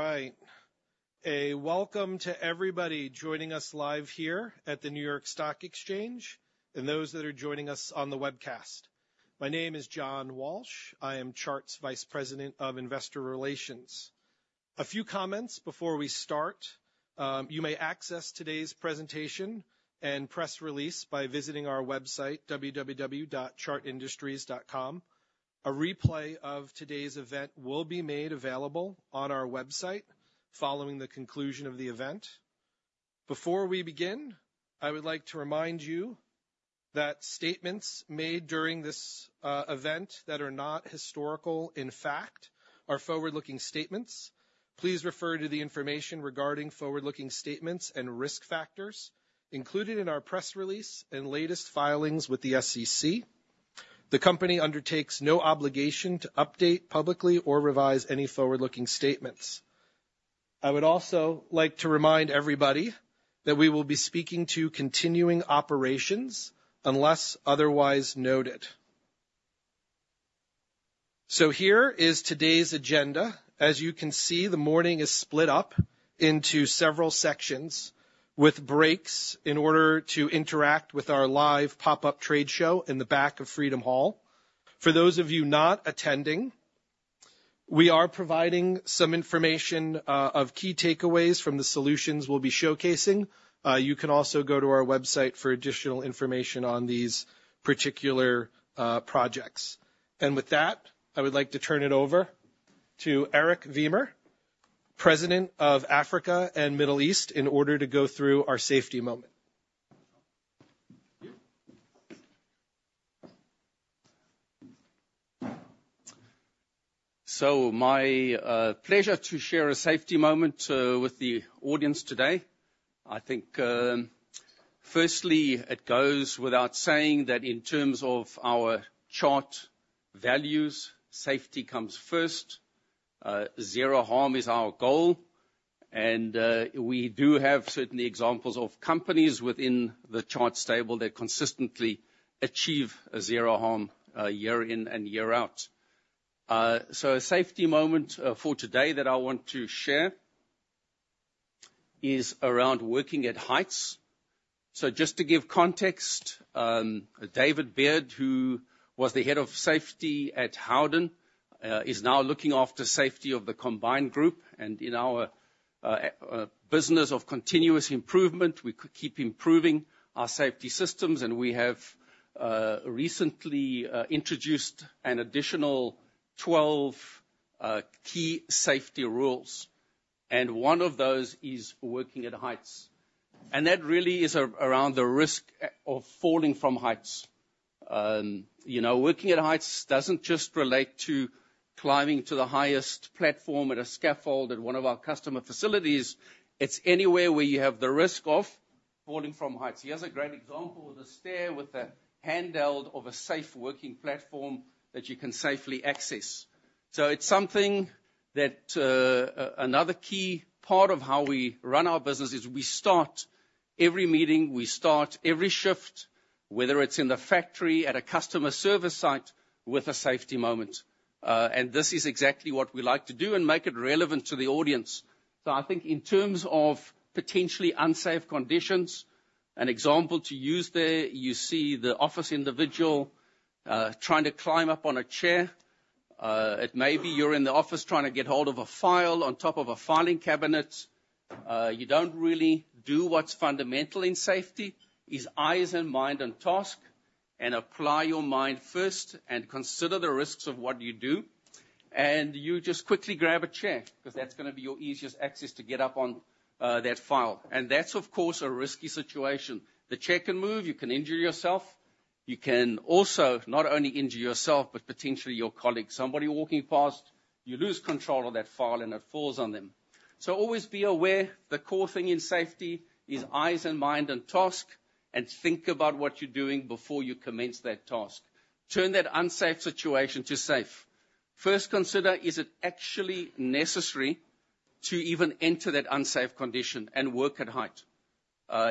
All right. Welcome to everybody joining us live here at the New York Stock Exchange and those that are joining us on the webcast. My name is John Walsh. I am Chart's Vice President of Investor Relations. A few comments before we start. You may access today's presentation and press release by visiting our website, www.chartindustries.com. A replay of today's event will be made available on our website following the conclusion of the event. Before we begin, I would like to remind you that statements made during this event that are not historical, in fact, are forward-looking statements. Please refer to the information regarding forward-looking statements and risk factors included in our press release and latest filings with the SEC. The company undertakes no obligation to update publicly or revise any forward-looking statements. I would also like to remind everybody that we will be speaking to continuing operations unless otherwise noted. So here is today's agenda. As you can see, the morning is split up into several sections, with breaks in order to interact with our live pop-up trade show in the back of Freedom Hall. For those of you not attending, we are providing some information of key takeaways from the solutions we'll be showcasing. You can also go to our website for additional information on these particular projects. And with that, I would like to turn it over to Eric Vemer, President of Africa and Middle East, in order to go through our safety moment. So my pleasure to share a safety moment with the audience today. I think, firstly, it goes without saying that in terms of our Chart values, safety comes first. Zero harm is our goal, and we do have certainly examples of companies within the Chart stable that consistently achieve zero harm year in and year out. So a safety moment for today that I want to share is around working at heights. So just to give context, David Beard, who was the Head of Safety at Howden, is now looking after safety of the combined group. And in our business of continuous improvement, we keep improving our safety systems, and we have recently introduced an additional 12 key safety rules, and one of those is working at heights. And that really is around the risk of falling from heights. You know, working at heights doesn't just relate to climbing to the highest platform at a scaffold at one of our customer facilities. It's anywhere where you have the risk of falling from heights. Here's a great example of the stair with a handheld of a safe working platform that you can safely access. So it's something that. Another key part of how we run our business is we start every meeting, we start every shift, whether it's in the factory, at a customer service site, with a safety moment. And this is exactly what we like to do and make it relevant to the audience. So I think in terms of potentially unsafe conditions, an example to use there, you see the office individual trying to climb up on a chair. It may be you're in the office trying to get hold of a file on top of a filing cabinet. You don't really do what's fundamental in safety, is eyes and mind on task, and apply your mind first, and consider the risks of what you do. And you just quickly grab a chair, because that's gonna be your easiest access to get up on that file. And that's, of course, a risky situation. The chair can move, you can injure yourself. You can also not only injure yourself, but potentially your colleague. Somebody walking past, you lose control of that file, and it falls on them. So always be aware, the core thing in safety is eyes and mind on task, and think about what you're doing before you commence that task. Turn that unsafe situation to safe. First, consider, is it actually necessary to even enter that unsafe condition and work at height?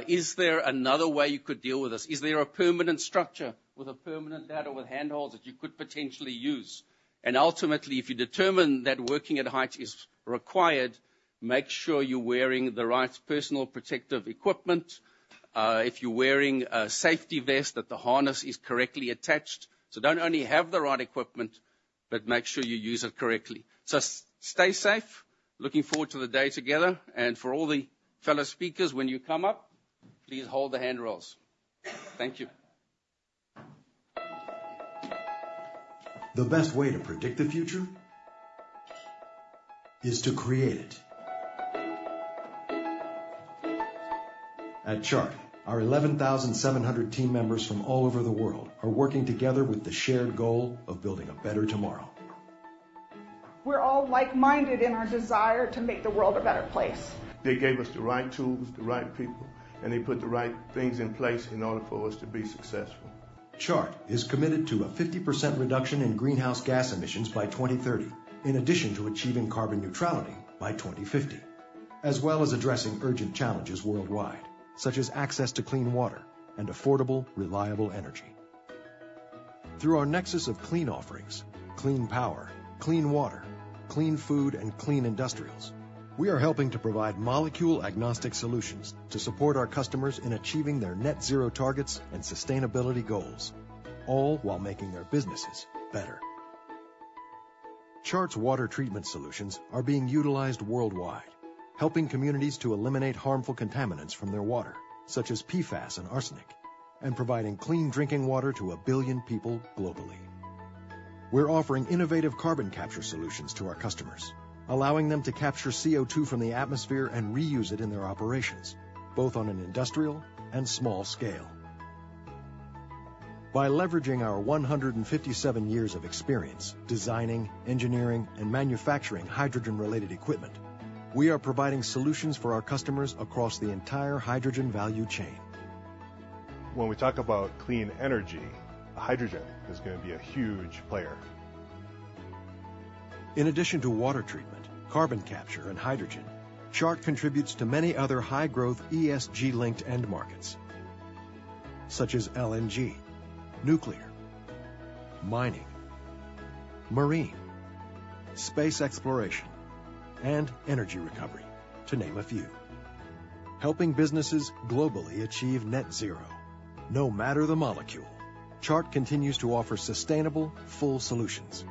Is there another way you could deal with this? Is there a permanent structure with a permanent ladder with handles that you could potentially use? And ultimately, if you determine that working at height is required, make sure you're wearing the right personal protective equipment. If you're wearing a safety vest, that the harness is correctly attached. So don't only have the right equipment, but make sure you use it correctly. So stay safe. Looking forward to the day together, and for all the fellow speakers, when you come up, please hold the handrails. Thank you. The best way to predict the future is to create it. At Chart, our 11,700 team members from all over the world are working together with the shared goal of building a better tomorrow. We're all like-minded in our desire to make the world a better place. They gave us the right tools, the right people, and they put the right things in place in order for us to be successful. Chart is committed to a 50% reduction in greenhouse gas emissions by 2030, in addition to achieving carbon neutrality by 2050, as well as addressing urgent challenges worldwide, such as access to clean water and affordable, reliable energy. Through our Nexus of Clean offerings, Clean Power, Clean Water, Clean Food, and Clean Industrials, we are helping to provide molecule-agnostic solutions to support our customers in achieving their net zero targets and sustainability goals, all while making their businesses better. Chart's water treatment solutions are being utilized worldwide, helping communities to eliminate harmful contaminants from their water, such as PFAS and arsenic, and providing clean drinking water to 1 billion people globally. We're offering innovative carbon capture solutions to our customers, allowing them to capture CO2 from the atmosphere and reuse it in their operations, both on an industrial and small scale. By leveraging our 157 years of experience designing, engineering, and manufacturing hydrogen-related equipment, we are providing solutions for our customers across the entire hydrogen value chain. When we talk about clean energy, hydrogen is going to be a huge player. In addition to water treatment, carbon capture, and hydrogen, Chart contributes to many other high-growth ESG-linked end markets, such as LNG, nuclear, mining, marine, space exploration, and energy recovery, to name a few. Helping businesses globally achieve net zero, no matter the molecule, Chart continues to offer sustainable, full solutions.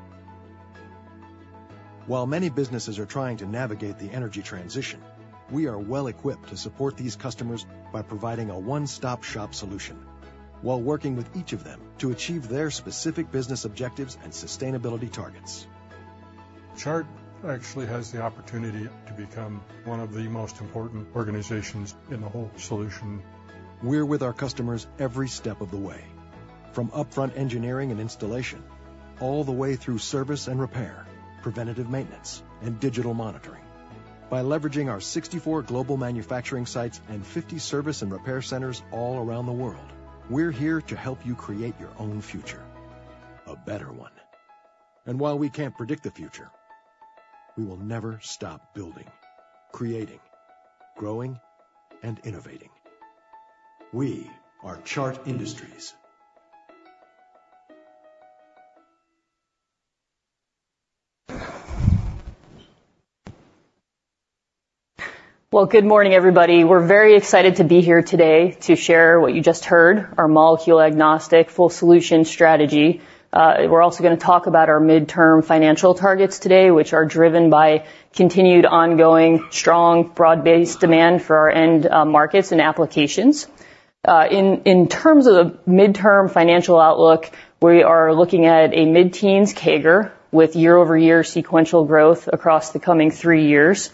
While many businesses are trying to navigate the energy transition, we are well-equipped to support these customers by providing a one-stop-shop solution while working with each of them to achieve their specific business objectives and sustainability targets. Chart actually has the opportunity to become one of the most important organizations in the whole solution. We're with our customers every step of the way, from upfront engineering and installation, all the way through service and repair, preventative maintenance, and digital monitoring. By leveraging our 64 global manufacturing sites and 50 service and repair centers all around the world, we're here to help you create your own future, a better one. While we can't predict the future, we will never stop building, creating, growing, and innovating. We are Chart Industries. Well, good morning, everybody. We're very excited to be here today to share what you just heard, our molecule-agnostic, full solution strategy. We're also going to talk about our midterm financial targets today, which are driven by continued, ongoing, strong, broad-based demand for our end markets and applications. In terms of the midterm financial outlook, we are looking at a mid-teens CAGR with year-over-year sequential growth across the coming three years,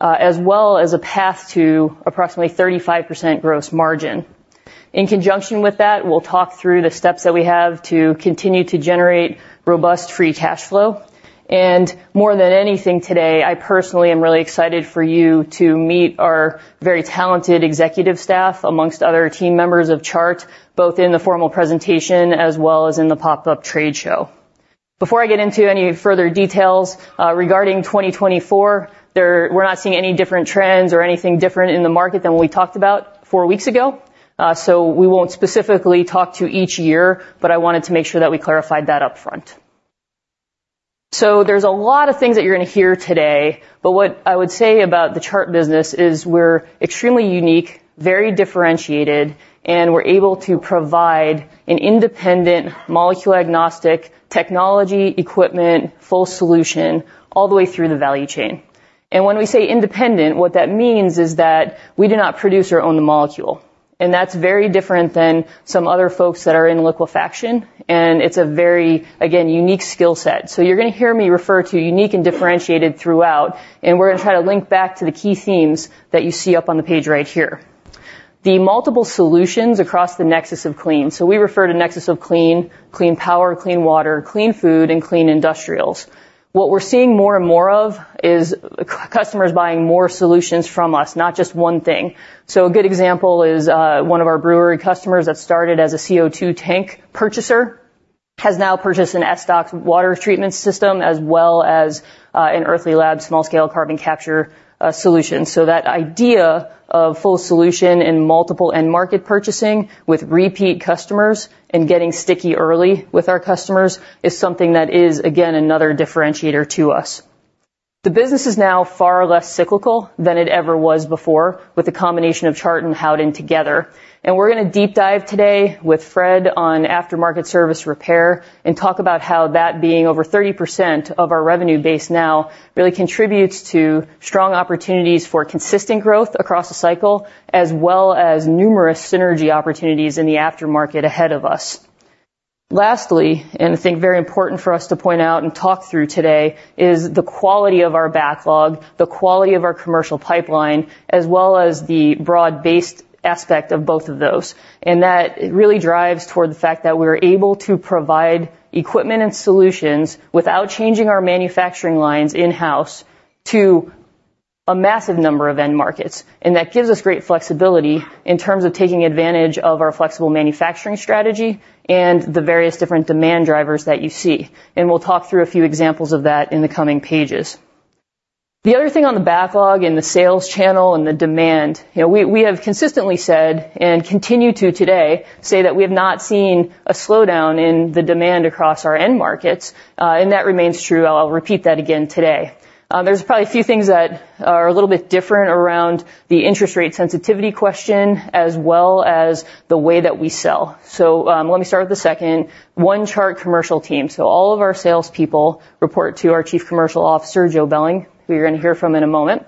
as well as a path to approximately 35% gross margin. In conjunction with that, we'll talk through the steps that we have to continue to generate robust free cash flow. More than anything today, I personally am really excited for you to meet our very talented executive staff, amongst other team members of Chart, both in the formal presentation as well as in the pop-up trade show. Before I get into any further details, regarding 2024, we're not seeing any different trends or anything different in the market than what we talked about four weeks ago. So we won't specifically talk to each year, but I wanted to make sure that we clarified that upfront. So there's a lot of things that you're going to hear today, but what I would say about the Chart business is we're extremely unique, very differentiated, and we're able to provide an independent, molecule-agnostic technology, equipment, full solution all the way through the value chain. And when we say independent, what that means is that we do not produce or own the molecule, and that's very different than some other folks that are in liquefaction, and it's a very, again, unique skill set. So you're going to hear me refer to unique and differentiated throughout, and we're going to try to link back to the key themes that you see up on the page right here. The multiple solutions across the Nexus of Clean. We refer to Nexus of Clean: clean power, clean water, clean food, and clean industrials. What we're seeing more and more of is customers buying more solutions from us, not just one thing. A good example is one of our brewery customers that started as a CO2 tank purchaser, has now purchased an SDOX water treatment system as well as an Earthly Labs small-scale carbon capture solution. That idea of full solution in multiple end-market purchasing with repeat customers and getting sticky early with our customers is something that is, again, another differentiator to us. The business is now far less cyclical than it ever was before, with the combination of Chart and Howden together. And we're going to deep dive today with Fred on aftermarket service repair and talk about how that being over 30% of our revenue base now, really contributes to strong opportunities for consistent growth across the cycle, as well as numerous synergy opportunities in the aftermarket ahead of us. Lastly, and I think very important for us to point out and talk through today, is the quality of our backlog, the quality of our commercial pipeline, as well as the broad-based aspect of both of those. And that really drives toward the fact that we're able to provide equipment and solutions without changing our manufacturing lines in-house to a massive number of end markets. And that gives us great flexibility in terms of taking advantage of our flexible manufacturing strategy and the various different demand drivers that you see. And we'll talk through a few examples of that in the coming pages... The other thing on the backlog and the sales channel and the demand, you know, we have consistently said, and continue to today, say that we have not seen a slowdown in the demand across our end markets, and that remains true. I'll repeat that again today. There's probably a few things that are a little bit different around the interest rate sensitivity question, as well as the way that we sell. So, let me start with the second. One Chart commercial team. So all of our salespeople report to our Chief Commercial Officer, Joe Belling, who you're going to hear from in a moment.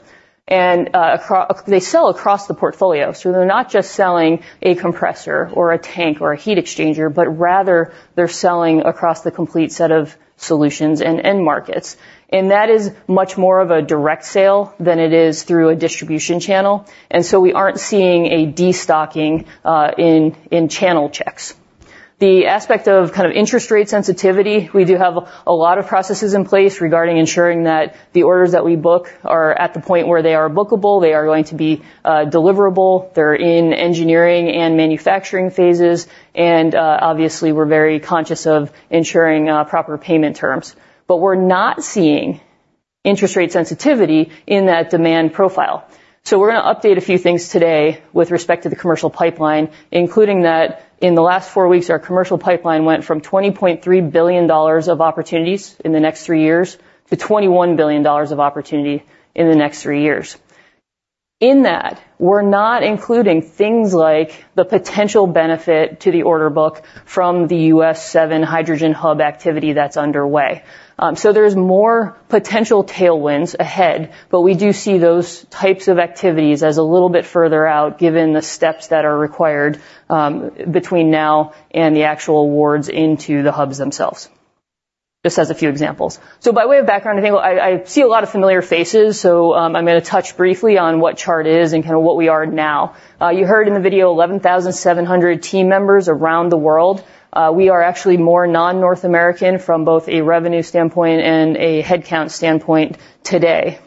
They sell across the portfolio. So they're not just selling a compressor or a tank or a heat exchanger, but rather, they're selling across the complete set of solutions and end markets. And that is much more of a direct sale than it is through a distribution channel, and so we aren't seeing a destocking in channel checks. The aspect of kind of interest rate sensitivity, we do have a lot of processes in place regarding ensuring that the orders that we book are at the point where they are bookable, they are going to be deliverable, they're in engineering and manufacturing phases, and obviously, we're very conscious of ensuring proper payment terms. But we're not seeing interest rate sensitivity in that demand profile. So we're gonna update a few things today with respect to the commercial pipeline, including that in the last four weeks, our commercial pipeline went from $20.3 billion of opportunities in the next three years to $21 billion of opportunity in the next three years. In that, we're not including things like the potential benefit to the order book from the US Seven Hydrogen Hub activity that's underway. So there's more potential tailwinds ahead, but we do see those types of activities as a little bit further out, given the steps that are required, between now and the actual awards into the hubs themselves. Just as a few examples. So by way of background, I think I see a lot of familiar faces, so, I'm gonna touch briefly on what Chart is and kinda what we are now. You heard in the video, 11,700 team members around the world. We are actually more non-North American from both a revenue standpoint and a headcount standpoint today.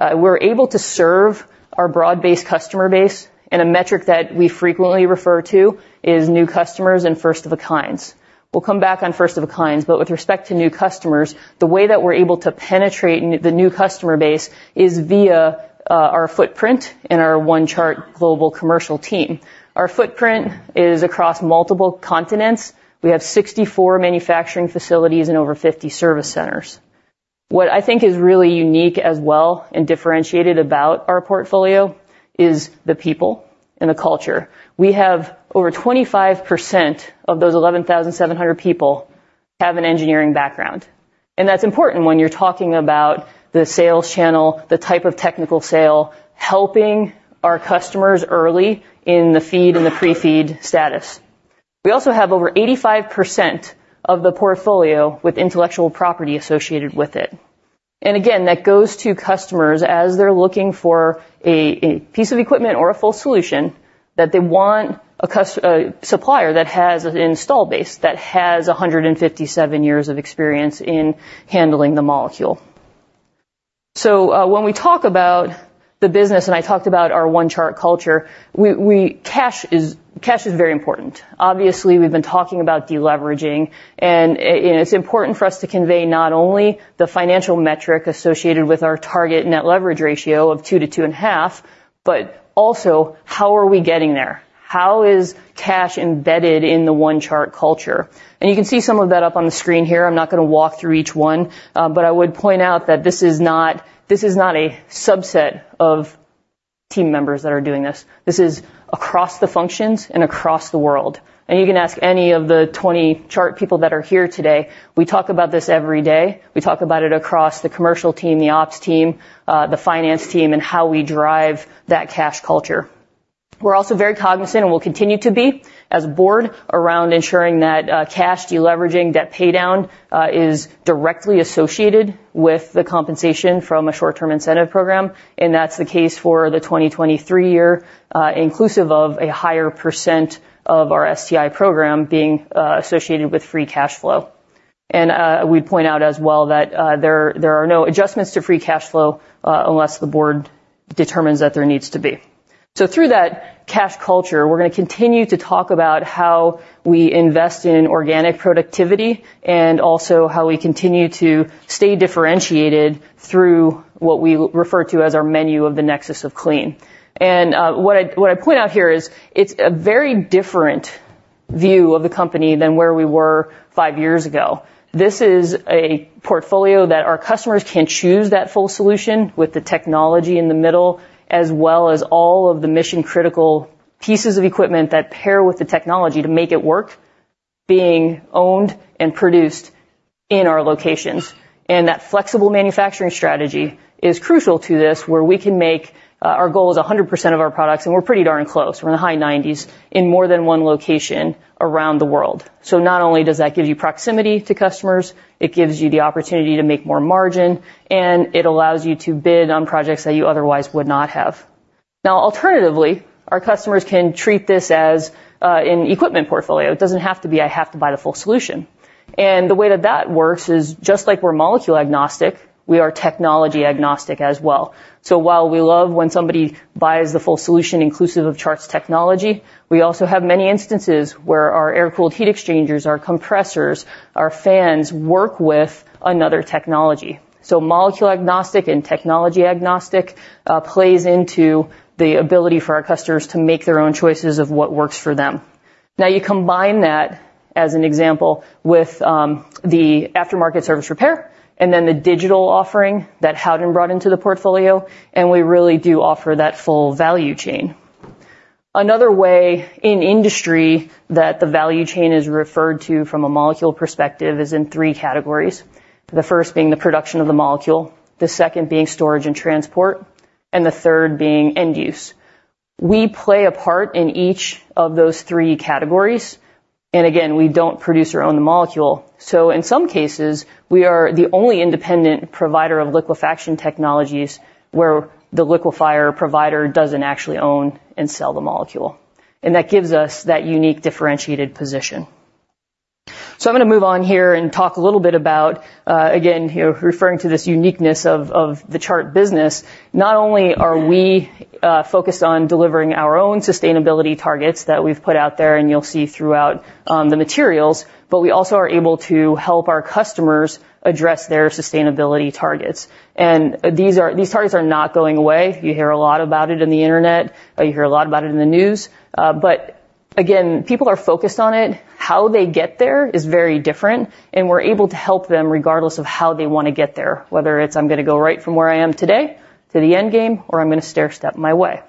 We're able to serve our broad-based customer base, and a metric that we frequently refer to is new customers and first of a kinds. We'll come back on first of a kinds, but with respect to new customers, the way that we're able to penetrate the new customer base is via our footprint and our One Chart global commercial team. Our footprint is across multiple continents. We have 64 manufacturing facilities and over 50 service centers. What I think is really unique as well and differentiated about our portfolio is the people and the culture. We have over 25% of those 11,700 people have an engineering background. That's important when you're talking about the sales channel, the type of technical sale, helping our customers early in the FEED and the pre-FEED status. We also have over 85% of the portfolio with intellectual property associated with it. And again, that goes to customers as they're looking for a piece of equipment or a full solution, that they want a supplier that has an install base, that has 157 years of experience in handling the molecule. So, when we talk about the business, and I talked about our One Chart culture, cash is, cash is very important. Obviously, we've been talking about deleveraging, and it's important for us to convey not only the financial metric associated with our target net leverage ratio of 2-2.5, but also, how are we getting there? How is cash embedded in the One Chart culture? And you can see some of that up on the screen here. I'm not gonna walk through each one, but I would point out that this is not, this is not a subset of team members that are doing this. This is across the functions and across the world. And you can ask any of the 20 Chart people that are here today. We talk about this every day. We talk about it across the commercial team, the ops team, the finance team, and how we drive that cash culture. We're also very cognizant, and we'll continue to be, as a board, around ensuring that, cash deleveraging, debt paydown, is directly associated with the compensation from a short-term incentive program, and that's the case for the 2023 year, inclusive of a higher % of our STI program being, associated with free cash flow. And, we'd point out as well that, there are no adjustments to free cash flow, unless the board determines that there needs to be. So through that cash culture, we're gonna continue to talk about how we invest in organic productivity and also how we continue to stay differentiated through what we refer to as our menu of the nexus of clean. And, what I point out here is it's a very different view of the company than where we were five years ago. This is a portfolio that our customers can choose that full solution with the technology in the middle, as well as all of the mission-critical pieces of equipment that pair with the technology to make it work, being owned and produced in our locations. And that flexible manufacturing strategy is crucial to this, where we can make our goal is 100% of our products, and we're pretty darn close. We're in the high 90s% in more than one location around the world. So not only does that give you proximity to customers, it gives you the opportunity to make more margin, and it allows you to bid on projects that you otherwise would not have. Now, alternatively, our customers can treat this as an equipment portfolio. It doesn't have to be, "I have to buy the full solution."... The way that that works is just like we're molecule agnostic, we are technology agnostic as well. So while we love when somebody buys the full solution inclusive of Chart's technology, we also have many instances where our air-cooled heat exchangers, our compressors, our fans, work with another technology. So molecule agnostic and technology agnostic plays into the ability for our customers to make their own choices of what works for them. Now, you combine that, as an example, with the aftermarket service repair and then the digital offering that Howden brought into the portfolio, and we really do offer that full value chain. Another way in industry that the value chain is referred to from a molecule perspective is in three categories. The first being the production of the molecule, the second being storage and transport, and the third being end use. We play a part in each of those three categories, and again, we don't produce our own molecule. So in some cases, we are the only independent provider of liquefaction technologies, where the liquefier provider doesn't actually own and sell the molecule. And that gives us that unique, differentiated position. So I'm gonna move on here and talk a little bit about, again, here, referring to this uniqueness of the Chart business. Not only are we focused on delivering our own sustainability targets that we've put out there, and you'll see throughout the materials, but we also are able to help our customers address their sustainability targets. And these are—these targets are not going away. You hear a lot about it in the internet, you hear a lot about it in the news, but again, people are focused on it. How they get there is very different, and we're able to help them regardless of how they wanna get there, whether it's, "I'm gonna go right from where I am today to the end game," or, "I'm gonna stairstep my way."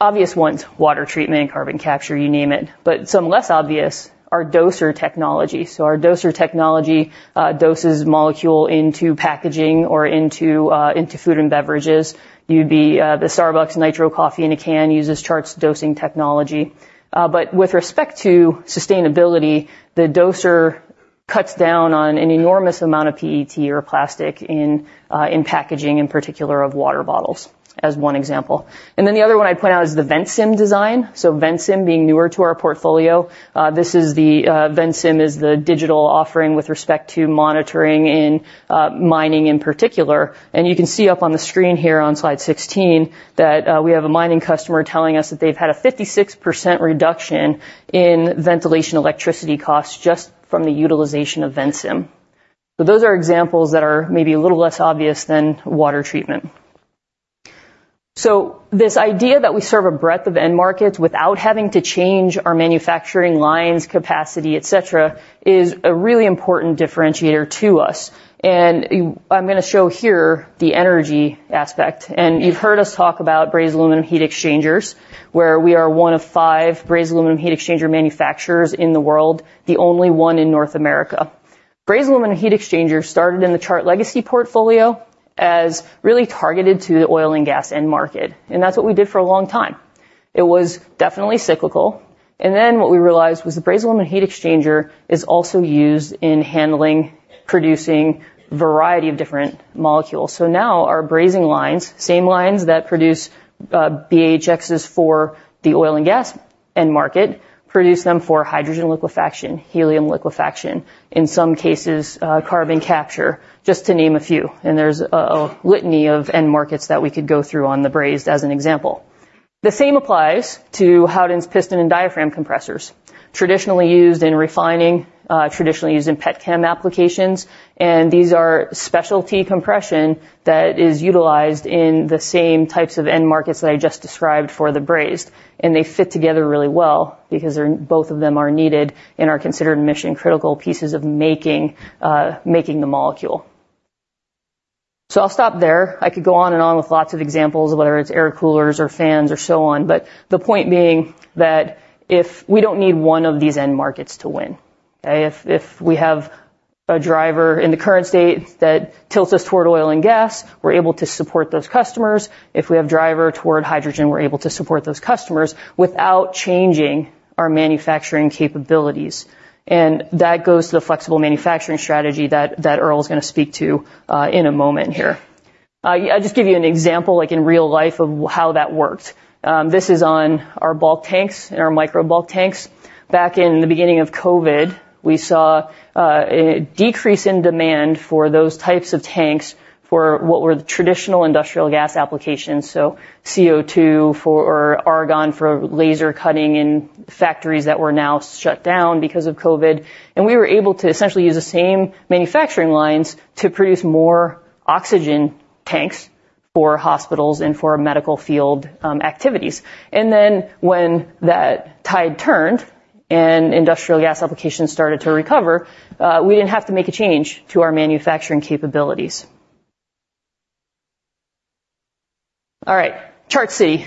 Obvious ones, water treatment, carbon capture, you name it, but some less obvious are dosing technology. So our dosing technology doses molecule into packaging or into into food and beverages. You'd be the Starbucks Nitro coffee in a can uses Chart's dosing technology. But with respect to sustainability, the doser cuts down on an enormous amount of PET or plastic in in packaging, in particular, of water bottles, as one example. And then the other one I'd point out is the Ventsim design. So Ventsim, being newer to our portfolio, this is the... Ventsim is the digital offering with respect to monitoring in mining in particular. And you can see up on the screen here on slide 16, that we have a mining customer telling us that they've had a 56% reduction in ventilation electricity costs just from the utilization of Ventsim. So those are examples that are maybe a little less obvious than water treatment. So this idea that we serve a breadth of end markets without having to change our manufacturing lines, capacity, et cetera, is a really important differentiator to us. And I'm gonna show here the energy aspect. And you've heard us talk about brazed aluminum heat exchangers, where we are one of 5 brazed aluminum heat exchanger manufacturers in the world, the only one in North America. Brazed aluminum heat exchangers started in the Chart legacy portfolio as really targeted to the oil and gas end market, and that's what we did for a long time. It was definitely cyclical. And then, what we realized was the brazed aluminum heat exchanger is also used in handling, producing a variety of different molecules. So now our brazing lines, same lines that produce, BAHXs for the oil and gas end market, produce them for hydrogen liquefaction, helium liquefaction, in some cases, carbon capture, just to name a few. And there's a litany of end markets that we could go through on the brazed as an example. The same applies to Howden's piston and diaphragm compressors, traditionally used in refining, traditionally used in petchem applications, and these are specialty compression that is utilized in the same types of end markets that I just described for the brazed. And they fit together really well because they're both of them are needed and are considered mission-critical pieces of making, making the molecule. So I'll stop there. I could go on and on with lots of examples, whether it's air coolers or fans or so on, but the point being that if we don't need one of these end markets to win, okay? If we have a driver in the current state that tilts us toward oil and gas, we're able to support those customers. If we have driver toward hydrogen, we're able to support those customers without changing our manufacturing capabilities. That goes to the flexible manufacturing strategy that Earl is gonna speak to in a moment here. I'll just give you an example, like in real life, of how that worked. This is on our bulk tanks and our MicroBulk tanks. Back in the beginning of COVID, we saw a decrease in demand for those types of tanks for what were the traditional industrial gas applications, so CO2 or argon for laser cutting in factories that were now shut down because of COVID. And we were able to essentially use the same manufacturing lines to produce more oxygen tanks for hospitals and for medical field activities. And then, when that tide turned and industrial gas applications started to recover, we didn't have to make a change to our manufacturing capabilities. All right. Chart City.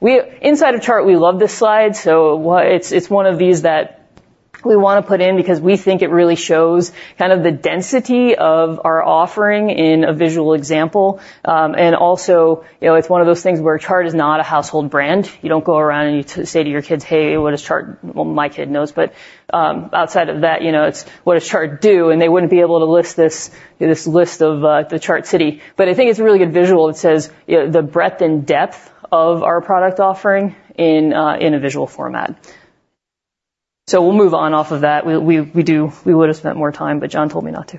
Inside of Chart, we love this slide, so it's one of these that we wanna put in because we think it really shows kind of the density of our offering in a visual example. And also, you know, it's one of those things where Chart is not a household brand. You don't go around and you say to your kids, "Hey, what is Chart?" Well, my kid knows, but outside of that, you know, it's "What does Chart do?" And they wouldn't be able to list this, this list of the Chart City. But I think it's a really good visual that says, you know, the breadth and depth of our product offering in a visual format. So we'll move on off of that. We would have spent more time, but John told me not to.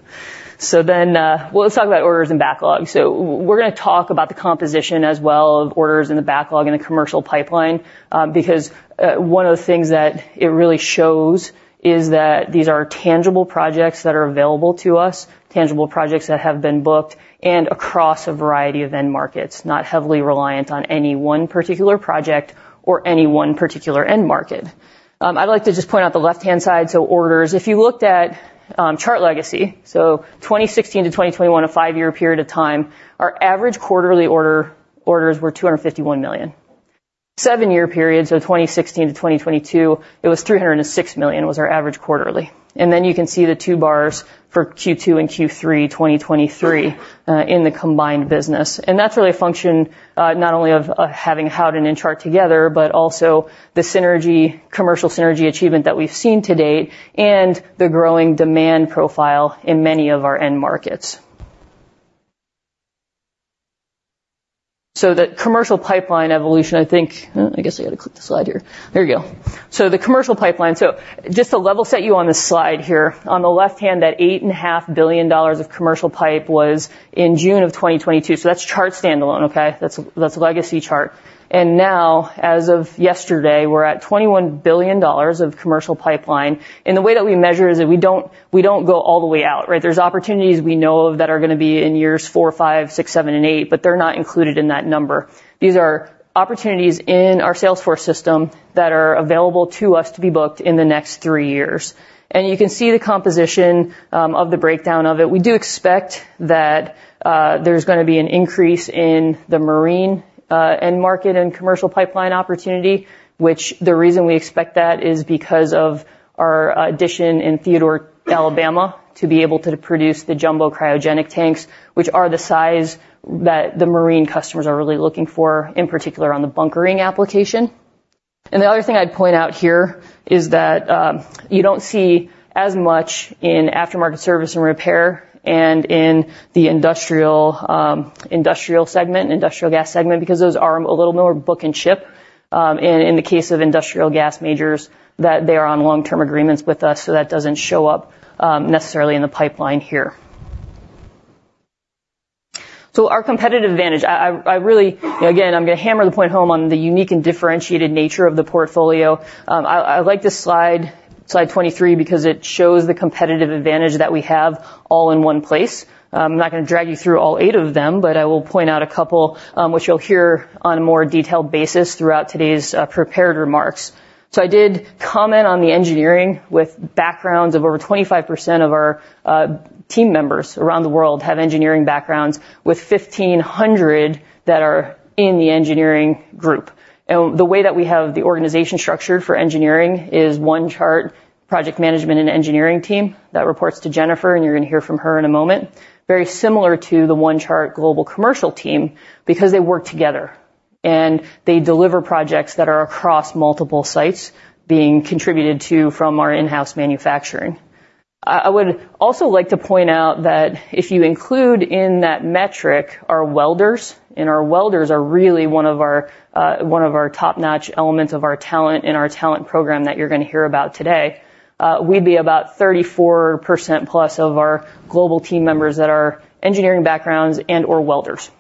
Well, let's talk about orders and backlog. We're gonna talk about the composition as well of orders in the backlog and the commercial pipeline, because one of the things that it really shows is that these are tangible projects that are available to us, tangible projects that have been booked and across a variety of end markets, not heavily reliant on any one particular project or any one particular end market. I'd like to just point out the left-hand side, so orders. If you looked at Chart legacy, so 2016 to 2021, a five-year period of time, our average quarterly orders were $251 million. Seven-year period, so 2016 to 2022, it was $306 million, was our average quarterly. Then you can see the two bars for Q2 and Q3 2023, in the combined business. And that's really a function, not only of having Howden and Chart together, but also the synergy, commercial synergy achievement that we've seen to date and the growing demand profile in many of our end markets. So the commercial pipeline evolution, I think. I guess I got to click the slide here. There we go. So the commercial pipeline. So just to level set you on this slide here, on the left hand, that $8.5 billion of commercial pipe was in June 2022. So that's Chart standalone, okay? That's, that's legacy Chart. And now, as of yesterday, we're at $21 billion of commercial pipeline. And the way that we measure is that we don't, we don't go all the way out, right? There's opportunities we know of that are gonna be in years 4, 5, 6, 7, and 8, but they're not included in that number. These are opportunities in our Salesforce system that are available to us to be booked in the next 3 years. You can see the composition of the breakdown of it. We do expect that there's gonna be an increase in the marine end market and commercial pipeline opportunity, which the reason we expect that is because of our addition in Theodore, Alabama, to be able to produce the jumbo cryogenic tanks, which are the size that the marine customers are really looking for, in particular, on the bunkering application. And the other thing I'd point out here is that, you don't see as much in aftermarket service and repair and in the industrial, industrial segment, industrial gas segment, because those are a little more book-and-ship, and in the case of industrial gas majors, that they are on long-term agreements with us, so that doesn't show up, necessarily in the pipeline here. So our competitive advantage, I really... Again, I'm gonna hammer the point home on the unique and differentiated nature of the portfolio. I like this slide, slide 23, because it shows the competitive advantage that we have all in one place. I'm not gonna drag you through all 8 of them, but I will point out a couple, which you'll hear on a more detailed basis throughout today's, prepared remarks. So I did comment on the engineering with backgrounds of over 25% of our team members around the world have engineering backgrounds, with 1,500 that are in the engineering group. And the way that we have the organization structured for engineering is One Chart, project management, and engineering team that reports to Jennifer, and you're gonna hear from her in a moment. Very similar to the One Chart global commercial team because they work together, and they deliver projects that are across multiple sites being contributed to from our in-house manufacturing. I would also like to point out that if you include in that metric, our welders, and our welders are really one of our, one of our top-notch elements of our talent in our talent program that you're gonna hear about today, we'd be about 34% plus of our global team members that are engineering backgrounds and/or welders.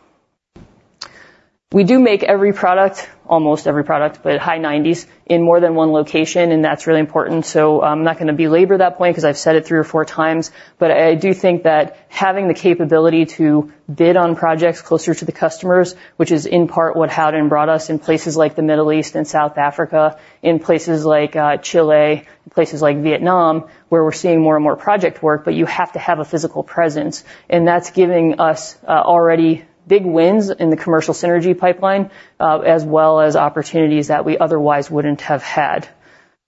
We do make every product, almost every product, but high 90s%, in more than one location, and that's really important. So I'm not gonna belabor that point because I've said it three or four times, but I do think that having the capability to bid on projects closer to the customers, which is in part what Howden brought us in places like the Middle East and South Africa, in places like, Chile, places like Vietnam, where we're seeing more and more project work, but you have to have a physical presence. And that's giving us already big wins in the commercial synergy pipeline, as well as opportunities that we otherwise wouldn't have had.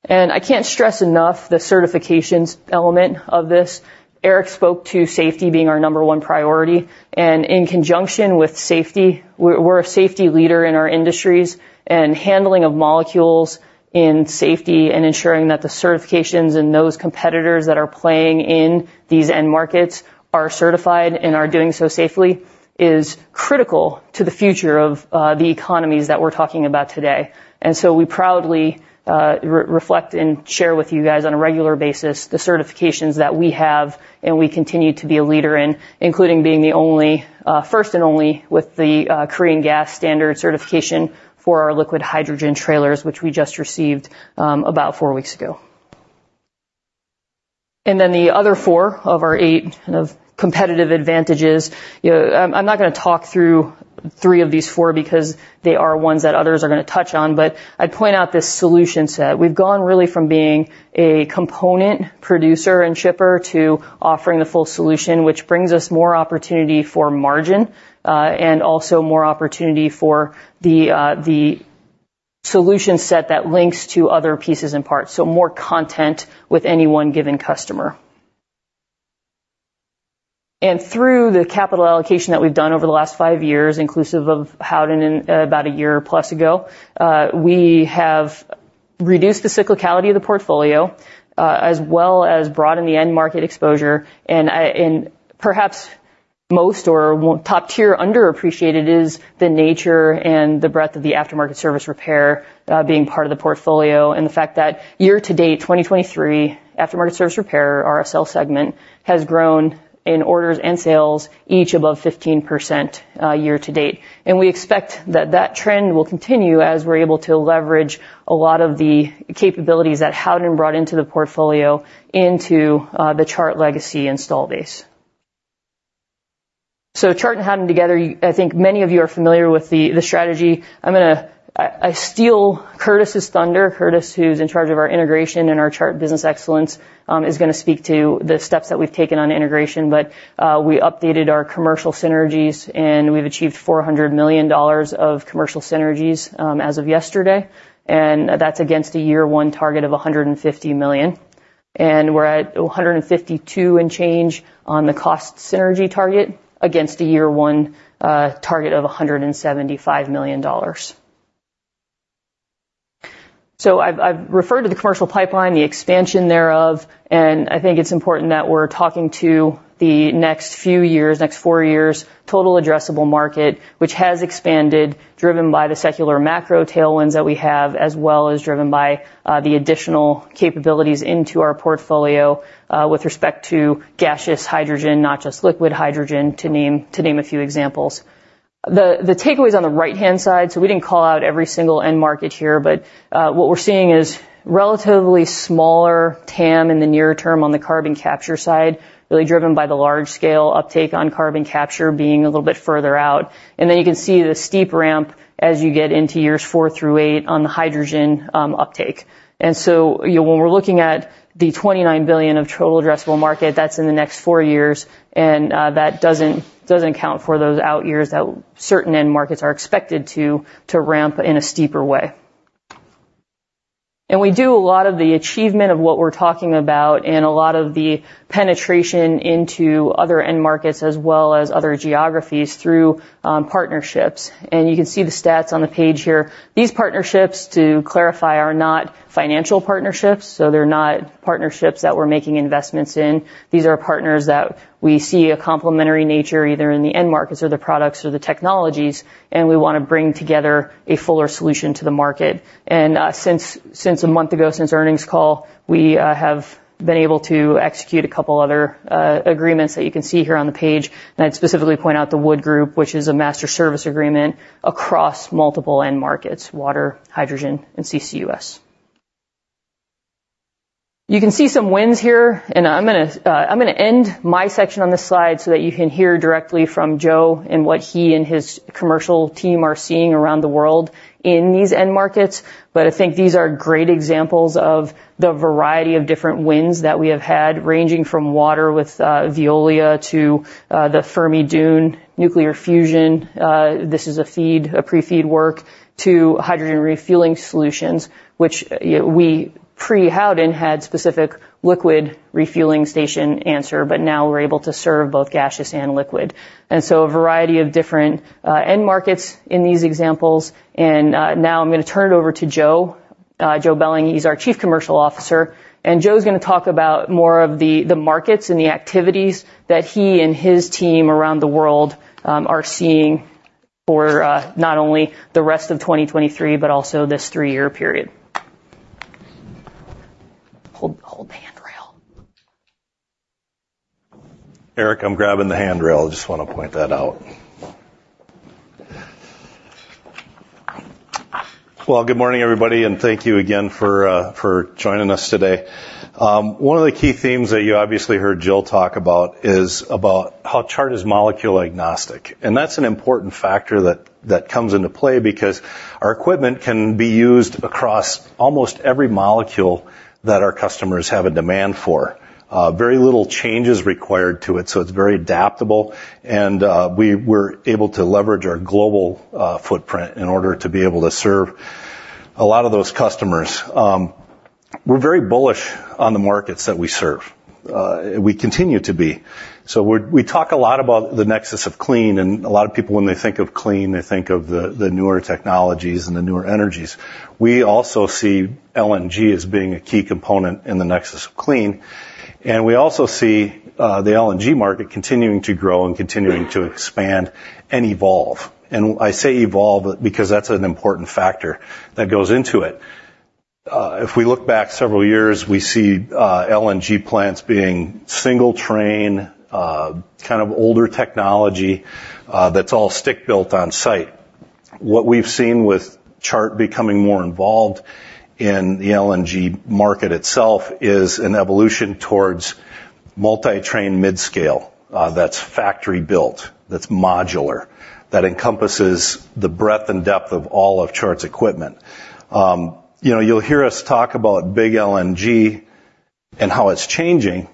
And I can't stress enough the certifications element of this. Eric spoke to safety being our number 1 priority, and in conjunction with safety, we're a safety leader in our industries, and handling of molecules in safety and ensuring that the certifications and those competitors that are playing in these end markets are certified and are doing so safely is critical to the future of the economies that we're talking about today. So we proudly reflect and share with you guys on a regular basis the certifications that we have, and we continue to be a leader in, including being the only first and only with the Korean Gas Standard certification for our liquid hydrogen trailers, which we just received about 4 weeks ago. And then the other 4 of our 8 kind of competitive advantages. I'm not gonna talk through three of these four because they are ones that others are gonna touch on, but I'd point out this solution set. We've gone really from being a component producer and shipper to offering the full solution, which brings us more opportunity for margin, and also more opportunity for the solution set that links to other pieces and parts. So more content with any one given customer. And through the capital allocation that we've done over the last five years, inclusive of Howden in about a year plus ago, we have reduced the cyclicality of the portfolio, as well as broadened the end-market exposure. And, and perhaps-... Most or won't top-tier underappreciated is the nature and the breadth of the aftermarket service repair, being part of the portfolio, and the fact that year-to-date, 2023, aftermarket service repair, RSL segment, has grown in orders and sales, each above 15%, year to date. And we expect that that trend will continue as we're able to leverage a lot of the capabilities that Howden brought into the portfolio into the Chart legacy installed base. So Chart and Howden together, you, I think many of you are familiar with the strategy. I'm gonna, I steal Curtis's thunder. Curtis, who's in charge of our integration and our Chart Business Excellence, is gonna speak to the steps that we've taken on integration. But we updated our commercial synergies, and we've achieved $400 million of commercial synergies as of yesterday, and that's against a year one target of $150 million. And we're at 152 and change on the cost synergy target against a year one target of $175 million. So I've referred to the commercial pipeline, the expansion thereof, and I think it's important that we're talking to the next few years, next four years, total addressable market, which has expanded, driven by the secular macro tailwinds that we have, as well as driven by the additional capabilities into our portfolio with respect to gaseous hydrogen, not just liquid hydrogen, to name a few examples. The takeaway is on the right-hand side, so we didn't call out every single end market here, but what we're seeing is relatively smaller TAM in the near term on the carbon capture side, really driven by the large-scale uptake on carbon capture being a little bit further out. And then you can see the steep ramp as you get into years 4 through 8 on the hydrogen uptake. And so you know, when we're looking at the $29 billion of total addressable market, that's in the next 4 years, and that doesn't count for those out years that certain end markets are expected to ramp in a steeper way. And we do a lot of the achievement of what we're talking about and a lot of the penetration into other end markets, as well as other geographies through partnerships. And you can see the stats on the page here. These partnerships, to clarify, are not financial partnerships, so they're not partnerships that we're making investments in. These are partners that we see a complementary nature, either in the end markets or the products or the technologies, and we wanna bring together a fuller solution to the market. And since, since a month ago, since earnings call, we have been able to execute a couple other agreements that you can see here on the page. And I'd specifically point out the Wood Group, which is a master service agreement across multiple end markets, water, hydrogen, and CCUS. You can see some wins here, and I'm gonna end my section on this slide so that you can hear directly from Joe and what he and his commercial team are seeing around the world in these end markets. But I think these are great examples of the variety of different wins that we have had, ranging from water with Veolia to the Fermi DUNE nuclear fusion. This is a FEED, a pre-FEED work to hydrogen refueling solutions, which, you know, we pre-Howden had specific liquid refueling station answer, but now we're able to serve both gaseous and liquid. And now I'm gonna turn it over to Joe. Joe Belling, he's our Chief Commercial Officer, and Joe's gonna talk about more of the markets and the activities that he and his team around the world are seeing for not only the rest of 2023, but also this three-year period. Hold the handrail. Eric, I'm grabbing the handrail. I just wanna point that out. Well, good morning, everybody, and thank you again for joining us today. One of the key themes that you obviously heard Jill talk about is about how Chart is molecule agnostic, and that's an important factor that comes into play because our equipment can be used across almost every molecule that our customers have a demand for. Very little change is required to it, so it's very adaptable, and we're able to leverage our global footprint in order to be able to serve a lot of those customers. We're very bullish on the markets that we serve; we continue to be. So we, we talk a lot about the Nexus of Clean, and a lot of people, when they think of clean, they think of the, the newer technologies and the newer energies. We also see LNG as being a key component in the Nexus of Clean, and we also see the LNG market continuing to grow and continuing to expand and evolve. And I say evolve because that's an important factor that goes into it. If we look back several years, we see LNG plants being single train, kind of older technology, that's all stick-built on site. What we've seen with Chart becoming more involved in the LNG market itself is an evolution towards multi-train mid-scale, that's factory-built, that's modular, that encompasses the breadth and depth of all of Chart's equipment. You know, you'll hear us talk about big LNG and how it's changing.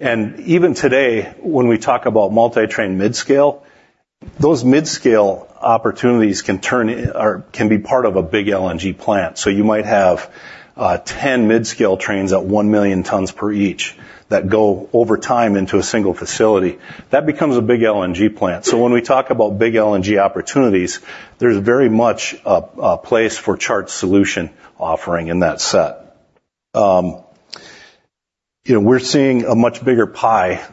And even today, when we talk about multi-train mid-scale, those mid-scale opportunities can turn or can be part of a big LNG plant. So you might have 10 mid-scale trains at 1 million tons per each that go over time into a single facility. That becomes a big LNG plant. So when we talk about big LNG opportunities, there's very much a place for Chart solution offering in that set. You know, we're seeing a much bigger pie,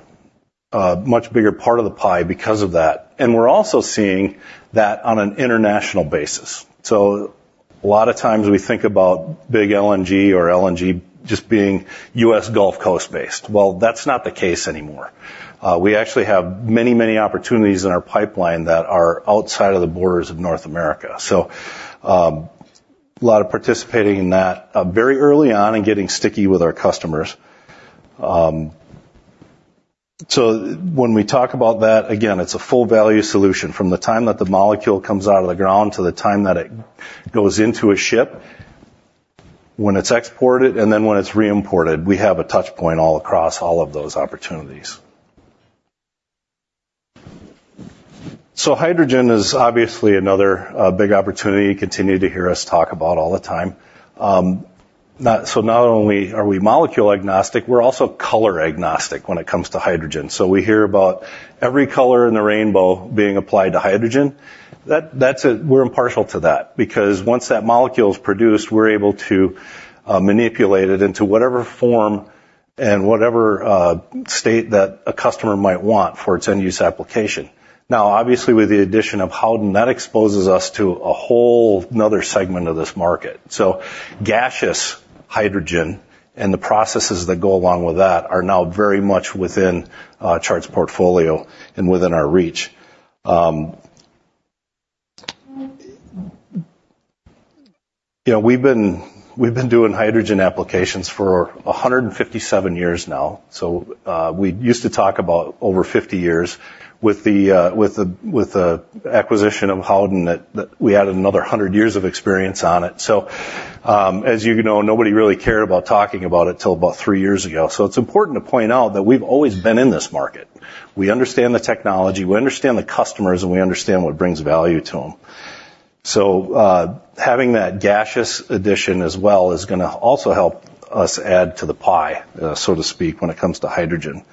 much bigger part of the pie because of that, and we're also seeing that on an international basis. So a lot of times we think about big LNG or LNG just being U.S. Gulf Coast based. Well, that's not the case anymore. We actually have many, many opportunities in our pipeline that are outside of the borders of North America. So, a lot of participating in that, very early on and getting sticky with our customers. So when we talk about that, again, it's a full value solution from the time that the molecule comes out of the ground to the time that it goes into a ship, when it's exported, and then when it's reimported, we have a touch point all across all of those opportunities. So hydrogen is obviously another, big opportunity. You continue to hear us talk about all the time. So not only are we molecule agnostic, we're also color agnostic when it comes to hydrogen. So we hear about every color in the rainbow being applied to hydrogen. That, that's – we're impartial to that, because once that molecule is produced, we're able to manipulate it into whatever form and whatever state that a customer might want for its end-use application. Now, obviously, with the addition of Howden, that exposes us to a whole another segment of this market. So gaseous hydrogen and the processes that go along with that are now very much within Chart's portfolio and within our reach. You know, we've been doing hydrogen applications for 157 years now. So, we used to talk about over 50 years with the acquisition of Howden, that we added another 100 years of experience on it. So, as you know, nobody really cared about talking about it till about 3 years ago. So it's important to point out that we've always been in this market. We understand the technology, we understand the customers, and we understand what brings value to them. So, having that gaseous addition as well is gonna also help us add to the pie, so to speak, when it comes to hydrogen.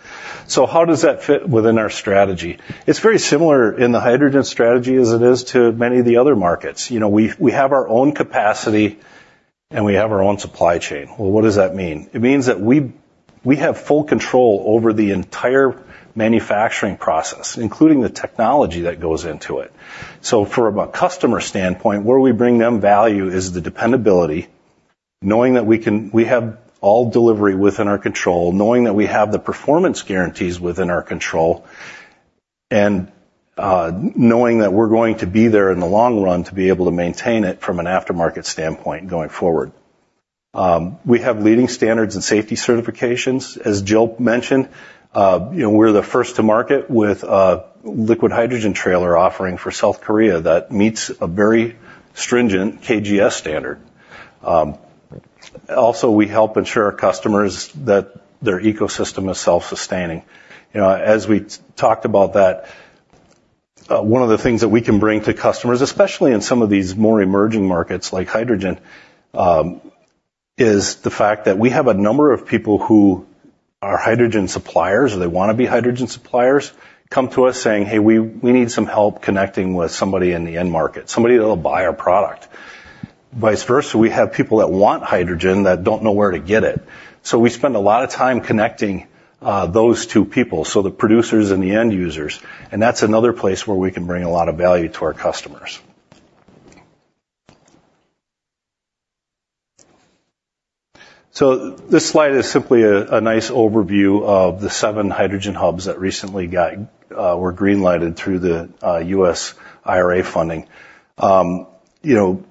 So how does that fit within our strategy? It's very similar in the hydrogen strategy as it is to many of the other markets. You know, we, we have our own capacity, and we have our own supply chain. Well, what does that mean? It means that we, we have full control over the entire manufacturing process, including the technology that goes into it. So from a customer standpoint, where we bring them value is the dependability, knowing that we can—we have all delivery within our control, knowing that we have the performance guarantees within our control, and knowing that we're going to be there in the long run to be able to maintain it from an aftermarket standpoint going forward. We have leading standards and safety certifications. As Jill mentioned, you know, we're the first to market with a liquid hydrogen trailer offering for South Korea that meets a very stringent KGS standard. Also, we help ensure our customers that their ecosystem is self-sustaining. You know, as we talked about that, one of the things that we can bring to customers, especially in some of these more emerging markets, like hydrogen, is the fact that we have a number of people who are hydrogen suppliers, or they wanna be hydrogen suppliers, come to us saying, "Hey, we need some help connecting with somebody in the end market, somebody that will buy our product." Vice versa, we have people that want hydrogen that don't know where to get it. So we spend a lot of time connecting those two people, so the producers and the end users, and that's another place where we can bring a lot of value to our customers. So this slide is simply a nice overview of the seven hydrogen hubs that recently were green lighted through the US IRA funding. You know,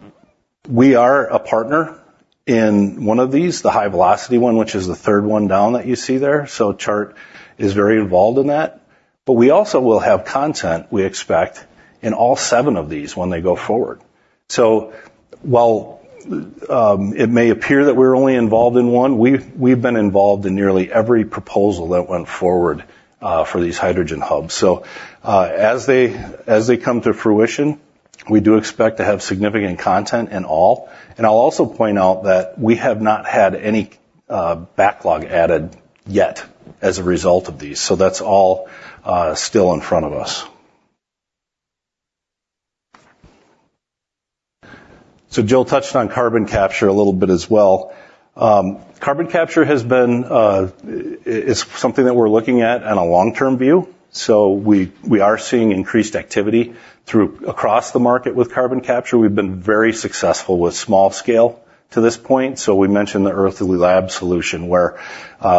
we are a partner in one of these, the HyVelocity one, which is the third one down that you see there. So Chart is very involved in that, but we also will have content we expect in all seven of these when they go forward. So while it may appear that we're only involved in one, we've, we've been involved in nearly every proposal that went forward for these hydrogen hubs. So as they, as they come to fruition, we do expect to have significant content in all. And I'll also point out that we have not had any backlog added yet as a result of these, so that's all still in front of us. So Jill touched on carbon capture a little bit as well. Carbon capture has been is something that we're looking at in a long-term view, so we, we are seeing increased activity through across the market with carbon capture. We've been very successful with small scale to this point. So we mentioned the Earthly Labs solution, where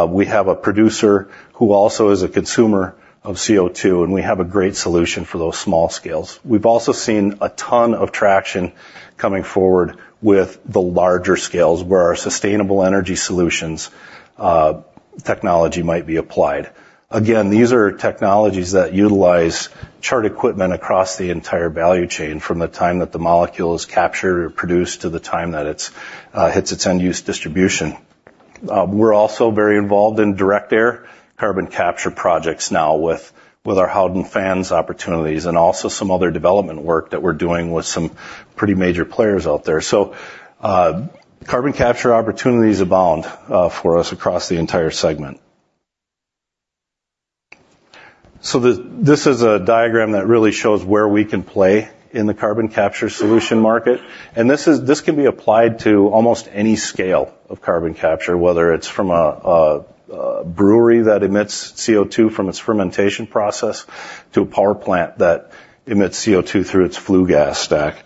we have a producer who also is a consumer of CO2, and we have a great solution for those small scales. We've also seen a ton of traction coming forward with the larger scales, where our Sustainable Energy Solutions technology might be applied. Again, these are technologies that utilize Chart equipment across the entire value chain, from the time that the molecule is captured or produced to the time that it's hits its end-use distribution. We're also very involved in direct air carbon capture projects now with our Howden fans opportunities and also some other development work that we're doing with some pretty major players out there. So, carbon capture opportunities abound for us across the entire segment. So this is a diagram that really shows where we can play in the carbon capture solution market, and this can be applied to almost any scale of carbon capture, whether it's from a brewery that emits CO2 from its fermentation process to a power plant that emits CO2 through its flue gas stack.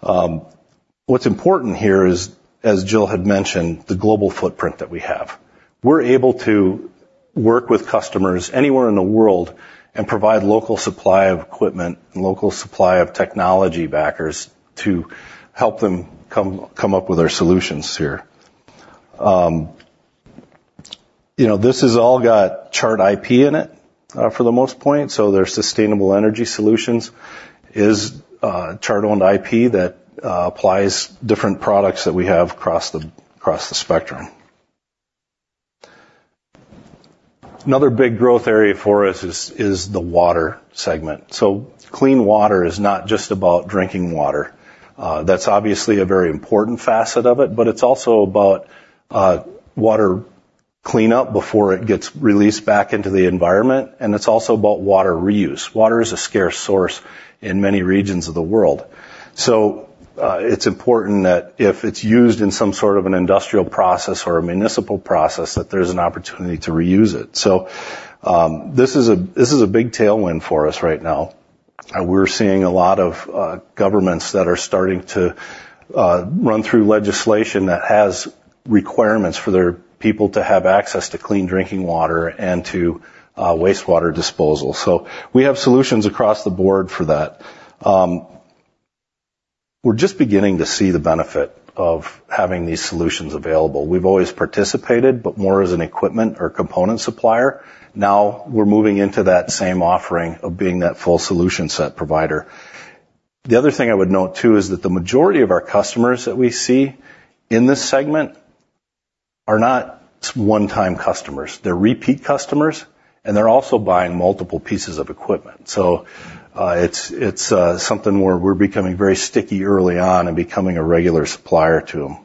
What's important here is, as Jill had mentioned, the global footprint that we have. We're able to work with customers anywhere in the world and provide local supply of equipment and local supply of technology backers to help them come up with our solutions here. You know, this has all got Chart IP in it, for the most point, so their sustainable energy solutions is Chart-owned IP that applies different products that we have across the spectrum. Another big growth area for us is the water segment. So clean water is not just about drinking water. That's obviously a very important facet of it, but it's also about water cleanup before it gets released back into the environment, and it's also about water reuse. Water is a scarce source in many regions of the world. So, it's important that if it's used in some sort of an industrial process or a municipal process, that there's an opportunity to reuse it. So, this is a big tailwind for us right now, and we're seeing a lot of governments that are starting to run through legislation that has requirements for their people to have access to clean drinking water and to wastewater disposal. So we have solutions across the board for that. We're just beginning to see the benefit of having these solutions available. We've always participated, but more as an equipment or component supplier. Now, we're moving into that same offering of being that full solution set provider. The other thing I would note, too, is that the majority of our customers that we see in this segment are not one-time customers. They're repeat customers, and they're also buying multiple pieces of equipment. So, it's something where we're becoming very sticky early on and becoming a regular supplier to them.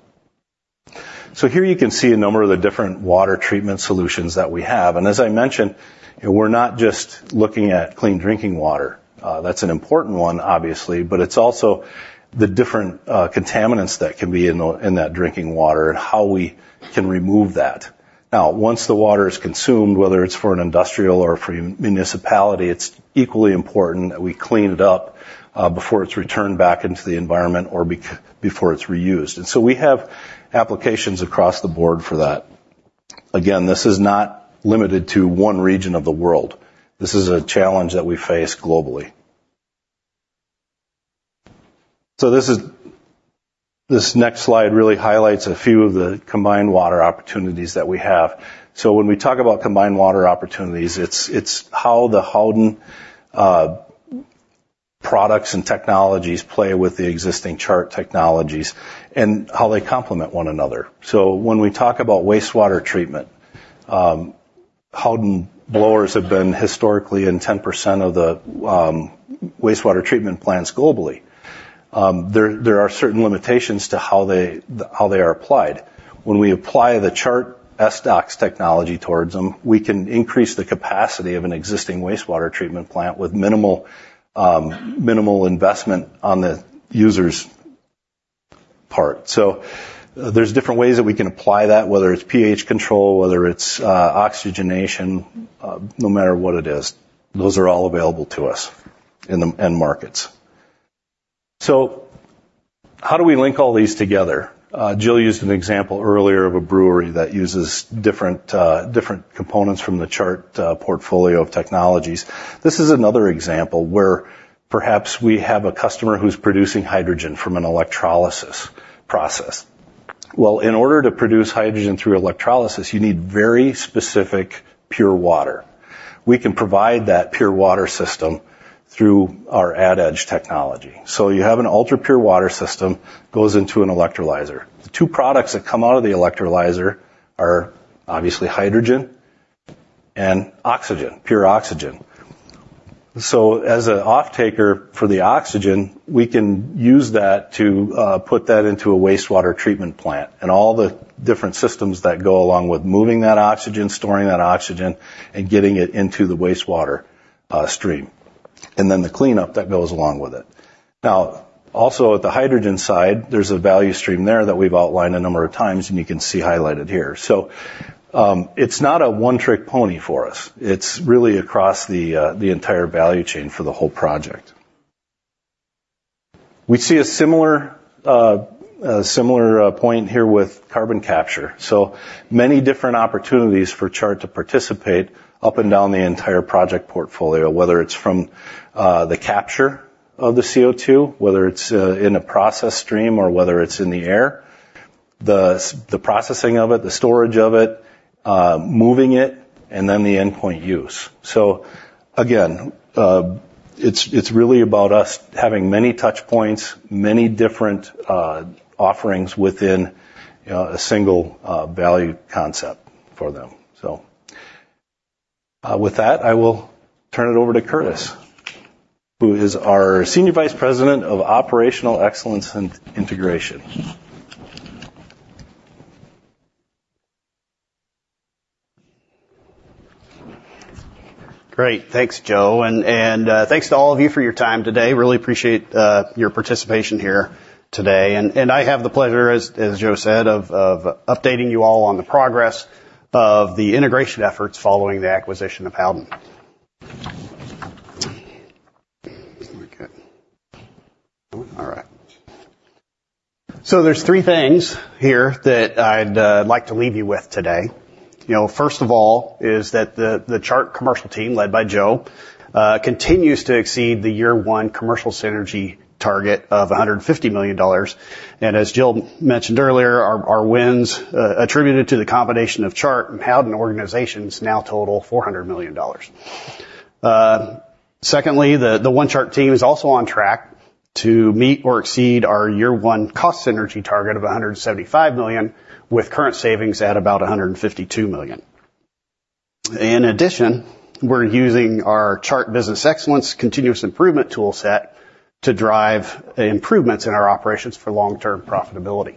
So here you can see a number of the different water treatment solutions that we have, and as I mentioned, we're not just looking at clean drinking water. That's an important one, obviously, but it's also the different contaminants that can be in that drinking water and how we can remove that. Now, once the water is consumed, whether it's for an industrial or for a municipality, it's equally important that we clean it up before it's returned back into the environment or before it's reused. And so we have applications across the board for that. Again, this is not limited to one region of the world. This is a challenge that we face globally. So this is this next slide really highlights a few of the combined water opportunities that we have. So when we talk about combined water opportunities, it's, it's how the Howden products and technologies play with the existing Chart technologies and how they complement one another. So when we talk about wastewater treatment, Howden blowers have been historically in 10% of the wastewater treatment plants globally. There, there are certain limitations to how they, how they are applied. When we apply the Chart SDOX technology towards them, we can increase the capacity of an existing wastewater treatment plant with minimal, minimal investment on the user's part. So there's different ways that we can apply that, whether it's pH control, whether it's, oxygenation, no matter what it is, those are all available to us in the end markets. So how do we link all these together? Jill used an example earlier of a brewery that uses different components from the Chart portfolio of technologies. This is another example where perhaps we have a customer who's producing hydrogen from an electrolysis process. Well, in order to produce hydrogen through electrolysis, you need very specific pure water. We can provide that pure water system through our AdEdge technology. So you have an ultrapure water system, goes into an electrolyzer. The two products that come out of the electrolyzer are obviously hydrogen and oxygen, pure oxygen. So as an off-taker for the oxygen, we can use that to put that into a wastewater treatment plant and all the different systems that go along with moving that oxygen, storing that oxygen, and getting it into the wastewater stream, and then the cleanup that goes along with it. Now, also, at the hydrogen side, there's a value stream there that we've outlined a number of times, and you can see highlighted here. So, it's not a one-trick pony for us. It's really across the entire value chain for the whole project. We see a similar point here with carbon capture. So many different opportunities for Chart to participate up and down the entire project portfolio, whether it's from the capture of the CO2, whether it's in a process stream, or whether it's in the air, the processing of it, the storage of it, moving it, and then the endpoint use. So again, it's really about us having many touch points, many different offerings within a single value concept for them. So with that, I will turn it over to Curtis, who is our Senior Vice President of Operational Excellence and Integration.... Great. Thanks, Joe, and thanks to all of you for your time today. Really appreciate your participation here today, and I have the pleasure, as Joe said, of updating you all on the progress of the integration efforts following the acquisition of Howden. Okay. All right. So there's three things here that I'd like to leave you with today. You know, first of all, is that the Chart commercial team, led by Joe, continues to exceed the year one commercial synergy target of $150 million. And as Jill mentioned earlier, our wins attributed to the combination of Chart and Howden organizations now total $400 million. Secondly, the One Chart team is also on track to meet or exceed our year one cost synergy target of $175 million, with current savings at about $152 million. In addition, we're using our Chart Business Excellence continuous improvement tool set to drive improvements in our operations for long-term profitability.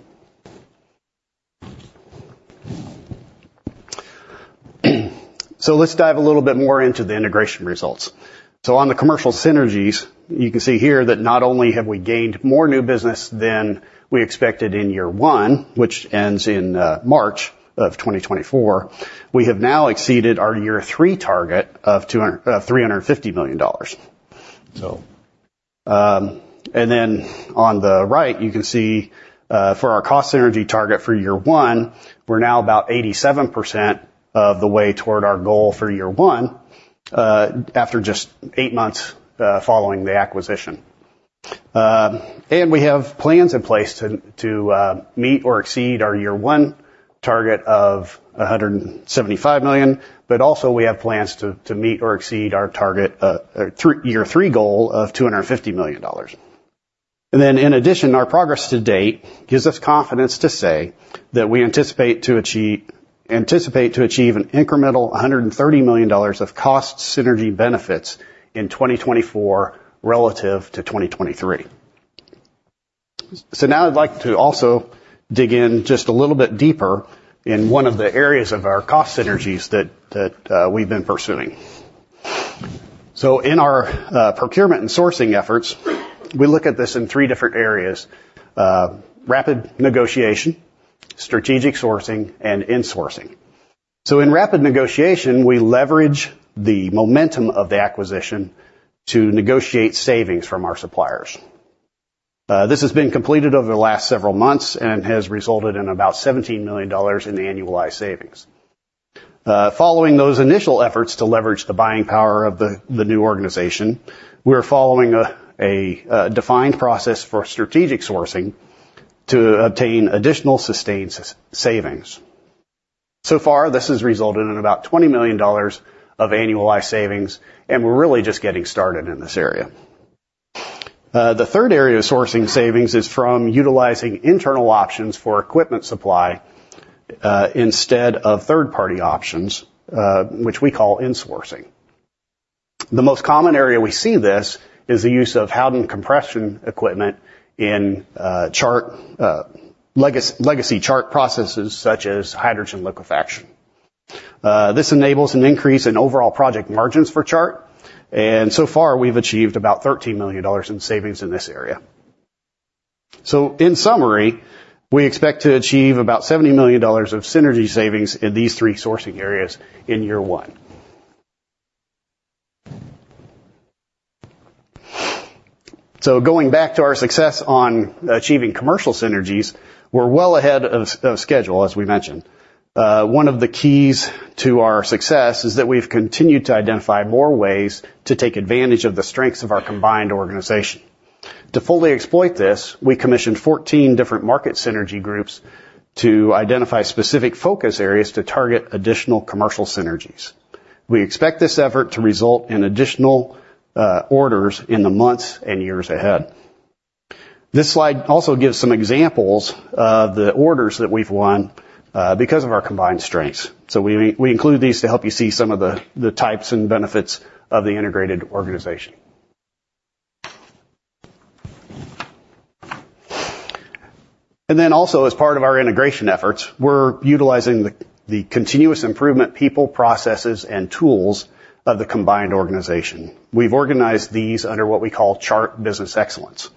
So let's dive a little bit more into the integration results. So on the commercial synergies, you can see here that not only have we gained more new business than we expected in year one, which ends in March of 2024, we have now exceeded our year three target of $350 million. So, and then on the right, you can see, for our cost synergy target for year one, we're now about 87% of the way toward our goal for year one, after just 8 months, following the acquisition. And we have plans in place to meet or exceed our year one target of $175 million, but also we have plans to meet or exceed our target, through year three goal of $250 million. And then in addition, our progress to date gives us confidence to say that we anticipate to achieve an incremental $130 million of cost synergy benefits in 2024 relative to 2023. So now I'd like to also dig in just a little bit deeper in one of the areas of our cost synergies that we've been pursuing. So in our procurement and sourcing efforts, we look at this in three different areas: rapid negotiation, strategic sourcing, and insourcing. So in rapid negotiation, we leverage the momentum of the acquisition to negotiate savings from our suppliers. This has been completed over the last several months and has resulted in about $17 million in annualized savings. Following those initial efforts to leverage the buying power of the new organization, we're following a defined process for strategic sourcing to obtain additional sustained savings. So far, this has resulted in about $20 million of annualized savings, and we're really just getting started in this area. The third area of sourcing savings is from utilizing internal options for equipment supply, instead of third-party options, which we call insourcing. The most common area we see this is the use of Howden compression equipment in Chart legacy Chart processes such as hydrogen liquefaction. This enables an increase in overall project margins for Chart, and so far, we've achieved about $13 million in savings in this area. So in summary, we expect to achieve about $70 million of synergy savings in these three sourcing areas in year one. So going back to our success on achieving commercial synergies, we're well ahead of schedule, as we mentioned. One of the keys to our success is that we've continued to identify more ways to take advantage of the strengths of our combined organization. To fully exploit this, we commissioned 14 different market synergy groups to identify specific focus areas to target additional commercial synergies. We expect this effort to result in additional orders in the months and years ahead. This slide also gives some examples of the orders that we've won because of our combined strengths. So we include these to help you see some of the types and benefits of the integrated organization. And then also, as part of our integration efforts, we're utilizing the continuous improvement people, processes, and tools of the combined organization. We've organized these under what we call Chart Business Excellence,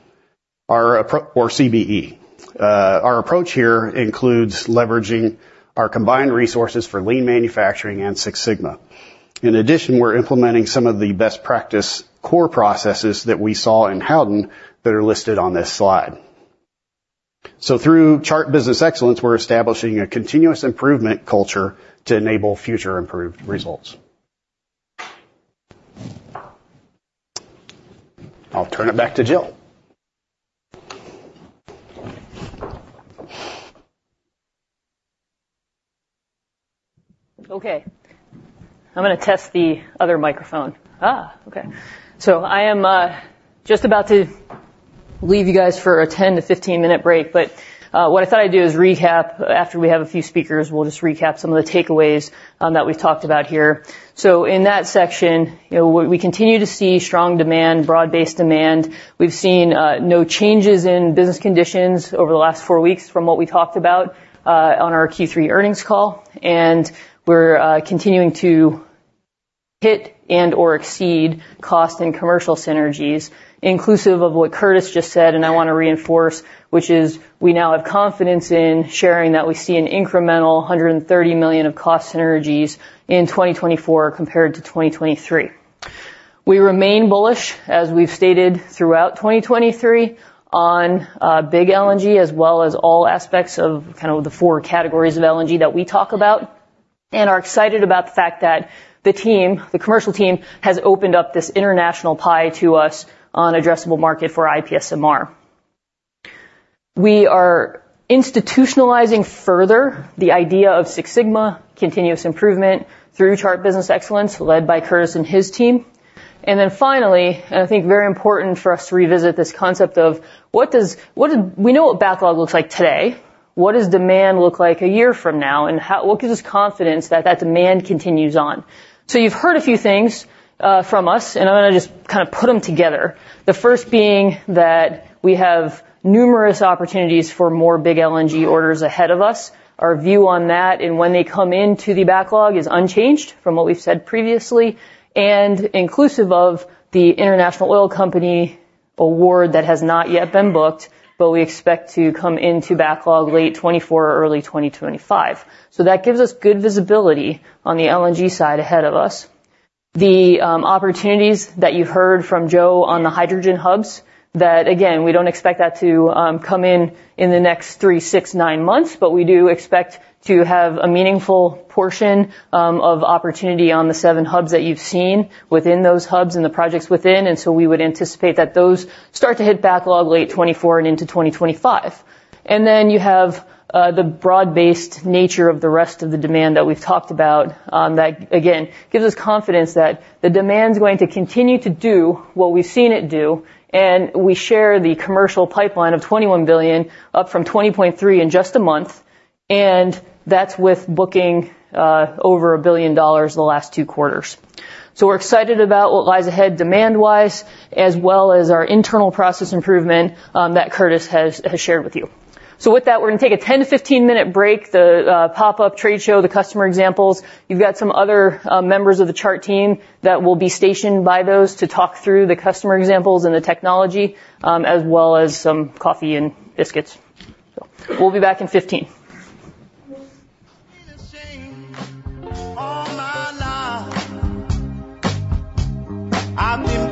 our approach or CBE. Our approach here includes leveraging our combined resources for lean manufacturing and Six Sigma. In addition, we're implementing some of the best practice core processes that we saw in Howden that are listed on this slide. Through Chart Business Excellence, we're establishing a continuous improvement culture to enable future improved results. I'll turn it back to Jillian. Okay, I'm gonna test the other microphone. Okay. So I am just about to leave you guys for a 10-15-minute break, but what I thought I'd do is recap. After we have a few speakers, we'll just recap some of the takeaways that we've talked about here. So in that section, you know, we continue to see strong demand, broad-based demand. We've seen no changes in business conditions over the last 4 weeks from what we talked about on our Q3 earnings call, and we're continuing to hit and or exceed cost and commercial synergies, inclusive of what Curtis just said, and I want to reinforce, which is we now have confidence in sharing that we see an incremental $130 million of cost synergies in 2024 compared to 2023. We remain bullish, as we've stated throughout 2023, on big LNG, as well as all aspects of kind of the four categories of LNG that we talk about, and are excited about the fact that the team, the commercial team, has opened up this international pie to us on addressable market for IPSMR. We are institutionalizing further the idea of Six Sigma, continuous improvement through Chart Business Excellence, led by Curtis and his team. And then finally, and I think very important for us to revisit this concept of what we know what backlog looks like today. What does demand look like a year from now, and what gives us confidence that that demand continues on? So you've heard a few things from us, and I'm gonna just kind of put them together. The first being that we have numerous opportunities for more big LNG orders ahead of us. Our view on that and when they come into the backlog is unchanged from what we've said previously, and inclusive of the international oil company award that has not yet been booked, but we expect to come into backlog late 2024 or early 2025. So that gives us good visibility on the LNG side ahead of us. The opportunities that you heard from Joe on the hydrogen hubs, that, again, we don't expect that to come in in the next 3, 6, 9 months, but we do expect to have a meaningful portion of opportunity on the 7 hubs that you've seen within those hubs and the projects within. And so we would anticipate that those start to hit backlog late 2024 and into 2025. And then you have the broad-based nature of the rest of the demand that we've talked about, that again, gives us confidence that the demand is going to continue to do what we've seen it do, and we share the commercial pipeline of $21 billion, up from $20.3 in just a month, and that's with booking over $1 billion in the last two quarters. So we're excited about what lies ahead, demand-wise, as well as our internal process improvement that Curtis has shared with you. So with that, we're going to take a 10- to 15-minute break, the pop-up trade show, the customer examples. You've got some other members of the Chart team that will be stationed by those to talk through the customer examples and the technology, as well as some coffee and biscuits. We'll be back in 15. All my life, I've been playing games. We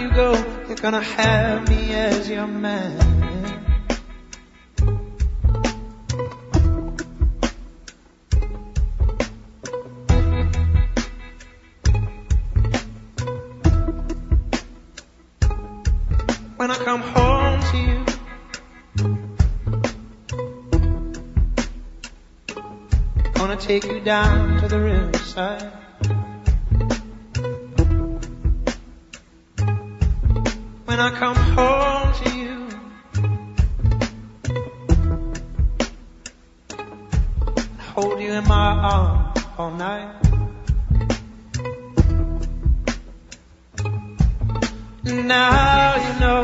on you, gonna make you care for me. When I get my hands on you, gonna make you marry me. Now you know, everywhere on earth you go, you're gonna have me as your man. When I come home to you, gonna take you down to the riverside. When I come home to you, hold you in my arms all night. Now you know,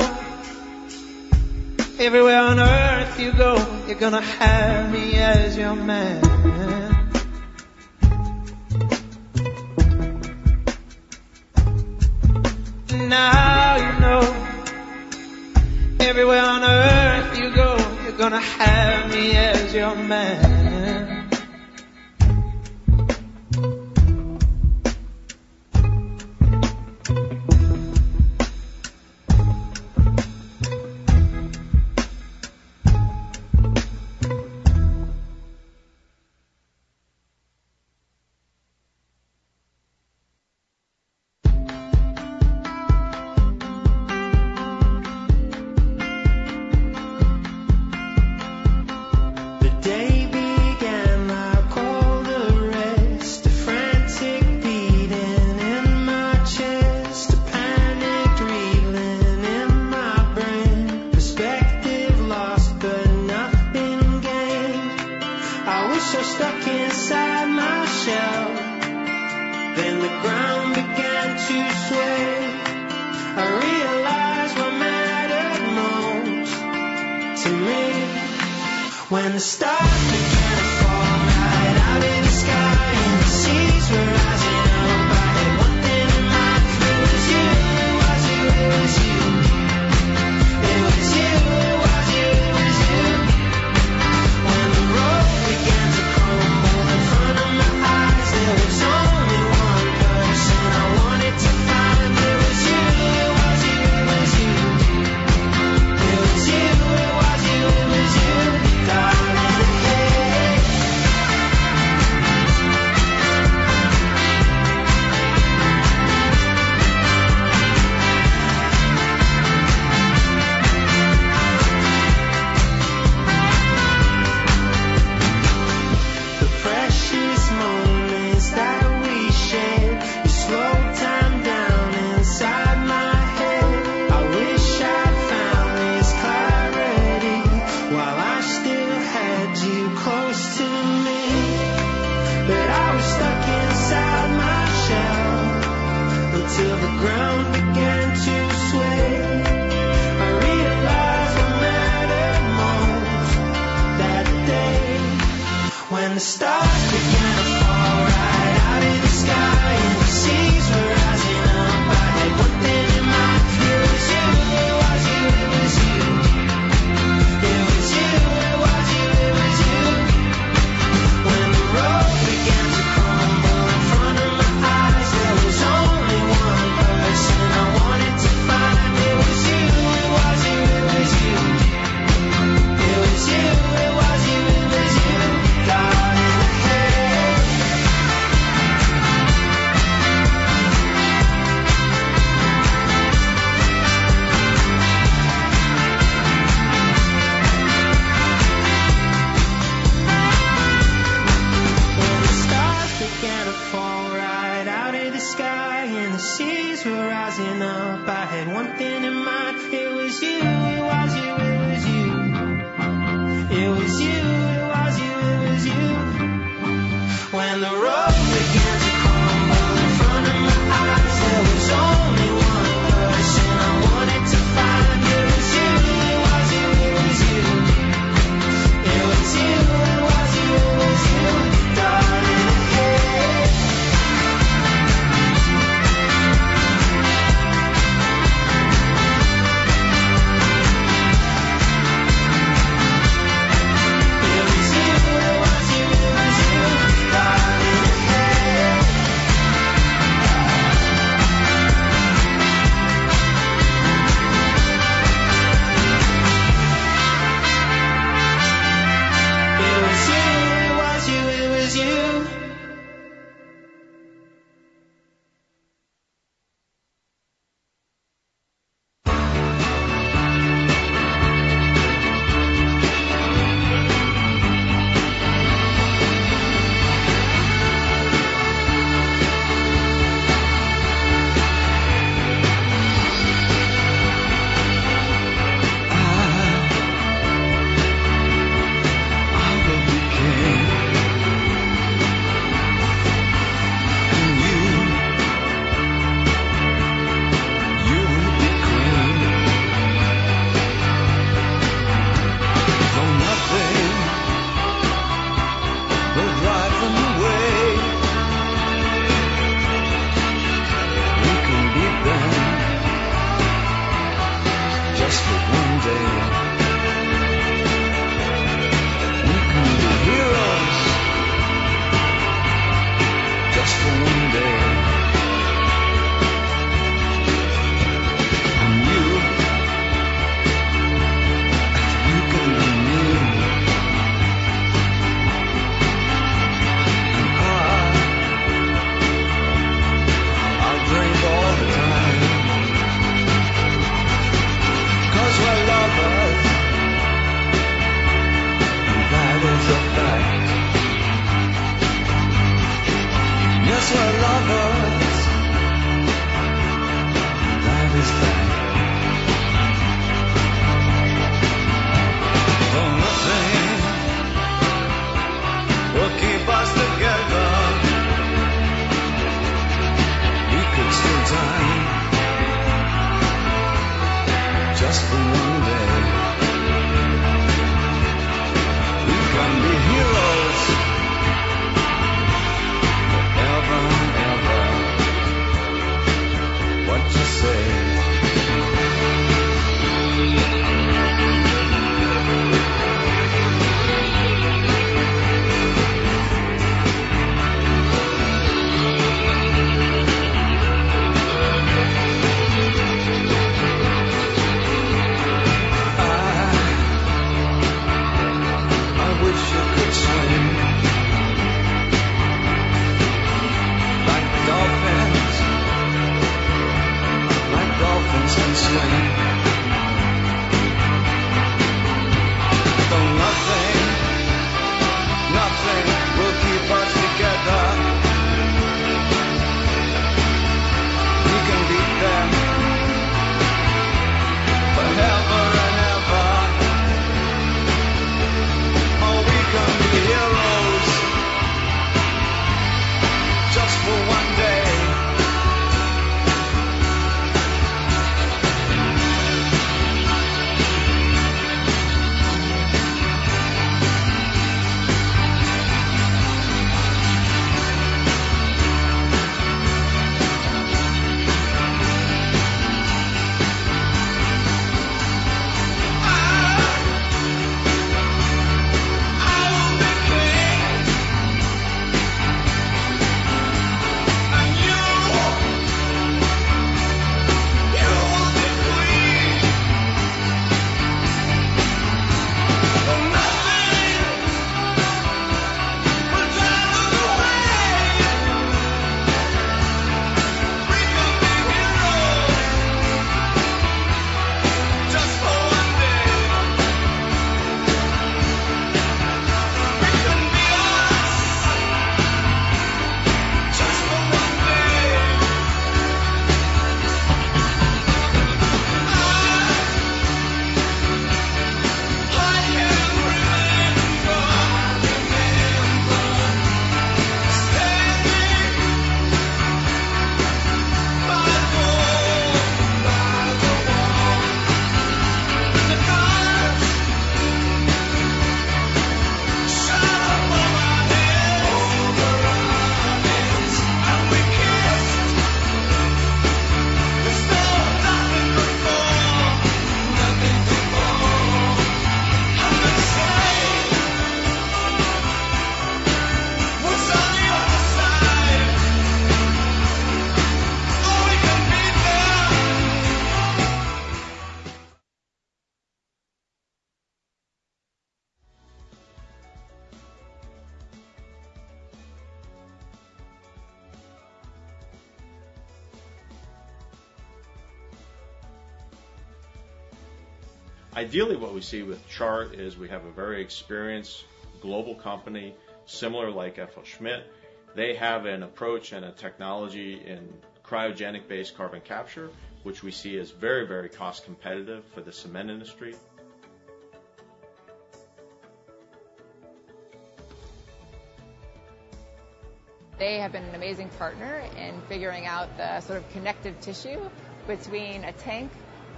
everywhere on earth you go, you're gonna have me as your man.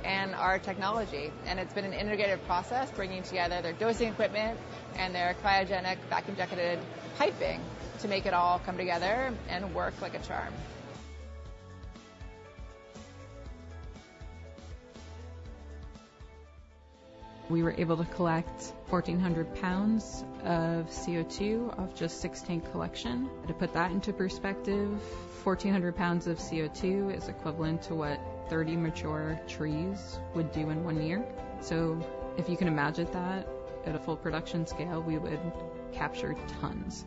tank and our technology. It's been an integrated process, bringing together their dosing equipment and their cryogenic vacuum-jacketed piping to make it all come together and work like a charm. We were able to collect 1,400 pounds of CO2 off just 6 tank collection. To put that into perspective, 1,400 pounds of CO2 is equivalent to what 30 mature trees would do in 1 year. So if you can imagine that at a full production scale, we would capture tons.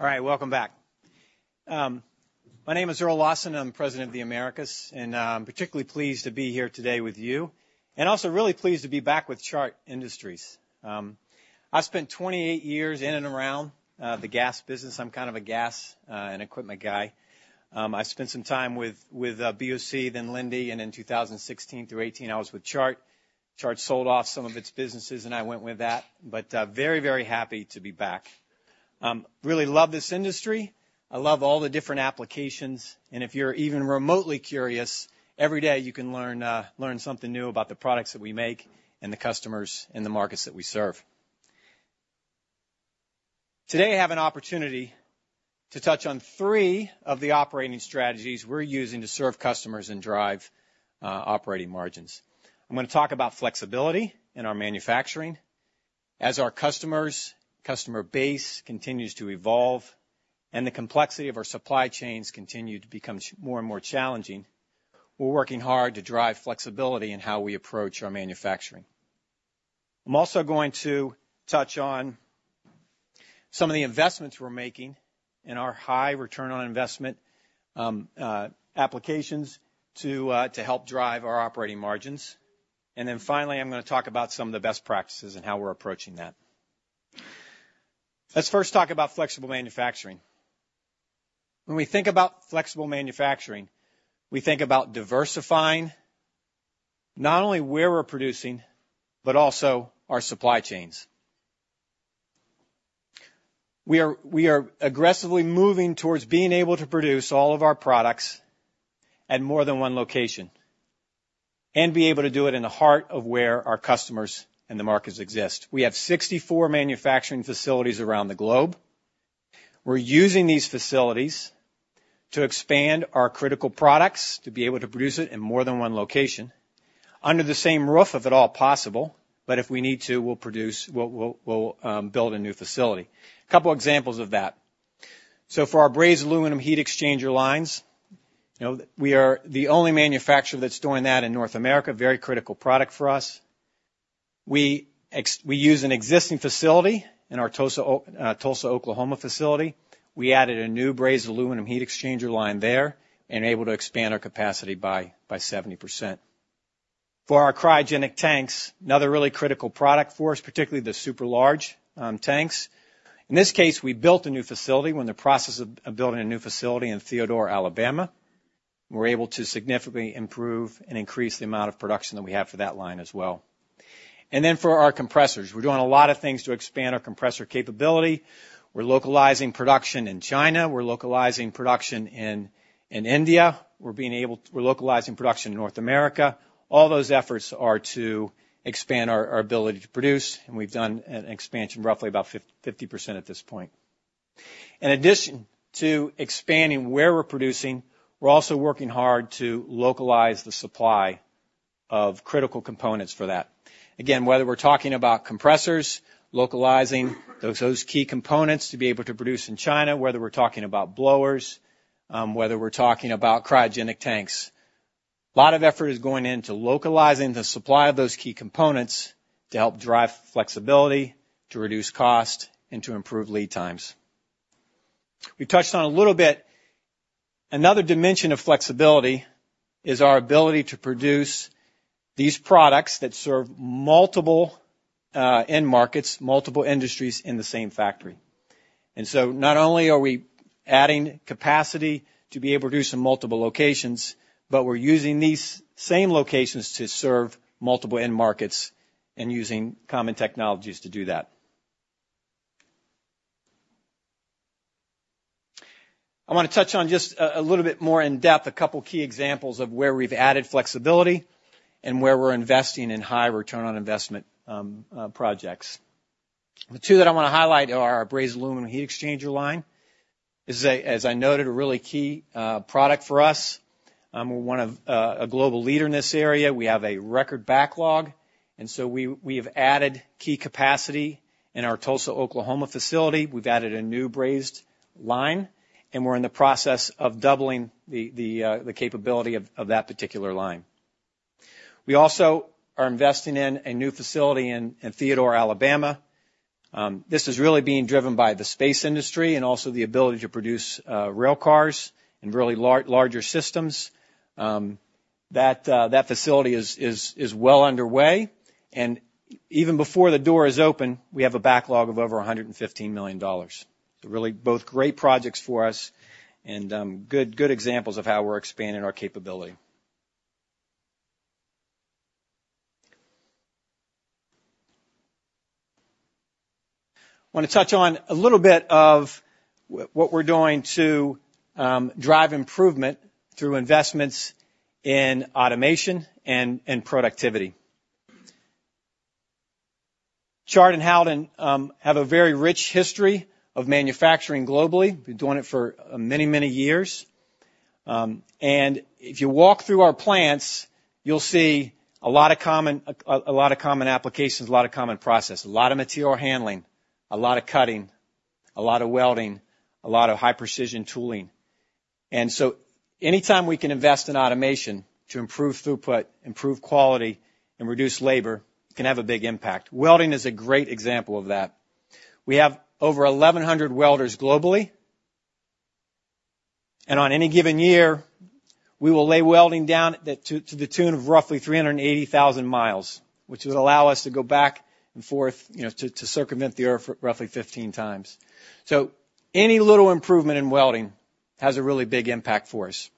All right, welcome back. My name is Earl Lawson, I'm President of the Americas, and I'm particularly pleased to be here today with you, and also really pleased to be back with Chart Industries. I've spent 28 years in and around the gas business. I'm kind of a gas and equipment guy. I spent some time with BOC, then Linde, and in 2016 through 18, I was with Chart. Chart sold off some of its businesses, and I went with that, but very, very happy to be back. Really love this industry. I love all the different applications, and if you're even remotely curious, every day you can learn something new about the products that we make and the customers and the markets that we serve. Today, I have an opportunity to touch on three of the operating strategies we're using to serve customers and drive operating margins. I'm going to talk about flexibility in our manufacturing. As our customer base continues to evolve, and the complexity of our supply chains continue to become more and more challenging, we're working hard to drive flexibility in how we approach our manufacturing. I'm also going to touch on some of the investments we're making in our high return on investment applications to help drive our operating margins. And then finally, I'm going to talk about some of the best practices and how we're approaching that. Let's first talk about flexible manufacturing. When we think about flexible manufacturing, we think about diversifying not only where we're producing, but also our supply chains. We are aggressively moving towards being able to produce all of our products at more than one location and be able to do it in the heart of where our customers and the markets exist. We have 64 manufacturing facilities around the globe. We're using these facilities to expand our critical products, to be able to produce it in more than one location, under the same roof, if at all possible, but if we need to, we'll build a new facility. A couple examples of that. So for our brazed aluminum heat exchanger lines, you know, we are the only manufacturer that's doing that in North America. Very critical product for us. We use an existing facility in our Tulsa, Oklahoma, facility. We added a new brazed aluminum heat exchanger line there and able to expand our capacity by seventy percent for our cryogenic tanks, another really critical product for us, particularly the super large tanks. In this case, we built a new facility. We're in the process of building a new facility in Theodore, Alabama. We're able to significantly improve and increase the amount of production that we have for that line as well. And then for our compressors, we're doing a lot of things to expand our compressor capability. We're localizing production in China, we're localizing production in India, we're localizing production in North America. All those efforts are to expand our ability to produce, and we've done an expansion roughly about fifty percent at this point. In addition to expanding where we're producing, we're also working hard to localize the supply of critical components for that. Again, whether we're talking about compressors, localizing those key components to be able to produce in China, whether we're talking about blowers, whether we're talking about cryogenic tanks. A lot of effort is going into localizing the supply of those key components to help drive flexibility, to reduce cost, and to improve lead times. We touched on a little bit. Another dimension of flexibility is our ability to produce these products that serve multiple end markets, multiple industries in the same factory. And so not only are we adding capacity to be able to do this in multiple locations, but we're using these same locations to serve multiple end markets and using common technologies to do that. I wanna touch on just a little bit more in depth, a couple key examples of where we've added flexibility and where we're investing in high return on investment projects. The two that I wanna highlight are our brazed aluminum heat exchanger line. This is, as I noted, a really key product for us. We're one of a global leader in this area. We have a record backlog, and so we have added key capacity in our Tulsa, Oklahoma, facility. We've added a new brazed line, and we're in the process of doubling the capability of that particular line. We also are investing in a new facility in Theodore, Alabama. This is really being driven by the space industry and also the ability to produce rail cars and really larger systems. That facility is well underway, and even before the door is open, we have a backlog of over $115 million. So really, both great projects for us and good examples of how we're expanding our capability. I wanna touch on a little bit of what we're doing to drive improvement through investments in automation and productivity. Chart and Howden have a very rich history of manufacturing globally. We've been doing it for many years. If you walk through our plants, you'll see a lot of common applications, a lot of common process, a lot of material handling, a lot of cutting, a lot of welding, a lot of high-precision tooling. So anytime we can invest in automation to improve throughput, improve quality, and reduce labor, it can have a big impact. Welding is a great example of that. We have over 1,100 welders globally, and on any given year, we will lay welding down to the tune of roughly 380,000 miles, which would allow us to go back and forth, you know, to circumvent the Earth roughly 15 times. So any little improvement in welding has a really big impact for us.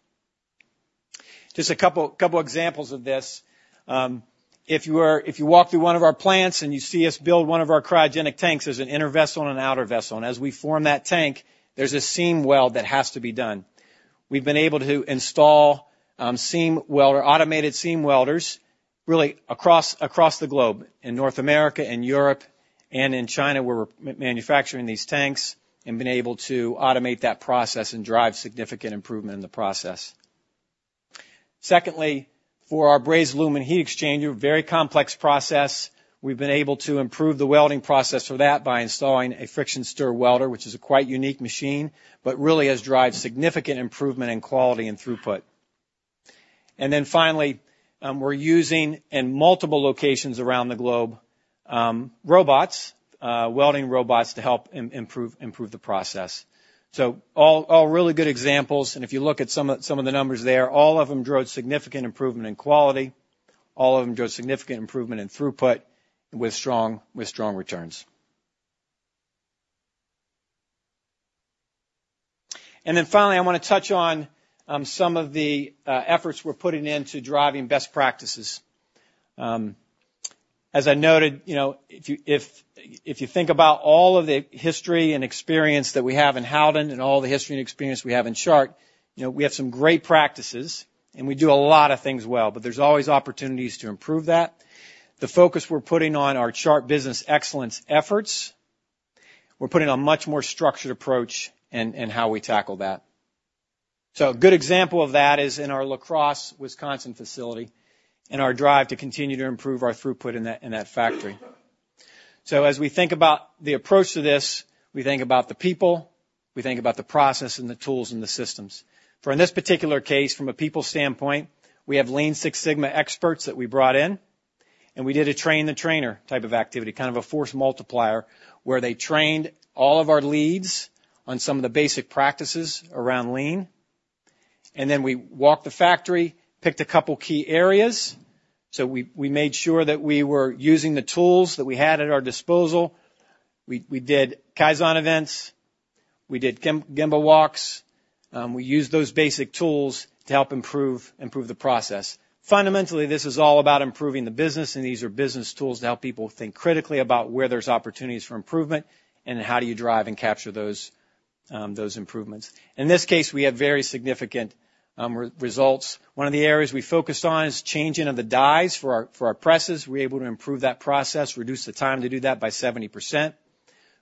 Just a couple examples of this. If you walk through one of our plants and you see us build one of our cryogenic tanks, there's an inner vessel and an outer vessel, and as we form that tank, there's a seam weld that has to be done. We've been able to install automated seam welders really across the globe, in North America and Europe and in China, where we're manufacturing these tanks, and been able to automate that process and drive significant improvement in the process. Secondly, for our brazed aluminum heat exchanger, a very complex process, we've been able to improve the welding process for that by installing a friction stir welder, which is a quite unique machine, but really has driven significant improvement in quality and throughput. And then finally, we're using in multiple locations around the globe robots, welding robots, to help improve the process. So all really good examples, and if you look at some of the numbers there, all of them drove significant improvement in quality. All of them drove significant improvement in throughput with strong returns. Then finally, I wanna touch on some of the efforts we're putting in to driving best practices. As I noted, you know, if you think about all of the history and experience that we have in Howden and all the history and experience we have in Chart, you know, we have some great practices, and we do a lot of things well, but there's always opportunities to improve that. The focus we're putting on our Chart Business Excellence efforts, we're putting a much more structured approach in how we tackle that. So a good example of that is in our La Crosse, Wisconsin, facility, and our drive to continue to improve our throughput in that factory. So as we think about the approach to this, we think about the people, we think about the process and the tools and the systems. For in this particular case, from a people standpoint, we have Lean Six Sigma experts that we brought in, and we did a train-the-trainer type of activity, kind of a force multiplier, where they trained all of our leads on some of the basic practices around lean. And then we walked the factory, picked a couple key areas, so we made sure that we were using the tools that we had at our disposal. We did Kaizen events. We did Gemba walks. We used those basic tools to help improve the process. Fundamentally, this is all about improving the business, and these are business tools to help people think critically about where there's opportunities for improvement and how do you drive and capture those improvements. In this case, we had very significant results. One of the areas we focused on is changing of the dies for our presses. We were able to improve that process, reduce the time to do that by 70%.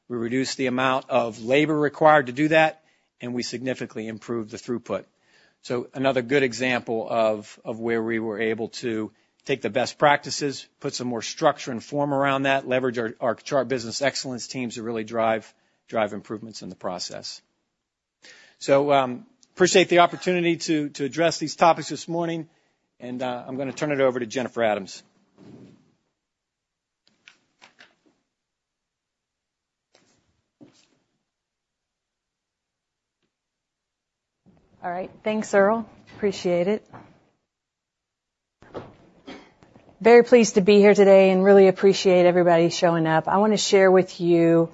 We reduced the amount of labor required to do that, and we significantly improved the throughput. So another good example of where we were able to take the best practices, put some more structure and form around that, leverage our Chart Business Excellence teams to really drive improvements in the process. So, I appreciate the opportunity to address these topics this morning, and I'm gonna turn it over to Jennifer Adams. All right. Thanks, Earl. Appreciate it. Very pleased to be here today, and really appreciate everybody showing up. I wanna share with you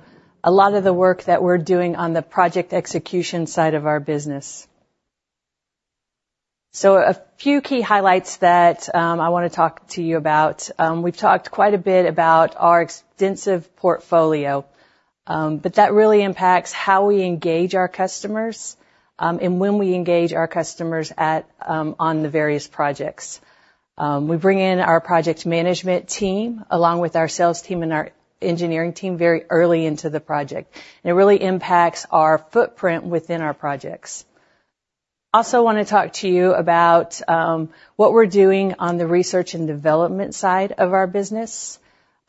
a lot of the work that we're doing on the project execution side of our business. So a few key highlights that I wanna talk to you about. We've talked quite a bit about our extensive portfolio, but that really impacts how we engage our customers, and when we engage our customers at on the various projects. We bring in our project management team, along with our sales team and our engineering team, very early into the project. And it really impacts our footprint within our projects. Also want to talk to you about what we're doing on the research and development side of our business.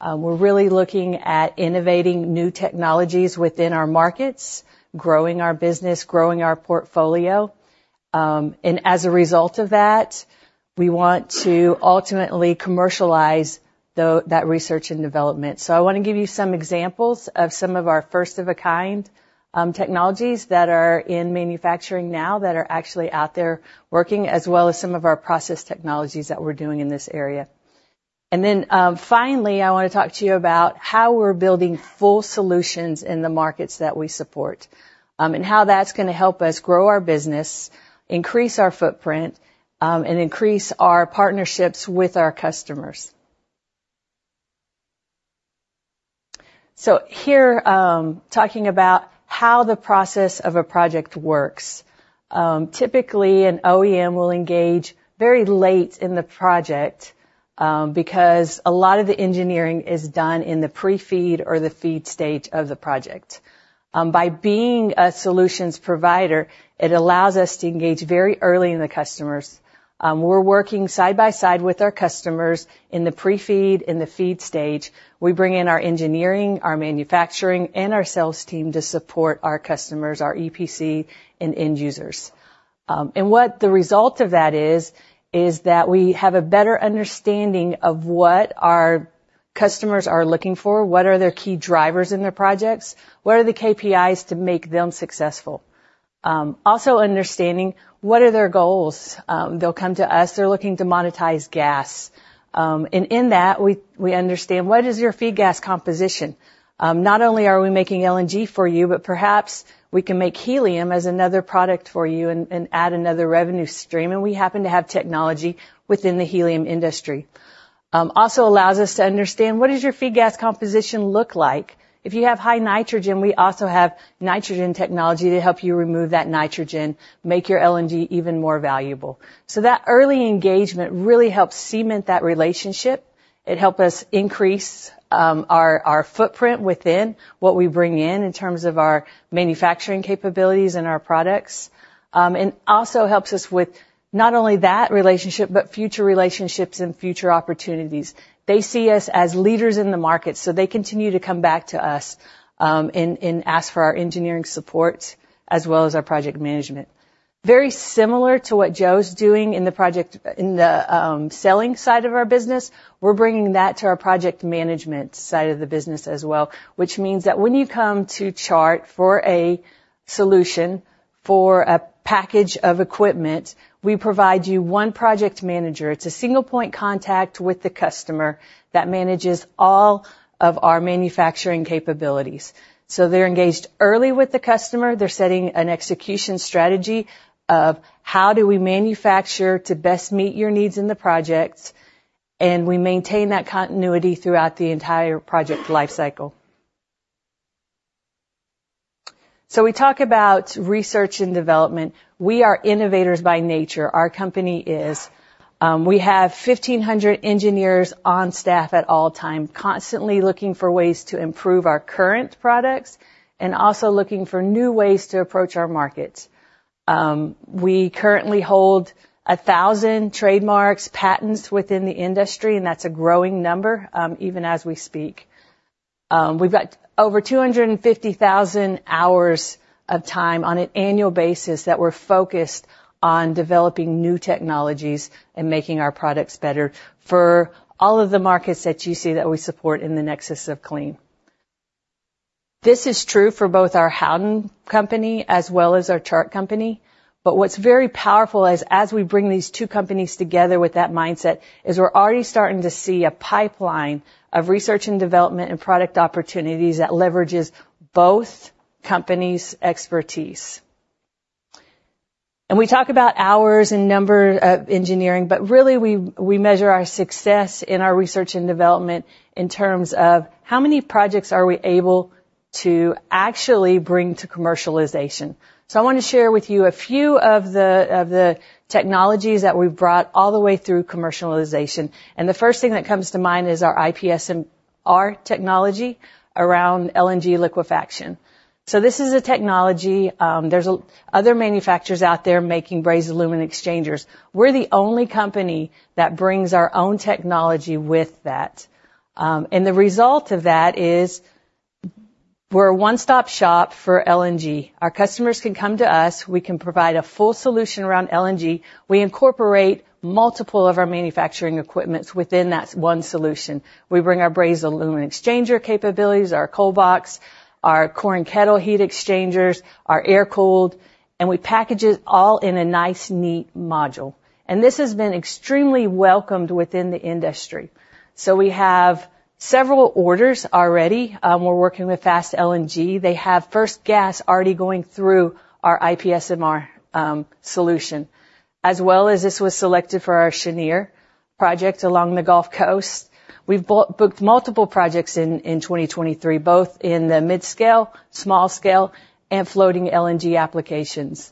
We're really looking at innovating new technologies within our markets, growing our business, growing our portfolio. And as a result of that, we want to ultimately commercialize that research and development. So I wanna give you some examples of some of our first-of-a-kind technologies that are in manufacturing now, that are actually out there working, as well as some of our process technologies that we're doing in this area. And then, finally, I wanna talk to you about how we're building full solutions in the markets that we support, and how that's gonna help us grow our business, increase our footprint, and increase our partnerships with our customers. So here, talking about how the process of a project works. Typically, an OEM will engage very late in the project, because a lot of the engineering is done in the Pre-FEED or the FEED stage of the project. By being a solutions provider, it allows us to engage very early in the customers. We're working side by side with our customers in the Pre-FEED, in the FEED stage. We bring in our engineering, our manufacturing, and our sales team to support our customers, our EPC and end users. And what the result of that is, is that we have a better understanding of what our customers are looking for, what are their key drivers in their projects, what are the KPIs to make them successful? Also understanding what are their goals. They'll come to us, they're looking to monetize gas. And in that, we understand, what is your feed gas composition? Not only are we making LNG for you, but perhaps we can make helium as another product for you and add another revenue stream, and we happen to have technology within the helium industry. Also allows us to understand what does your feed gas composition look like? If you have high nitrogen, we also have nitrogen technology to help you remove that nitrogen, make your LNG even more valuable. So that early engagement really helps cement that relationship. It help us increase our footprint within what we bring in, in terms of our manufacturing capabilities and our products. And also helps us with not only that relationship, but future relationships and future opportunities. They see us as leaders in the market, so they continue to come back to us and ask for our engineering support, as well as our project management. Very similar to what Joe's doing in the project, in the selling side of our business, we're bringing that to our project management side of the business as well, which means that when you come to Chart for a solution, for a package of equipment, we provide you one project manager. It's a single-point contact with the customer that manages all of our manufacturing capabilities. So they're engaged early with the customer. They're setting an execution strategy of how do we manufacture to best meet your needs in the projects, and we maintain that continuity throughout the entire project lifecycle. So we talk about research and development. We are innovators by nature. Our company is. We have 1,500 engineers on staff at all times, constantly looking for ways to improve our current products and also looking for new ways to approach our markets. We currently hold 1,000 trademarks, patents within the industry, and that's a growing number, even as we speak. We've got over 250,000 hours of time on an annual basis that we're focused on developing new technologies and making our products better for all of the markets that you see that we support in the Nexus of Clean. This is true for both our Howden company as well as our Chart company. But what's very powerful is, as we bring these two companies together with that mindset, is we're already starting to see a pipeline of research and development and product opportunities that leverages both companies' expertise. And we talk about hours and number of engineering, but really, we measure our success in our research and development in terms of how many projects are we able to actually bring to commercialization. So I want to share with you a few of the technologies that we've brought all the way through commercialization, and the first thing that comes to mind is our IPSMR technology around LNG liquefaction. So this is a technology. There are other manufacturers out there making brazed aluminum exchangers. We're the only company that brings our own technology with that. And the result of that is we're a one-stop shop for LNG. Our customers can come to us. We can provide a full solution around LNG. We incorporate multiple of our manufacturing equipments within that one solution. We bring our brazed aluminum exchanger capabilities, our cold box, our Core-in-Kettle heat exchangers, our air-cooled, and we package it all in a nice, neat module. And this has been extremely welcomed within the industry. So we have several orders already. We're working with Fast LNG. They have first gas already going through our IPSMR solution, as well as this was selected for our Cheniere project along the Gulf Coast. We've booked multiple projects in 2023, both in the mid-scale, small scale, and floating LNG applications.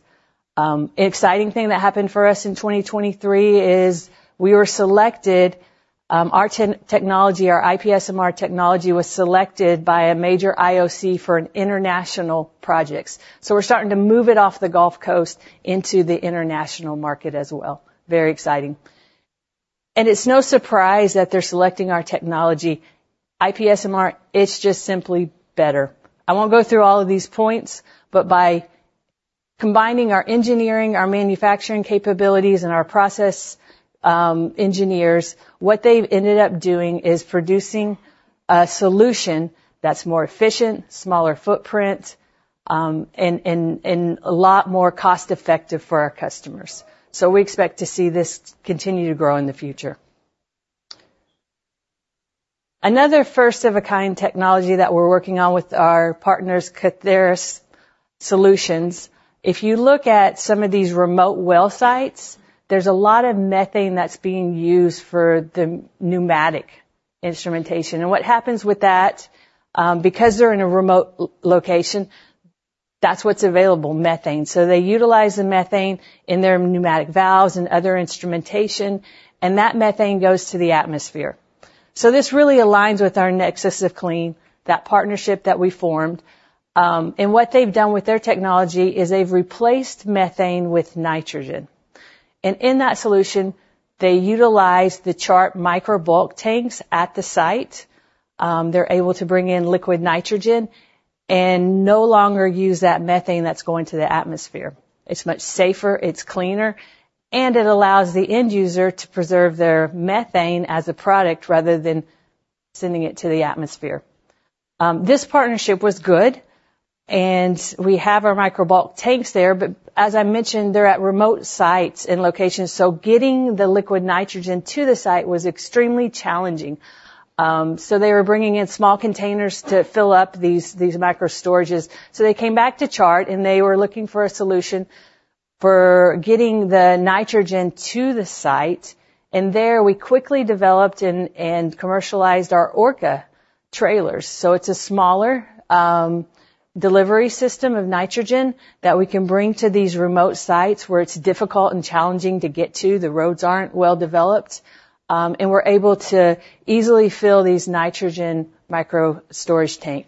Exciting thing that happened for us in 2023 is we were selected, our IPSMR technology, was selected by a major IOC for an international projects. So we're starting to move it off the Gulf Coast into the international market as well. Very exciting. It's no surprise that they're selecting our technology. IPSMR, it's just simply better. I won't go through all of these points, but by combining our engineering, our manufacturing capabilities, and our process engineers, what they've ended up doing is producing a solution that's more efficient, smaller footprint, and a lot more cost-effective for our customers. So we expect to see this continue to grow in the future. Another first-of-a-kind technology that we're working on with our partners, Kathairos Solutions. If you look at some of these remote well sites, there's a lot of methane that's being used for the pneumatic instrumentation. And what happens with that, because they're in a remote location, that's what's available, methane. So they utilize the methane in their pneumatic valves and other instrumentation, and that methane goes to the atmosphere. So this really aligns with our Nexus of Clean, that partnership that we formed. And what they've done with their technology is they've replaced methane with nitrogen. And in that solution, they utilize the Chart micro bulk tanks at the site. They're able to bring in liquid nitrogen and no longer use that methane that's going to the atmosphere. It's much safer, it's cleaner, and it allows the end user to preserve their methane as a product rather than sending it to the atmosphere. This partnership was good, and we have our micro bulk tanks there, but as I mentioned, they're at remote sites and locations, so getting the liquid nitrogen to the site was extremely challenging. So they were bringing in small containers to fill up these micro storages. So they came back to Chart, and they were looking for a solution for getting the nitrogen to the site, and there we quickly developed and commercialized our Orca trailers. So it's a smaller delivery system of nitrogen that we can bring to these remote sites where it's difficult and challenging to get to, the roads aren't well developed, and we're able to easily fill these nitrogen micro storage tank.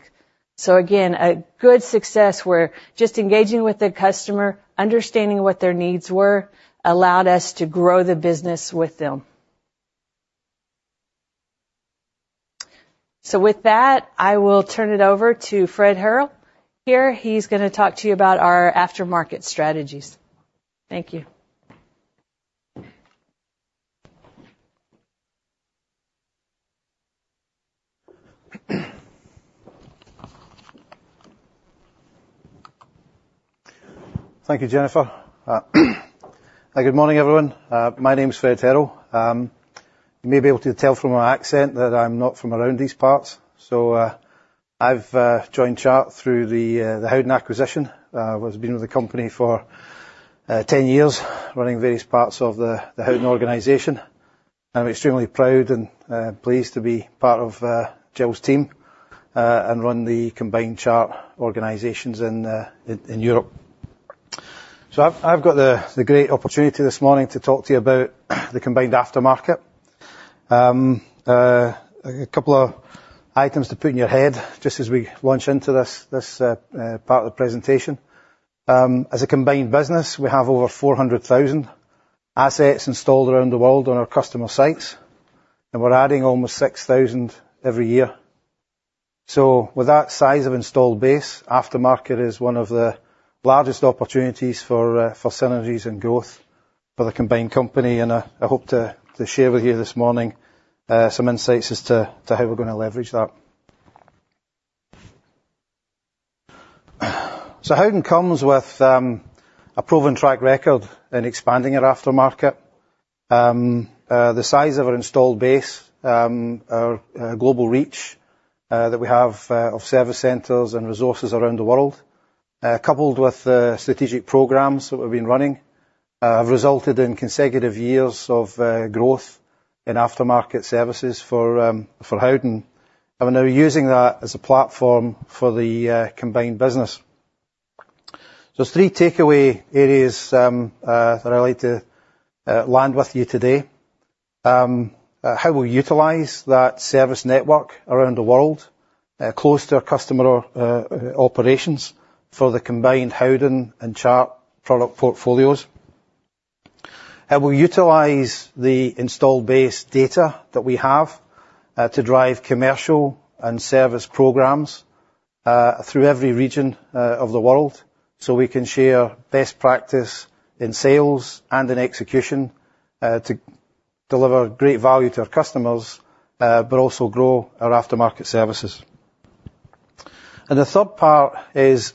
So again, a good success where just engaging with the customer, understanding what their needs were, allowed us to grow the business with them. So with that, I will turn it over to Fred Hearle. Here, he's gonna talk to you about our aftermarket strategies. Thank you. Thank you, Jennifer. Good morning, everyone. My name is Fred Hearle. You may be able to tell from my accent that I'm not from around these parts. I've joined Chart through the Howden acquisition. I've been with the company for 10 years, running various parts of the Howden organization. I'm extremely proud and pleased to be part of Jill's team and run the combined Chart organizations in Europe. I've got the great opportunity this morning to talk to you about the combined aftermarket. A couple of items to put in your head just as we launch into this part of the presentation. As a combined business, we have over 400,000 assets installed around the world on our customer sites, and we're adding almost 6,000 every year. So with that size of installed base, aftermarket is one of the largest opportunities for synergies and growth for the combined company, and I hope to share with you this morning some insights as to how we're gonna leverage that. So Howden comes with a proven track record in expanding our aftermarket. The size of our installed base, our global reach that we have of service centers and resources around the world, coupled with the strategic programs that we've been running, have resulted in consecutive years of growth in aftermarket services for Howden. And we're now using that as a platform for the combined business. So there's three takeaway areas that I'd like to land with you today. How we utilize that service network around the world close to our customer operations for the combined Howden and Chart product portfolios. How we utilize the installed base data that we have to drive commercial and service programs through every region of the world, so we can share best practice in sales and in execution to deliver great value to our customers but also grow our aftermarket services. And the third part is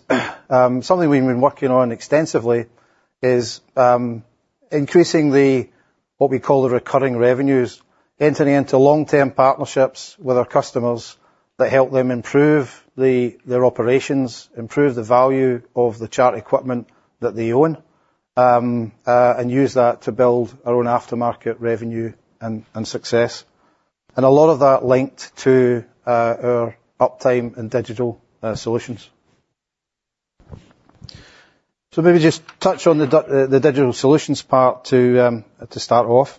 something we've been working on extensively: increasing what we call the recurring revenues, entering into long-term partnerships with our customers that help them improve their operations, improve the value of the Chart equipment that they own, and use that to build our own aftermarket revenue and success. And a lot of that linked to our Uptime and digital solutions. So maybe just touch on the digital solutions part to start off.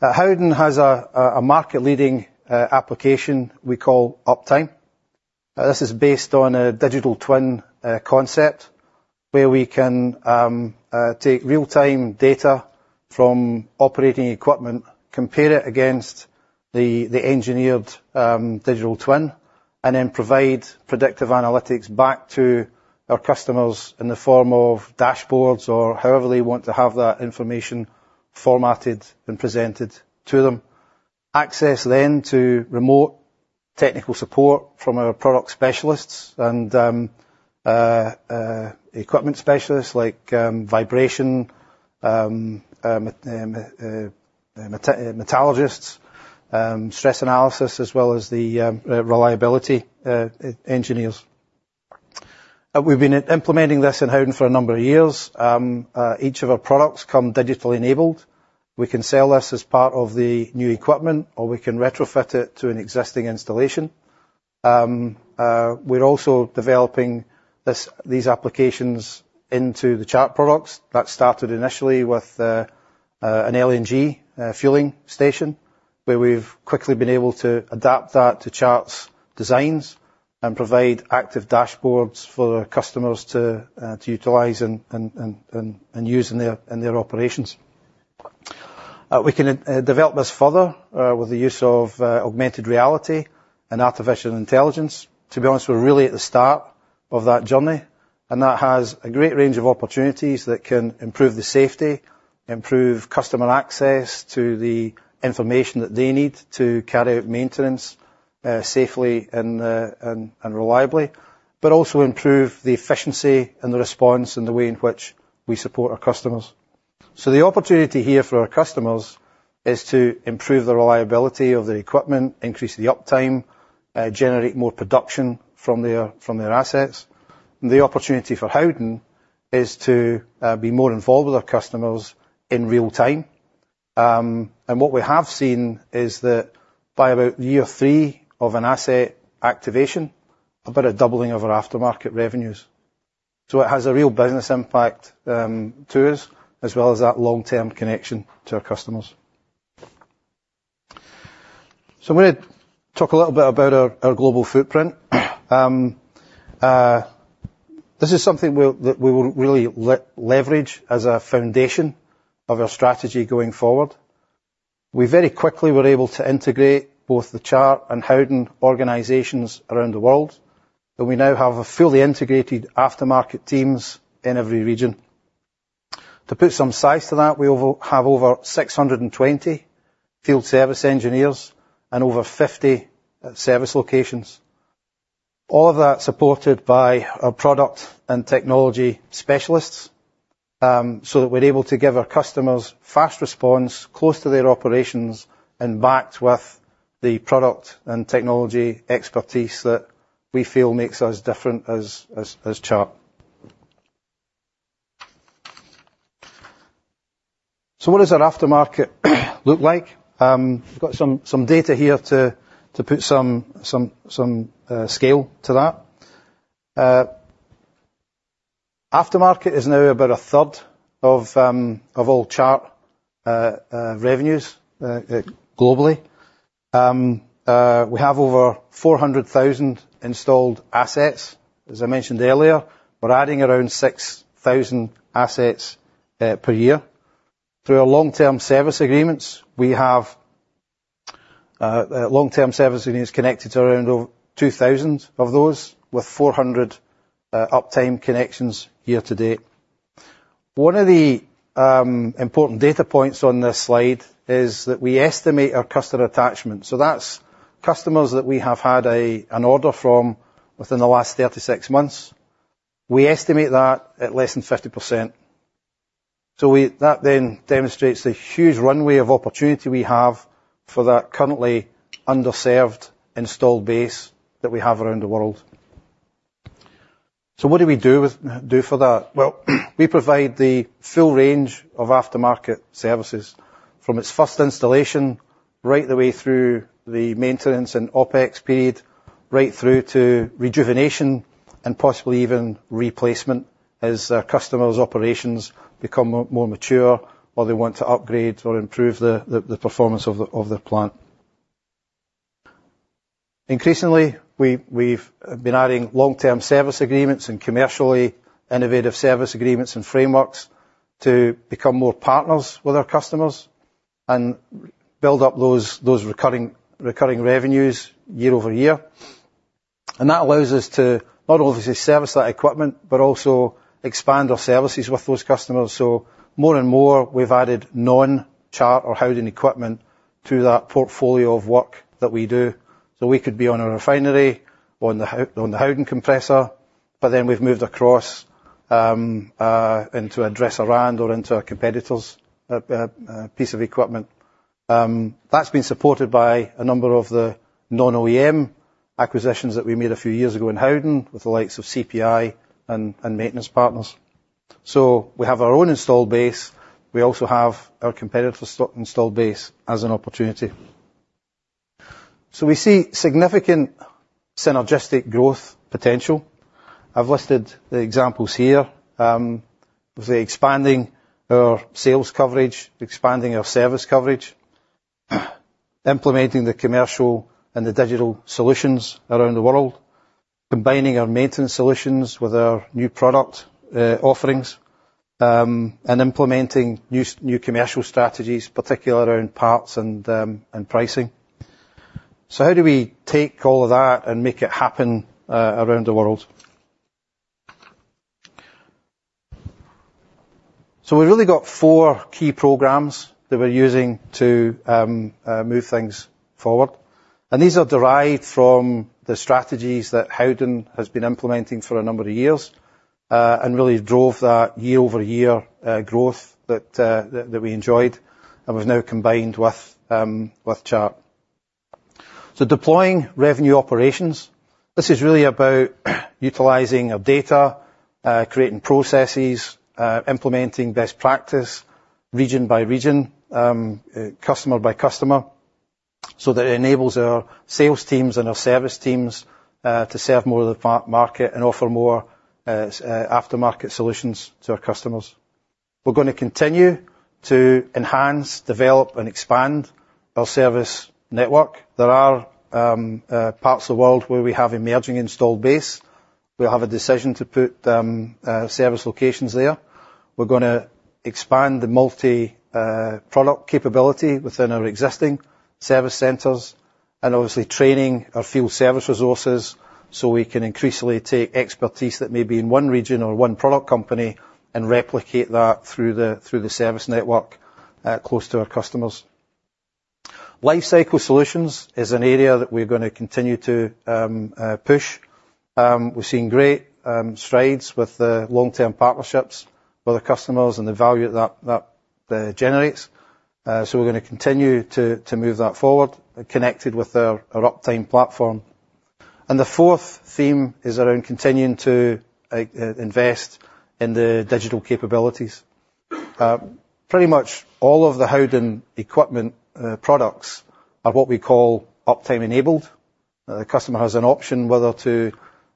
Howden has a market-leading application we call Uptime. This is based on a digital twin concept, where we can take real-time data from operating equipment, compare it against the engineered digital twin, and then provide predictive analytics back to our customers in the form of dashboards, or however they want to have that information formatted and presented to them. Access then to remote technical support from our product specialists and equipment specialists, like vibration metallurgists, stress analysis, as well as the reliability engineers. We've been implementing this in Howden for a number of years. Each of our products come digitally enabled. We can sell this as part of the new equipment, or we can retrofit it to an existing installation. We're also developing these applications into the Chart products. That started initially with an LNG fueling station, where we've quickly been able to adapt that to Chart's designs and provide active dashboards for our customers to utilize and use in their operations. We can develop this further with the use of augmented reality and artificial intelligence. To be honest, we're really at the start of that journey, and that has a great range of opportunities that can improve the safety, improve customer access to the information that they need to carry out maintenance safely and reliably, but also improve the efficiency and the response, and the way in which we support our customers. So the opportunity here for our customers is to improve the reliability of the equipment, increase the uptime, generate more production from their assets. The opportunity for Howden is to be more involved with our customers in real time. What we have seen is that by about year three of an asset activation, about a doubling of our aftermarket revenues. So it has a real business impact to us, as well as that long-term connection to our customers. So I'm gonna talk a little bit about our global footprint. This is something that we will really leverage as a foundation of our strategy going forward. We very quickly were able to integrate both the Chart and Howden organizations around the world, and we now have a fully integrated aftermarket teams in every region. To put some size to that, we have over 620 field service engineers and over 50 service locations. All of that supported by our product and technology specialists, so that we're able to give our customers fast response, close to their operations, and backed with the product and technology expertise that we feel makes us different as Chart. So what does our aftermarket look like? We've got some data here to put some scale to that. Aftermarket is now about a third of all Chart revenues globally. We have over 400,000 installed assets, as I mentioned earlier. We're adding around 6,000 assets per year. Through our long-term service agreements, we have long-term service agreements connected to around over 2,000 of those, with 400 Uptime connections year to date. One of the important data points on this slide is that we estimate our customer attachment. So that's customers that we have had an order from within the last 36 months. We estimate that at less than 50%. So that then demonstrates the huge runway of opportunity we have for that currently underserved installed base that we have around the world. So what do we do with, do for that? Well, we provide the full range of aftermarket services, from its first installation, right the way through the maintenance and OpEx period, right through to rejuvenation and possibly even replacement, as customers' operations become more mature, or they want to upgrade or improve the performance of their plant. Increasingly, we've been adding long-term service agreements and commercially innovative service agreements and frameworks to become more partners with our customers, and build up those recurring revenues year over year. And that allows us to not only service that equipment, but also expand our services with those customers. So more and more, we've added non-Chart or Howden equipment to that portfolio of work that we do. So we could be on a refinery, on the Howden compressor, but then we've moved across into a Dresser-Rand or into a competitor's piece of equipment. That's been supported by a number of the non-OEM acquisitions that we made a few years ago in Howden, with the likes of CPI and Maintenance Partners. So we have our own installed base. We also have our competitor's installed base as an opportunity. So we see significant synergistic growth potential. I've listed the examples here. With expanding our sales coverage, expanding our service coverage, implementing the commercial and the digital solutions around the world, combining our maintenance solutions with our new product offerings, and implementing new commercial strategies, particularly around parts and pricing. So how do we take all of that and make it happen around the world? So we've really got four key programs that we're using to move things forward, and these are derived from the strategies that Howden has been implementing for a number of years and really drove that year-over-year growth that we enjoyed, and we've now combined with Chart. So deploying revenue operations. This is really about utilizing our data, creating processes, implementing best practice, region by region, customer by customer, so that it enables our sales teams and our service teams to serve more of the pie market and offer more, sell aftermarket solutions to our customers. We're gonna continue to enhance, develop, and expand our service network. There are parts of the world where we have emerging installed base. We'll have a decision to put service locations there. We're gonna expand the multi-product capability within our existing service centers and obviously training our field service resources, so we can increasingly take expertise that may be in one region or one product company and replicate that through the service network close to our customers. Lifecycle solutions is an area that we're gonna continue to push. We've seen great strides with the long-term partnerships with our customers and the value that generates. So we're gonna continue to move that forward, connected with our Uptime platform. And the fourth theme is around continuing to invest in the digital capabilities. Pretty much all of the Howden equipment products are what we call Uptime enabled. The customer has an option whether to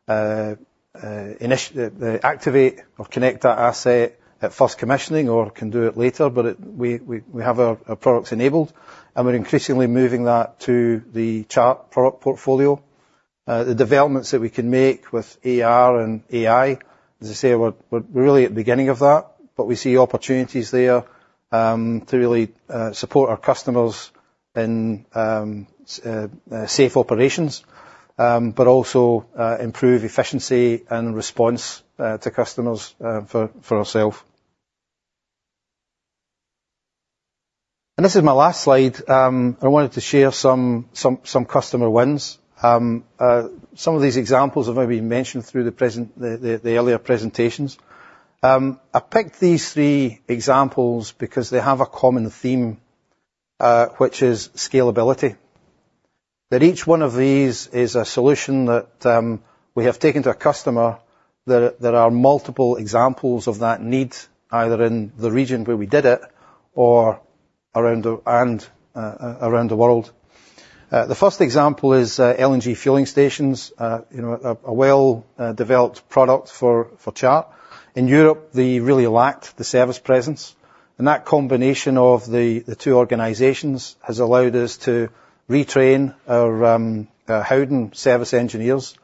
activate or connect that asset at first commissioning or can do it later, but we have our products enabled, and we're increasingly moving that to the Chart product portfolio. The developments that we can make with AR and AI, as I say, we're really at the beginning of that, but we see opportunities there to really support our customers in safe operations, but also improve efficiency and response to customers for ourselves. And this is my last slide. I wanted to share some customer wins. Some of these examples have already been mentioned through the presentation, the earlier presentations. I picked these three examples because they have a common theme, which is scalability. That each one of these is a solution that we have taken to a customer, that there are multiple examples of that need, either in the region where we did it or around the world. The first example is LNG fueling stations. You know, a well-developed product for Chart. In Europe, they really lacked the service presence. That combination of the two organizations has allowed us to retrain our Howden service engineers,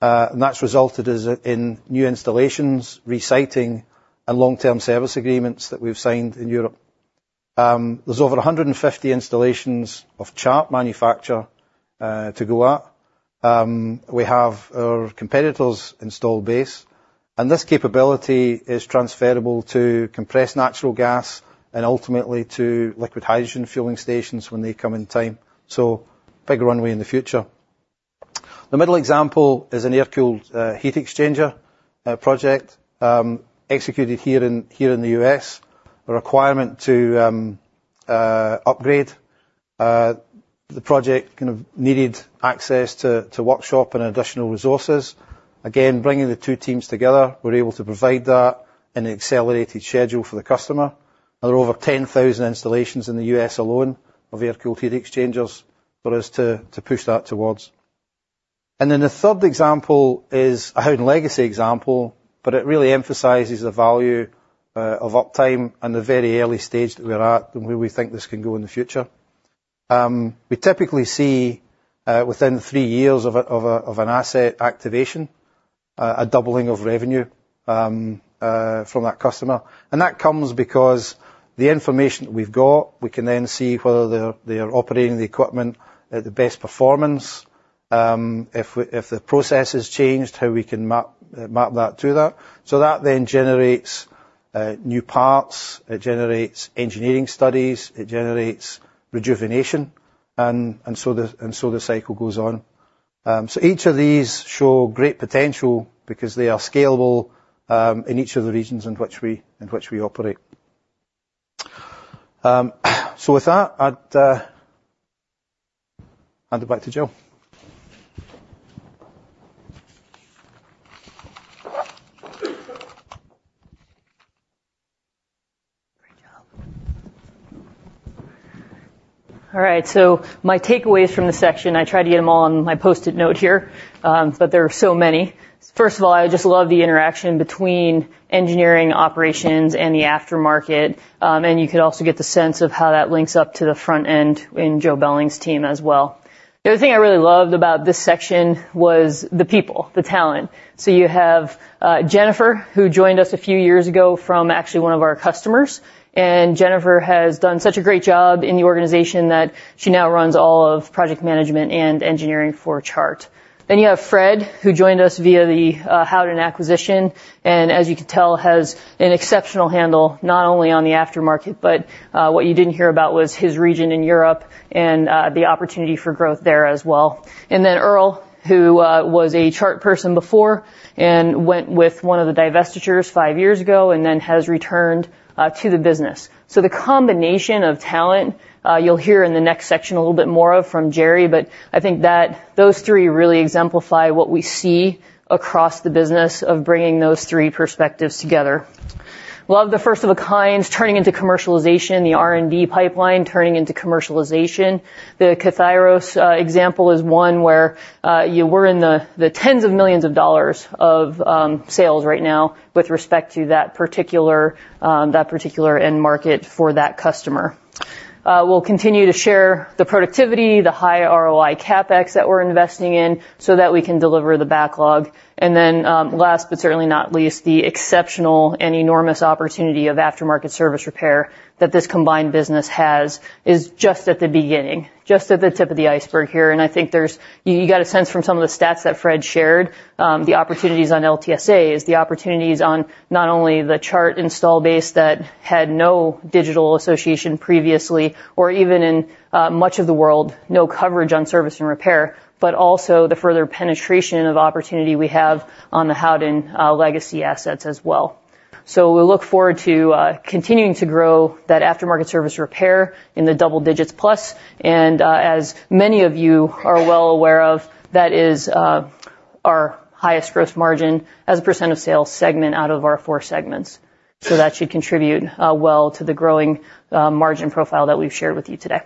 and that's resulted in new installations, re-siting, and long-term service agreements that we've signed in Europe. There's over 150 installations of Chart manufacture to go after. We have our competitors' installed base, and this capability is transferable to compressed natural gas and ultimately to liquid hydrogen fueling stations when they come online. So big runway in the future. The middle example is an air-cooled heat exchanger project executed here in the U.S. A requirement to upgrade the project kind of needed access to workshop and additional resources. Again, bringing the two teams together, we're able to provide that in an accelerated schedule for the customer. There are over 10,000 installations in the U.S. alone of air-cooled heat exchangers for us to push that towards. And then the third example is a Howden legacy example, but it really emphasizes the value of uptime and the very early stage that we're at, and where we think this can go in the future. We typically see within three years of an asset activation a doubling of revenue from that customer. And that comes because the information that we've got, we can then see whether they're operating the equipment at the best performance, if the process has changed, how we can map that to that. So that then generates new parts, it generates engineering studies, it generates rejuvenation, and so the cycle goes on. So each of these show great potential because they are scalable in each of the regions in which we operate. So with that, I'd hand it back to Jillian. Great job. All right, so my takeaways from this section, I tried to get them all on my Post-it note here, but there are so many. First of all, I just love the interaction between engineering operations and the aftermarket. And you could also get the sense of how that links up to the front end in Joe Belling's team as well. The other thing I really loved about this section was the people, the talent. So you have, Jennifer, who joined us a few years ago from actually one of our customers, and Jennifer has done such a great job in the organization that she now runs all of project management and engineering for Chart. Then you have Fred, who joined us via the Howden acquisition, and as you can tell, has an exceptional handle, not only on the aftermarket, but what you didn't hear about was his region in Europe and the opportunity for growth there as well. And then Earl, who was a Chart person before, and went with one of the divestitures five years ago, and then has returned to the business. So the combination of talent, you'll hear in the next section a little bit more of from Gerry, but I think that those three really exemplify what we see across the business of bringing those three perspectives together. Love the First of a Kind, turning into commercialization, the R&D pipeline, turning into commercialization. The Kathairos example is one where we're in the tens of millions of dollars of sales right now with respect to that particular that particular end market for that customer. We'll continue to share the productivity, the high ROI CapEx that we're investing in, so that we can deliver the backlog. And then, last but certainly not least, the exceptional and enormous opportunity of aftermarket service repair that this combined business has, is just at the beginning, just at the tip of the iceberg here. And I think there's... You got a sense from some of the stats that Fred shared, the opportunities on LTSA, is the opportunities on not only the Chart install base that had no digital association previously, or even in, much of the world, no coverage on service and repair, but also the further penetration of opportunity we have on the Howden, legacy assets as well. So we look forward to, continuing to grow that aftermarket service repair in the double digits plus, and, as many of you are well aware of, that is, our highest growth margin as a % of sales segment out of our four segments. So that should contribute, well to the growing, margin profile that we've shared with you today.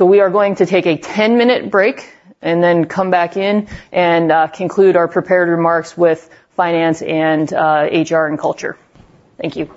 We are going to take a 10-minute break and then come back in and conclude our prepared remarks with finance and HR and culture. Thank you.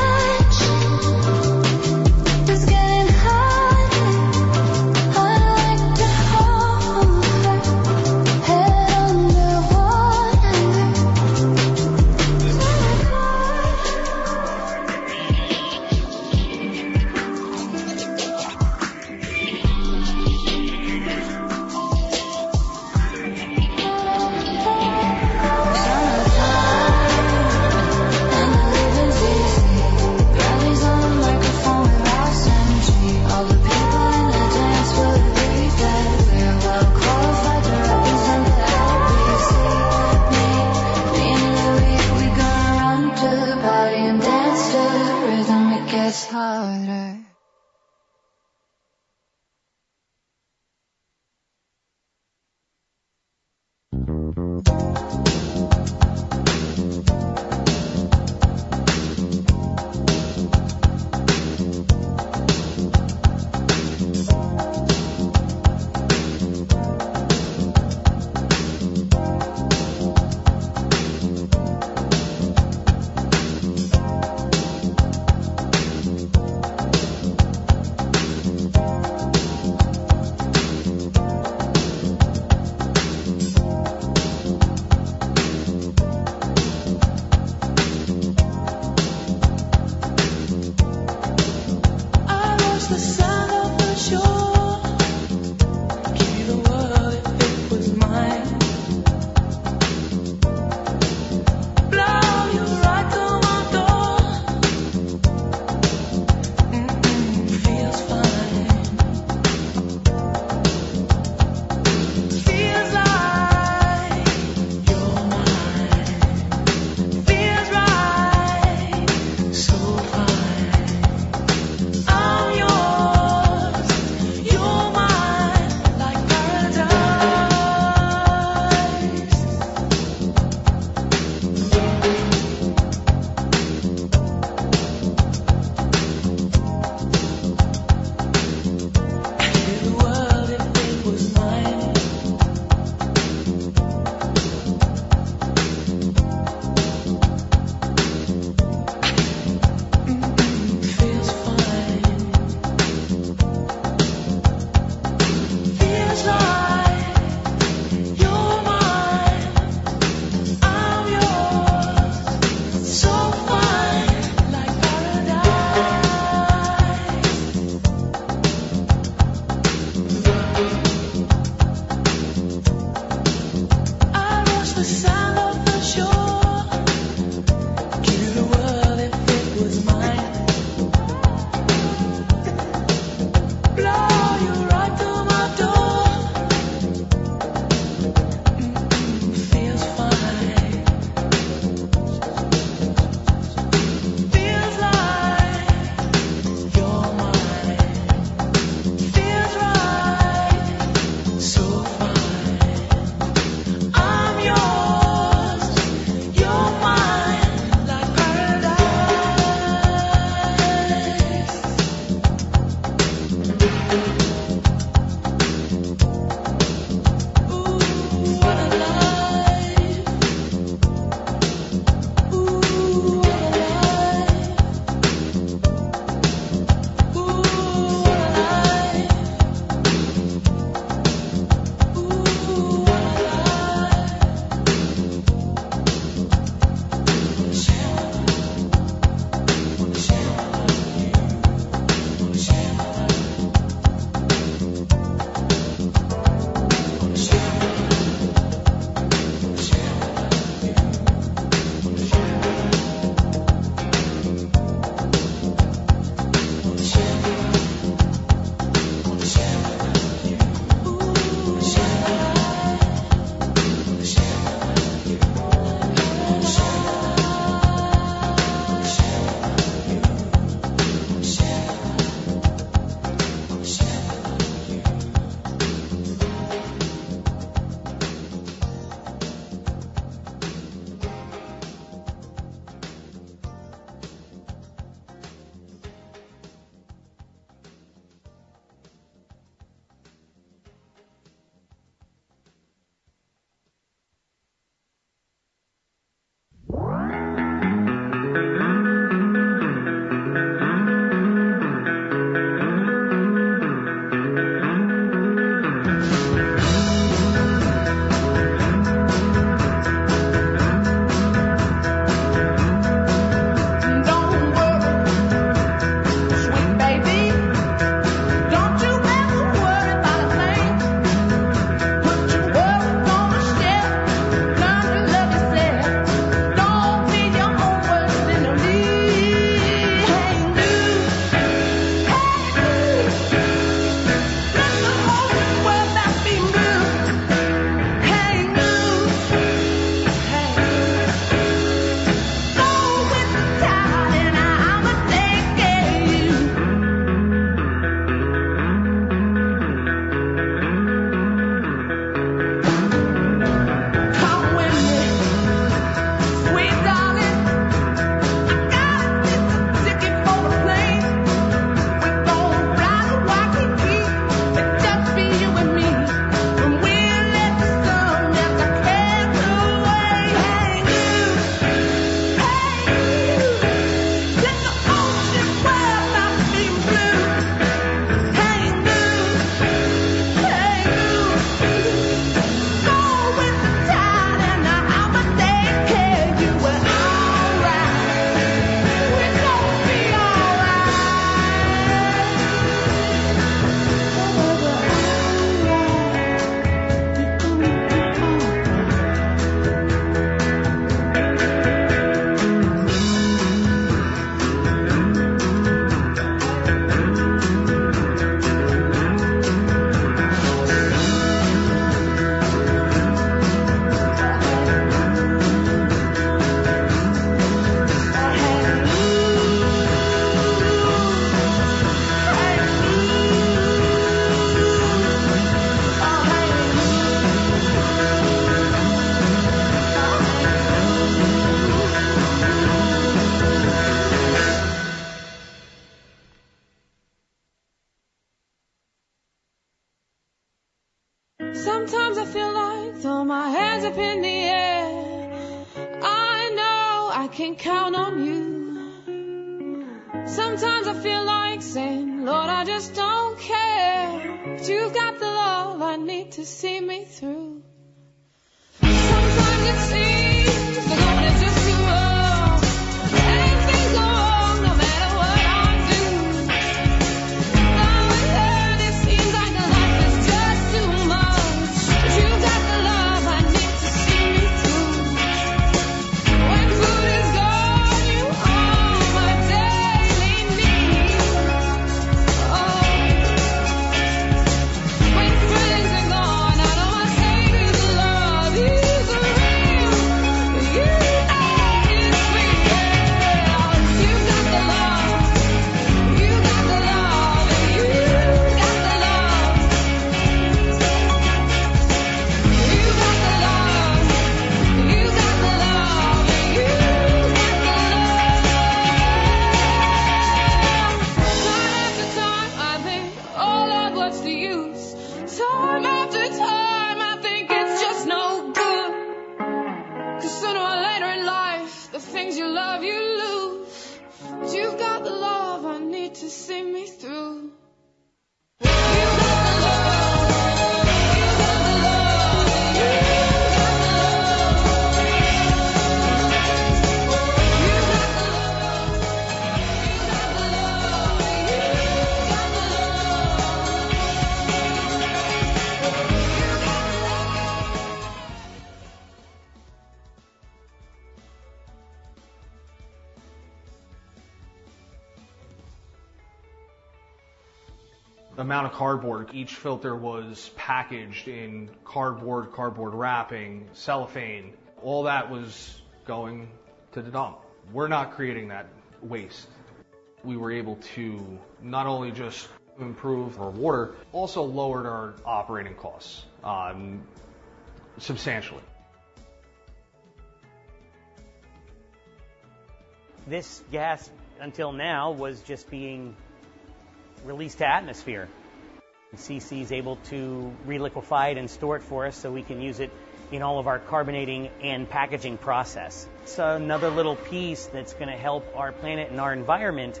CiCi is able to re-liquefy it and store it for us, so we can use it in all of our carbonating and packaging process. Another little piece that's gonna help our planet and our environment....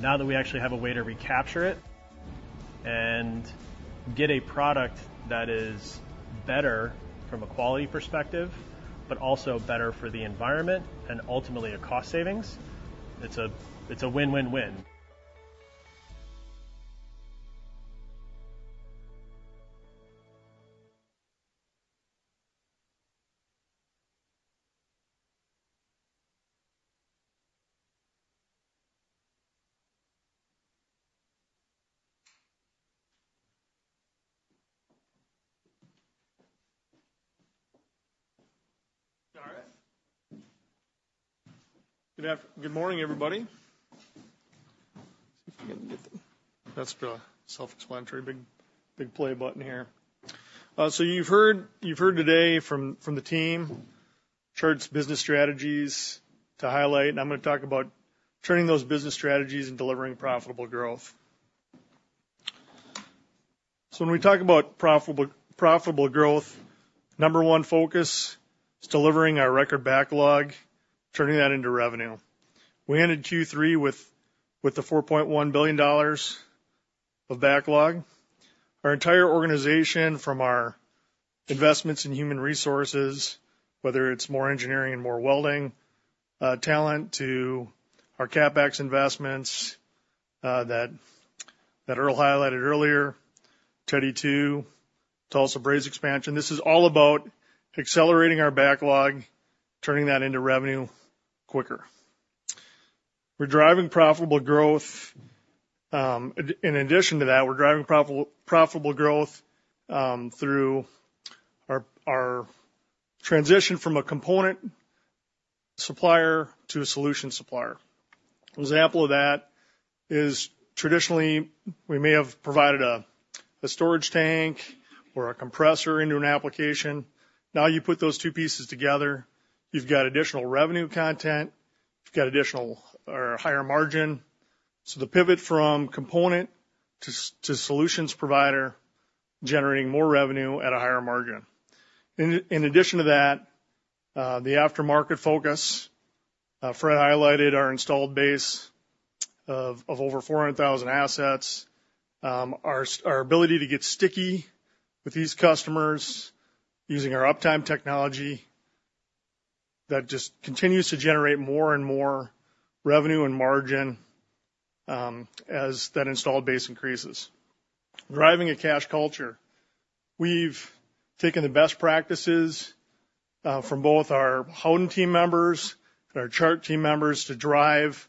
Now that we actually have a way to recapture it and get a product that is better from a quality perspective, but also better for the environment and ultimately, a cost savings, it's a, it's a win, win, win. All right. Good morning, everybody. That's pretty self-explanatory. Big, big play button here. So you've heard today from the team, Chart's business strategies to highlight, and I'm gonna talk about turning those business strategies and delivering profitable growth. So when we talk about profitable, profitable growth, number one focus is delivering our record backlog, turning that into revenue. We ended Q3 with the $4.1 billion of backlog. Our entire organization, from our investments in human resources, whether it's more engineering and more welding talent to our CapEx investments, that Earl highlighted earlier, Teddy 2, Tulsa BAHX expansion, this is all about accelerating our backlog, turning that into revenue quicker. We're driving profitable growth. In addition to that, we're driving profitable growth through our transition from a component supplier to a solution supplier. An example of that is traditionally, we may have provided a storage tank or a compressor into an application. Now, you put those two pieces together, you've got additional revenue content, you've got additional or higher margin. So the pivot from component to solutions provider, generating more revenue at a higher margin. In addition to that, the aftermarket focus, Fred highlighted our installed base of over 400,000 assets. Our ability to get sticky with these customers using our uptime technology, that just continues to generate more and more revenue and margin as that installed base increases. Driving a cash culture. We've taken the best practices from both our Howden team members and our Chart team members to drive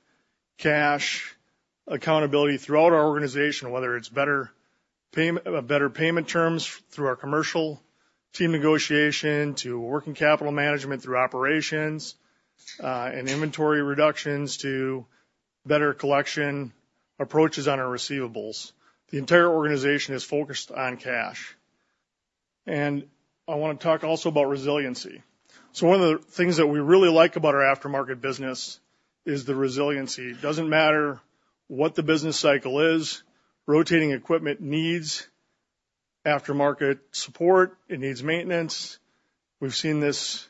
cash accountability throughout our organization, whether it's better payment terms through our commercial team negotiation, to working capital management through operations, and inventory reductions to better collection approaches on our receivables. The entire organization is focused on cash. I wanna talk also about resiliency. One of the things that we really like about our aftermarket business is the resiliency. It doesn't matter what the business cycle is, rotating equipment needs aftermarket support, it needs maintenance. We've seen this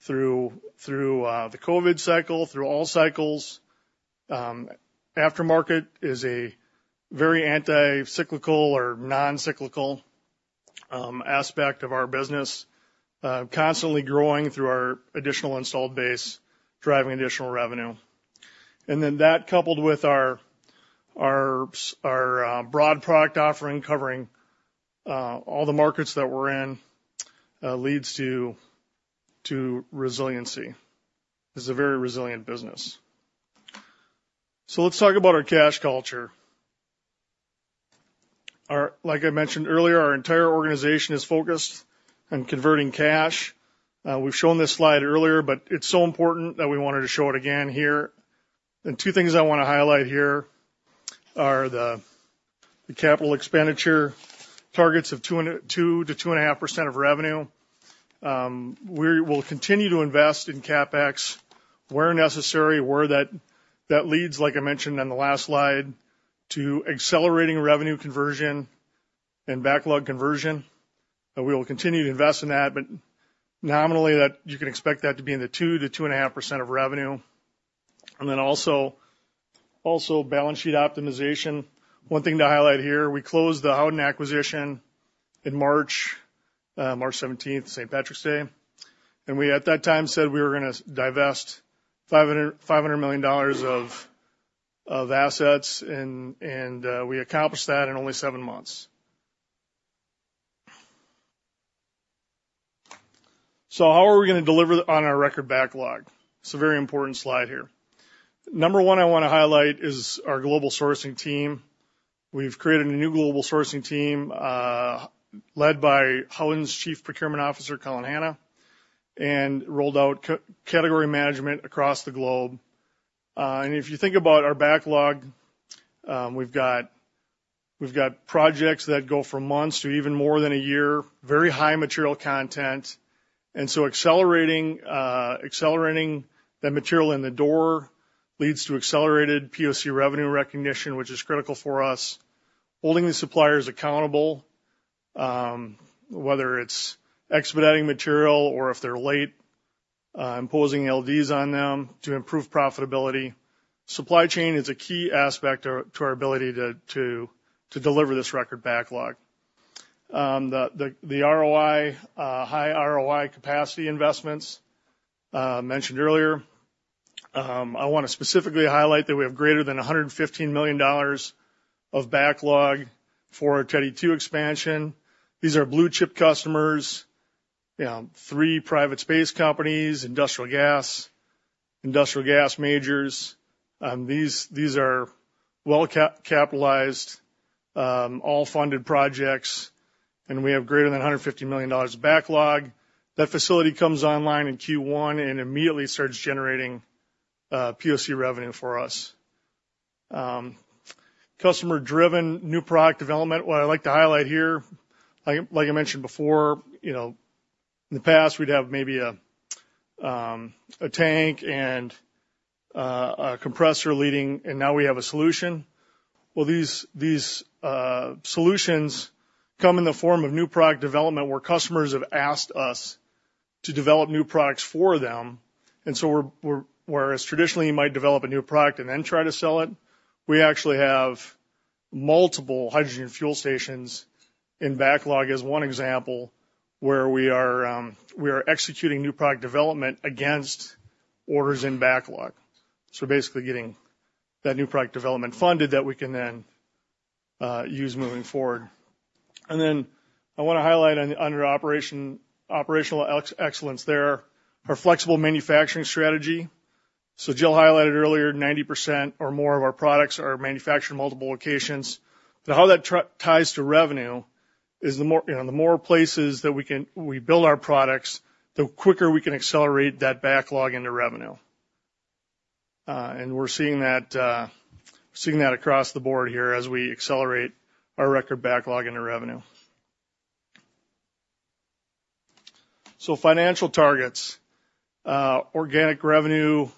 through the COVID cycle, through all cycles. Aftermarket is a very anti-cyclical or non-cyclical aspect of our business, constantly growing through our additional installed base, driving additional revenue. Then that, coupled with our broad product offering, covering all the markets that we're in, leads to resiliency. This is a very resilient business. So let's talk about our cash culture. Our like I mentioned earlier, our entire organization is focused on converting cash. We've shown this slide earlier, but it's so important that we wanted to show it again here. And two things I wanna highlight here are the capital expenditure targets of 2%-2.5% of revenue. We will continue to invest in CapEx where necessary, where that leads, like I mentioned on the last slide, to accelerating revenue conversion and backlog conversion. We will continue to invest in that, but nominally, that you can expect that to be in the 2%-2.5% of revenue. And then also balance sheet optimization. One thing to highlight here, we closed the Howden acquisition in March, March 17, St. Patrick's Day, and we, at that time, said we were gonna divest $500 million of assets and we accomplished that in only 7 months. So how are we gonna deliver on our record backlog? It's a very important slide here. Number one I wanna highlight is our global sourcing team. We've created a new global sourcing team, led by Howden's Chief Procurement Officer, Colin Hanna, and rolled out category management across the globe. And if you think about our backlog, we've got, we've got projects that go from months to even more than a year, very high material content. So accelerating the material in the door leads to accelerated POC revenue recognition, which is critical for us. Holding the suppliers accountable, whether it's expediting material or if they're late, imposing LDs on them to improve profitability. Supply chain is a key aspect to our ability to deliver this record backlog. The ROI, high ROI capacity investments mentioned earlier. I wanna specifically highlight that we have greater than $115 million of backlog for our Teddy 2 expansion. These are blue-chip customers, you know, three private space companies, industrial gas, industrial gas majors. These are well-capitalized, all funded projects, and we have greater than $150 million of backlog. That facility comes online in Q1 and immediately starts generating POC revenue for us. Customer-driven new product development. What I'd like to highlight here, like I mentioned before, you know, in the past, we'd have maybe a tank and a compressor leading, and now we have a solution. Well, these solutions come in the form of new product development, where customers have asked us to develop new products for them. And so we're, whereas traditionally, you might develop a new product and then try to sell it, we actually have multiple hydrogen fuel stations in backlog as one example, where we are executing new product development against orders in backlog. So basically, getting that new product development funded that we can then use moving forward. And then I wanna highlight on, under operation, operational excellence, there, our flexible manufacturing strategy. So Jill highlighted earlier, 90% or more of our products are manufactured in multiple locations. But how that ties to revenue is the more, you know, the more places that we can we build our products, the quicker we can accelerate that backlog into revenue. And we're seeing that across the board here as we accelerate our record backlog into revenue. So financial targets. Organic revenue,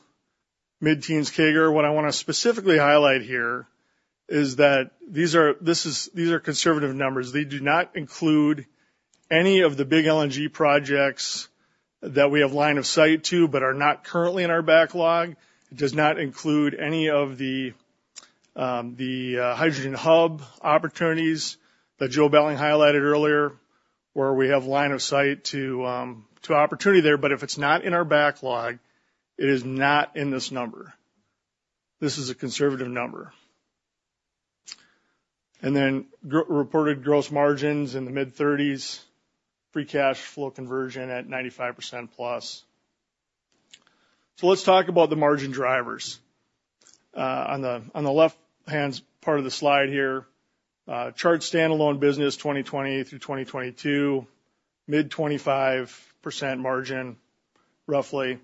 mid-teens CAGR. What I wanna specifically highlight here is that these are conservative numbers. They do not include any of the big LNG projects that we have line of sight to but are not currently in our backlog. It does not include any of the, the, hydrogen hub opportunities that Joe Belling highlighted earlier, where we have line of sight to, to opportunity there. But if it's not in our backlog, it is not in this number. This is a conservative number. And then reported gross margins in the mid-30s, free cash flow conversion at 95%+. So let's talk about the margin drivers. On the, on the left-hand part of the slide here, Chart's standalone business, 2020 through 2022, mid-25% margin, roughly.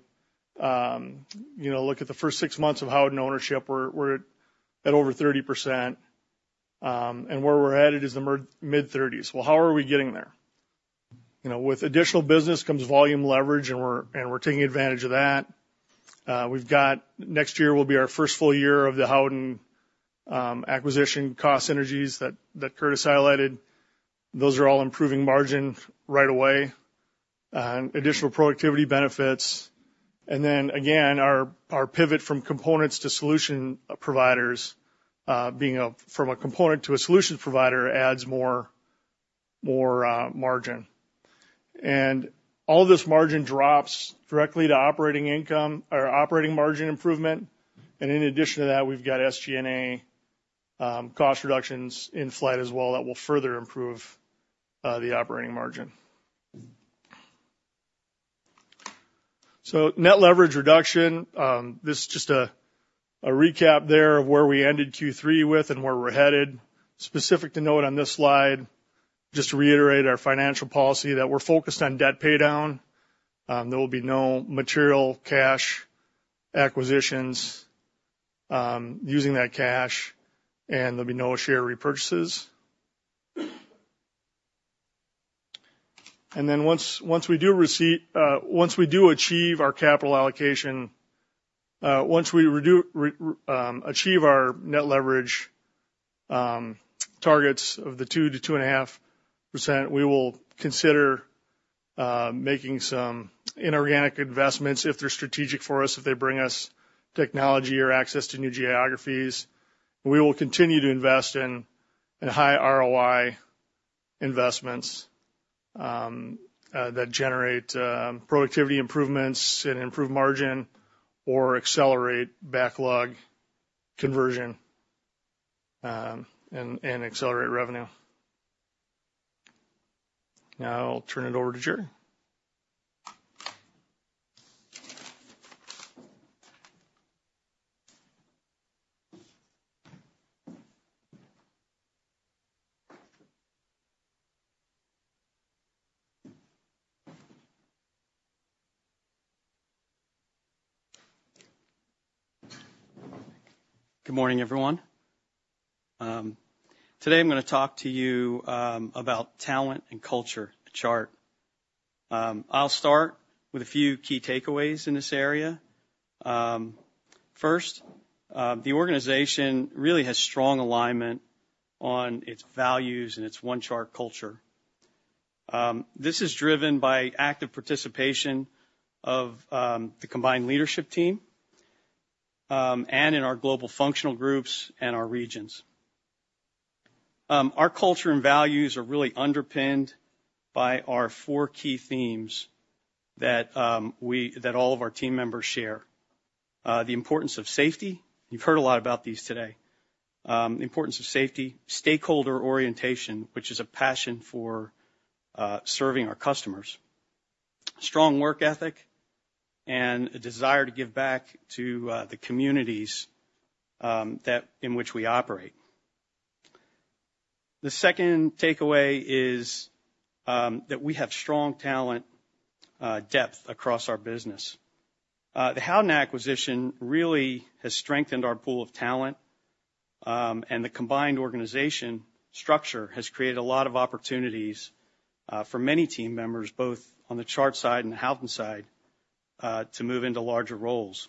You know, look at the first six months of Howden ownership, we're, we're at over 30%, and where we're headed is the mid-30s. Well, how are we getting there? You know, with additional business comes volume leverage, and we're, and we're taking advantage of that. We've got next year will be our first full year of the Howden acquisition cost synergies that Curtis highlighted. Those are all improving margin right away, and additional productivity benefits. And then again, our pivot from components to solution providers, being a from a component to a solutions provider adds more margin. And all this margin drops directly to operating income or operating margin improvement. And in addition to that, we've got SG&A cost reductions in flight as well, that will further improve the operating margin. So net leverage reduction, this is just a recap there of where we ended Q3 with and where we're headed. Specific to note on this slide, just to reiterate our financial policy, that we're focused on debt paydown. There will be no material cash acquisitions, using that cash, and there'll be no share repurchases. Then once we achieve our capital allocation, once we achieve our net leverage targets of 2%-2.5%, we will consider making some inorganic investments if they're strategic for us, if they bring us technology or access to new geographies. We will continue to invest in high ROI investments that generate productivity improvements and improve margin or accelerate backlog conversion, and accelerate revenue. Now I'll turn it over to Gerry. Good morning, everyone. Today I'm gonna talk to you about talent and culture at Chart. I'll start with a few key takeaways in this area.... First, the organization really has strong alignment on its values and its One Chart culture. This is driven by active participation of the combined leadership team, and in our global functional groups and our regions. Our culture and values are really underpinned by our four key themes that all of our team members share. The importance of safety. You've heard a lot about these today. The importance of safety, stakeholder orientation, which is a passion for serving our customers, strong work ethic, and a desire to give back to the communities that in which we operate. The second takeaway is that we have strong talent depth across our business. The Howden acquisition really has strengthened our pool of talent, and the combined organization structure has created a lot of opportunities, for many team members, both on the Chart side and the Howden side, to move into larger roles.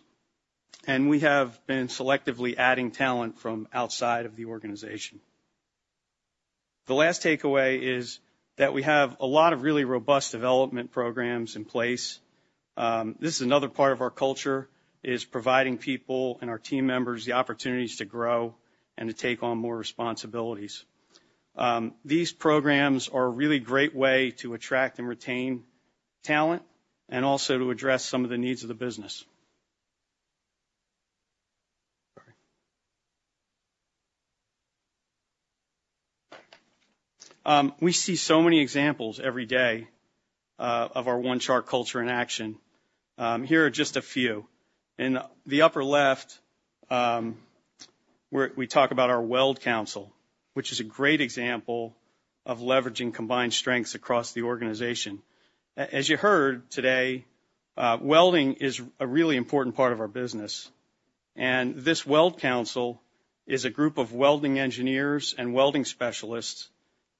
And we have been selectively adding talent from outside of the organization. The last takeaway is that we have a lot of really robust development programs in place. This is another part of our culture, is providing people and our team members the opportunities to grow and to take on more responsibilities. These programs are a really great way to attract and retain talent, and also to address some of the needs of the business. We see so many examples every day, of our One Chart culture in action. Here are just a few. In the upper left, we're we talk about our Weld Council, which is a great example of leveraging combined strengths across the organization. As you heard today, welding is a really important part of our business, and this Weld Council is a group of welding engineers and welding specialists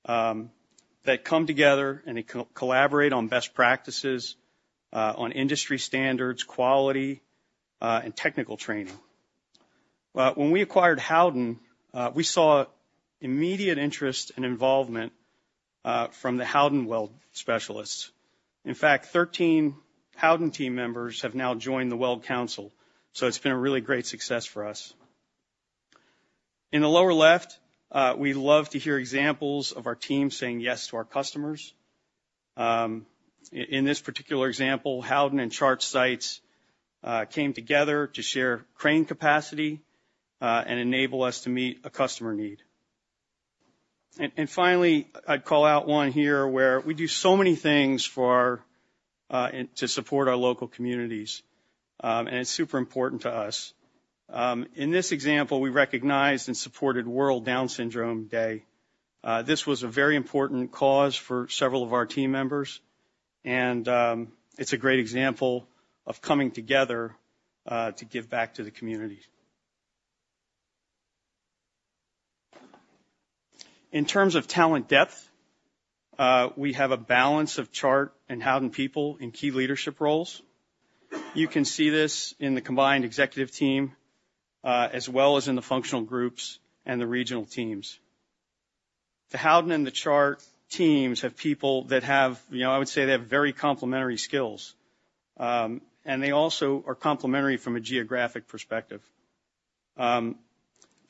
that come together and they collaborate on best practices on industry standards, quality, and technical training. When we acquired Howden, we saw immediate interest and involvement from the Howden weld specialists. In fact, 13 Howden team members have now joined the Weld Council, so it's been a really great success for us. In the lower left, we love to hear examples of our team saying yes to our customers. In this particular example, Howden and Chart sites came together to share crane capacity and enable us to meet a customer need. And finally, I'd call out one here where we do so many things for our, and to support our local communities, and it's super important to us. In this example, we recognized and supported World Down Syndrome Day. This was a very important cause for several of our team members, and it's a great example of coming together to give back to the community. In terms of talent depth, we have a balance of Chart and Howden people in key leadership roles. You can see this in the combined executive team as well as in the functional groups and the regional teams. The Howden and the Chart teams have people that have, you know, I would say they have very complementary skills, and they also are complementary from a geographic perspective.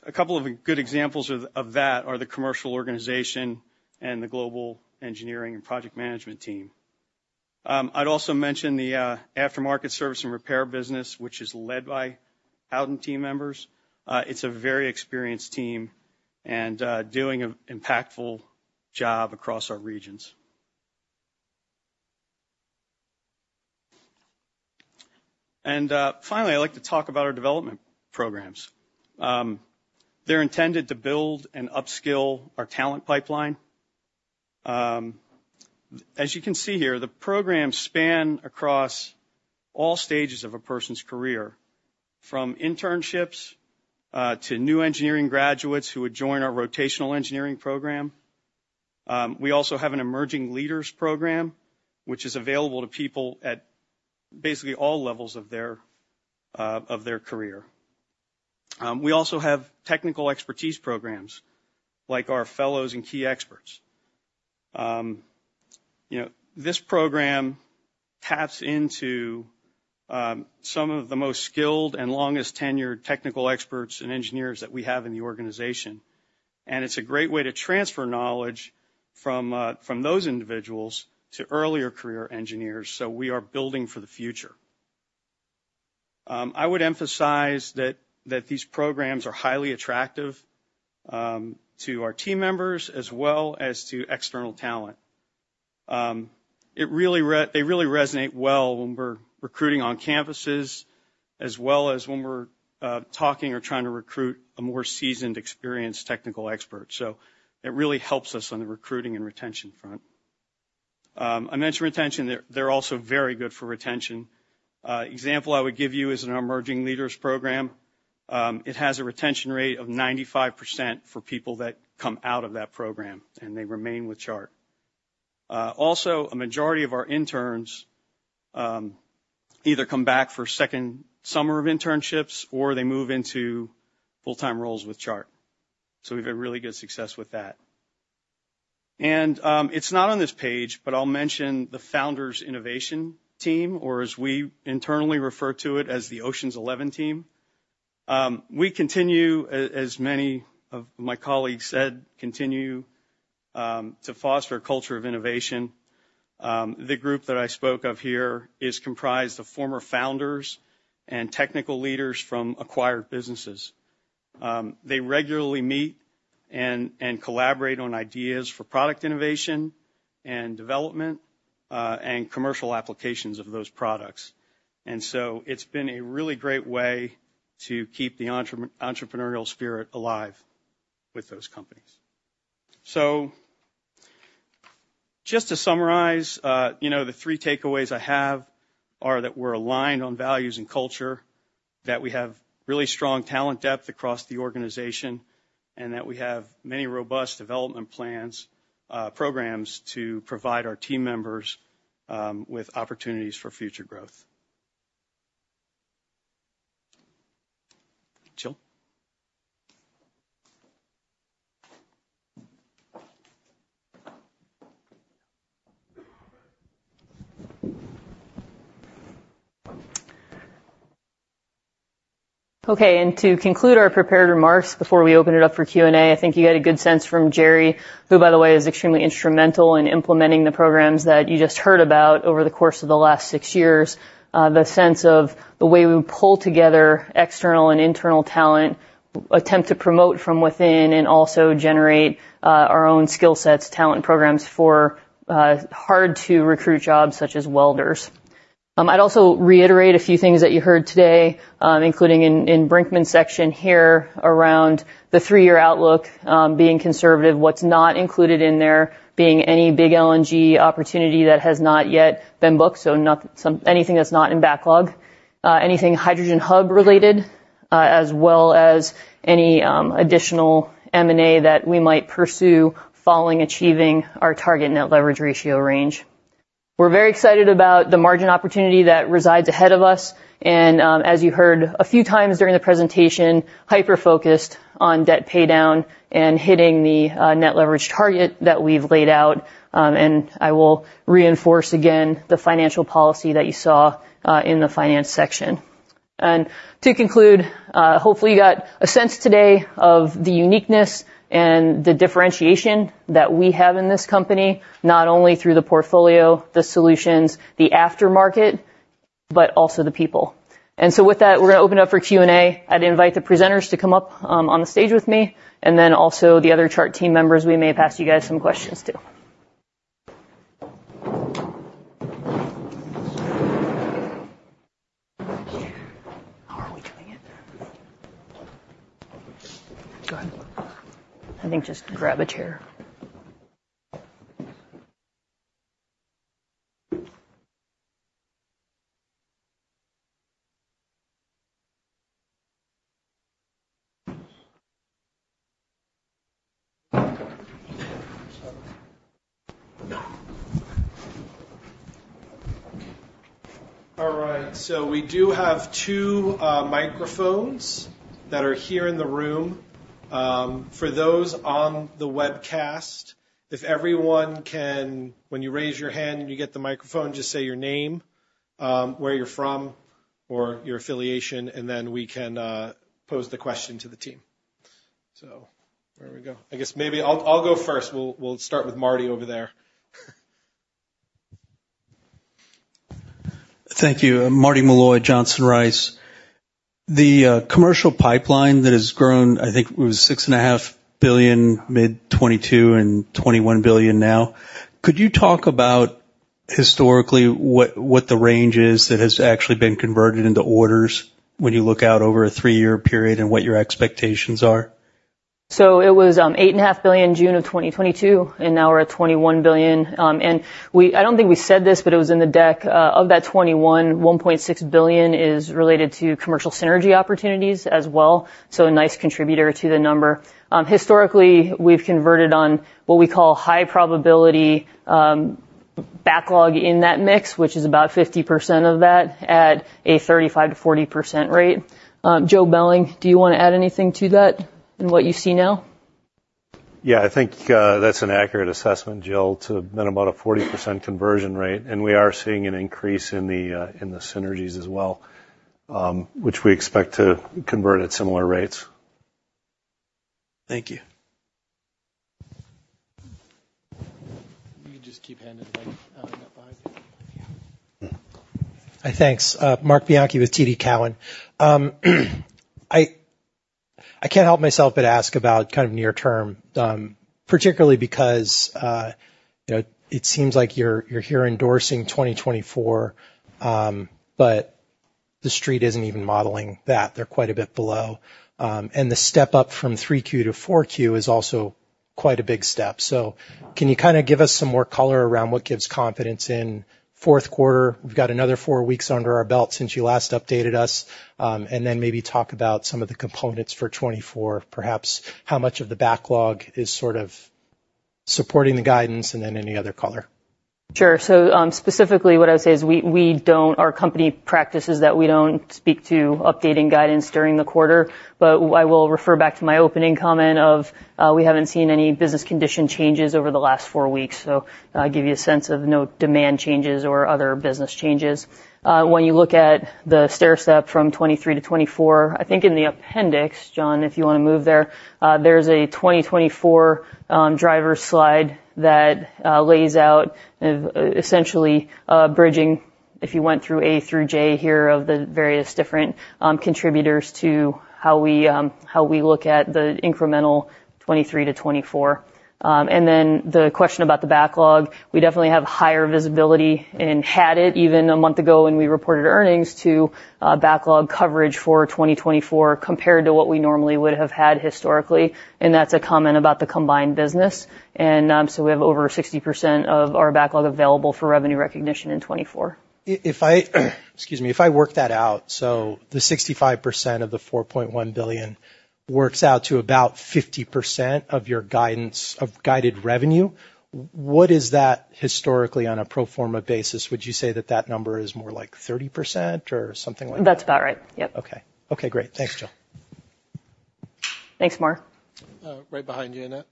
A couple of good examples of that are the commercial organization and the global engineering and project management team. I'd also mention the aftermarket service and repair business, which is led by Howden team members. It's a very experienced team and doing an impactful job across our regions. Finally, I'd like to talk about our development programs. They're intended to build and upskill our talent pipeline. As you can see here, the programs span across all stages of a person's career, from internships to new engineering graduates who would join our rotational engineering program. We also have an Emerging Leaders program, which is available to people at basically all levels of their career. We also have technical expertise programs like our Fellows and Key Experts. You know, this program taps into some of the most skilled and longest-tenured technical experts and engineers that we have in the organization, and it's a great way to transfer knowledge from those individuals to earlier career engineers, so we are building for the future. I would emphasize that these programs are highly attractive to our team members as well as to external talent. They really resonate well when we're recruiting on campuses, as well as when we're talking or trying to recruit a more seasoned, experienced technical expert. So it really helps us on the recruiting and retention front. I mentioned retention, they're also very good for retention. Example I would give you is in our Emerging Leaders program. It has a retention rate of 95% for people that come out of that program, and they remain with Chart. Also, a majority of our interns either come back for a second summer of internships or they move into full-time roles with Chart. So we've had really good success with that. It's not on this page, but I'll mention the Founders Innovation team, or as we internally refer to it, as the Oceans Eleven team. We continue, as many of my colleagues said, to foster a culture of innovation. The group that I spoke of here is comprised of former founders and technical leaders from acquired businesses. They regularly meet and collaborate on ideas for product innovation and development, and commercial applications of those products. And so it's been a really great way to keep the entrepreneurial spirit alive with those companies. So just to summarize, you know, the three takeaways I have are that we're aligned on values and culture, that we have really strong talent depth across the organization, and that we have many robust development plans, programs to provide our team members with opportunities for future growth. Jillian? Okay, and to conclude our prepared remarks before we open it up for Q&A, I think you get a good sense from Gerry, who, by the way, is extremely instrumental in implementing the programs that you just heard about over the course of the last six years. The sense of the way we pull together external and internal talent, attempt to promote from within, and also generate our own skill sets, talent programs for hard-to-recruit jobs such as welders. I'd also reiterate a few things that you heard today, including in Brinkman's section here, around the three-year outlook, being conservative, what's not included in there being any big LNG opportunity that has not yet been booked, so not anything that's not in backlog, anything hydrogen hub related, as well as any additional M&A that we might pursue following achieving our target net leverage ratio range. We're very excited about the margin opportunity that resides ahead of us, and, as you heard a few times during the presentation, hyper-focused on debt paydown and hitting the net leverage target that we've laid out. I will reinforce again the financial policy that you saw in the finance section. To conclude, hopefully, you got a sense today of the uniqueness and the differentiation that we have in this company, not only through the portfolio, the solutions, the aftermarket, but also the people. So with that, we're going to open up for Q&A. I'd invite the presenters to come up on the stage with me, and then also the other Chart team members. We may ask you guys some questions, too. How are we doing it? Go ahead. I think just grab a chair. All right, so we do have two microphones that are here in the room. For those on the webcast, if everyone can when you raise your hand and you get the microphone, just say your name, where you're from, or your affiliation, and then we can pose the question to the team. So here we go. I guess maybe I'll go first. We'll start with Marty over there. Thank you. Martin Malloy, Johnson Rice. The commercial pipeline that has grown, I think it was $6.5 billion mid-2022 and $21 billion now. Could you talk about, historically, what the range is that has actually been converted into orders when you look out over a three-year period and what your expectations are? So it was $8.5 billion in June of 2022, and now we're at $21 billion. We—I don't think we said this, but it was in the deck. Of that $21 billion, $1.6 billion is related to commercial synergy opportunities as well, so a nice contributor to the number. Historically, we've converted on what we call high probability backlog in that mix, which is about 50% of that at a 35%-40% rate. Joe Belling, do you want to add anything to that and what you see now? Yeah, I think that's an accurate assessment, Jill, to been about a 40% conversion rate, and we are seeing an increase in the synergies as well, which we expect to convert at similar rates. Thank you. You can just keep handing the mic behind you. Yeah. Hi, thanks. Marc Bianchi with TD Cowen. I can't help myself but ask about kind of near term, particularly because, you know, it seems like you're here endorsing 2024, but the street isn't even modeling that. They're quite a bit below. And the step up from 3Q to 4Q is also quite a big step. So can you kind of give us some more color around what gives confidence in fourth quarter? We've got another four weeks under our belt since you last updated us, and then maybe talk about some of the components for 2024, perhaps how much of the backlog is sort of supporting the guidance, and then any other color. Sure. So, specifically, what I would say is we don't, our company practice is that we don't speak to updating guidance during the quarter, but I will refer back to my opening comment of, we haven't seen any business condition changes over the last four weeks. So I'll give you a sense of no demand changes or other business changes. When you look at the stair step from 2023 to 2024, I think in the appendix, John, if you wanna move there, there's a 2024 driver slide that lays out essentially bridging, if you went through A through J here, of the various different contributors to how we look at the incremental 2023 to 2024. and then the question about the backlog, we definitely have higher visibility and had it even a month ago when we reported earnings to backlog coverage for 2024, compared to what we normally would have had historically, and that's a comment about the combined business. So we have over 60% of our backlog available for revenue recognition in 2024. If I work that out, so the 65% of the $4.1 billion works out to about 50% of your guidance, of guided revenue. What is that historically on a pro forma basis? Would you say that that number is more like 30% or something like that? That's about right. Yep. Okay. Okay, great. Thanks, Jillian. Thanks, Mark. Right behind you, Annette.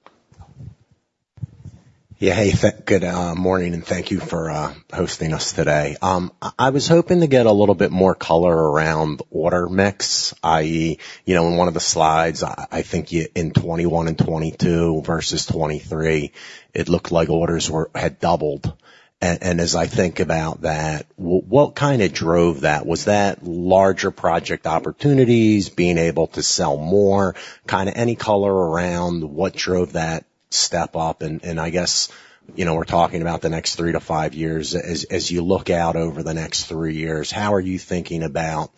Yeah, hey, good morning, and thank you for hosting us today. I was hoping to get a little bit more color around order mix, i.e., you know, in one of the slides, I think in 2021 and 2022 versus 2023, it looked like orders had doubled. And as I think about that, what kinda drove that? Was that larger project opportunities, being able to sell more? Kinda any color around what drove that step up, and I guess, you know, we're talking about the next 3-5 years. As you look out over the next 3 years, how are you thinking about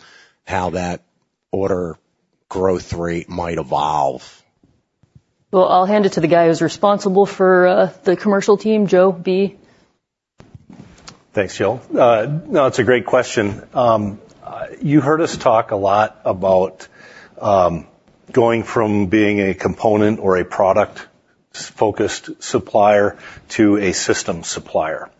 how that order growth rate might evolve? Well, I'll hand it to the guy who's responsible for the commercial team, Joe B. Thanks, Jillian. No, it's a great question. You heard us talk a lot about going from being a component or a product-focused supplier to a system supplier.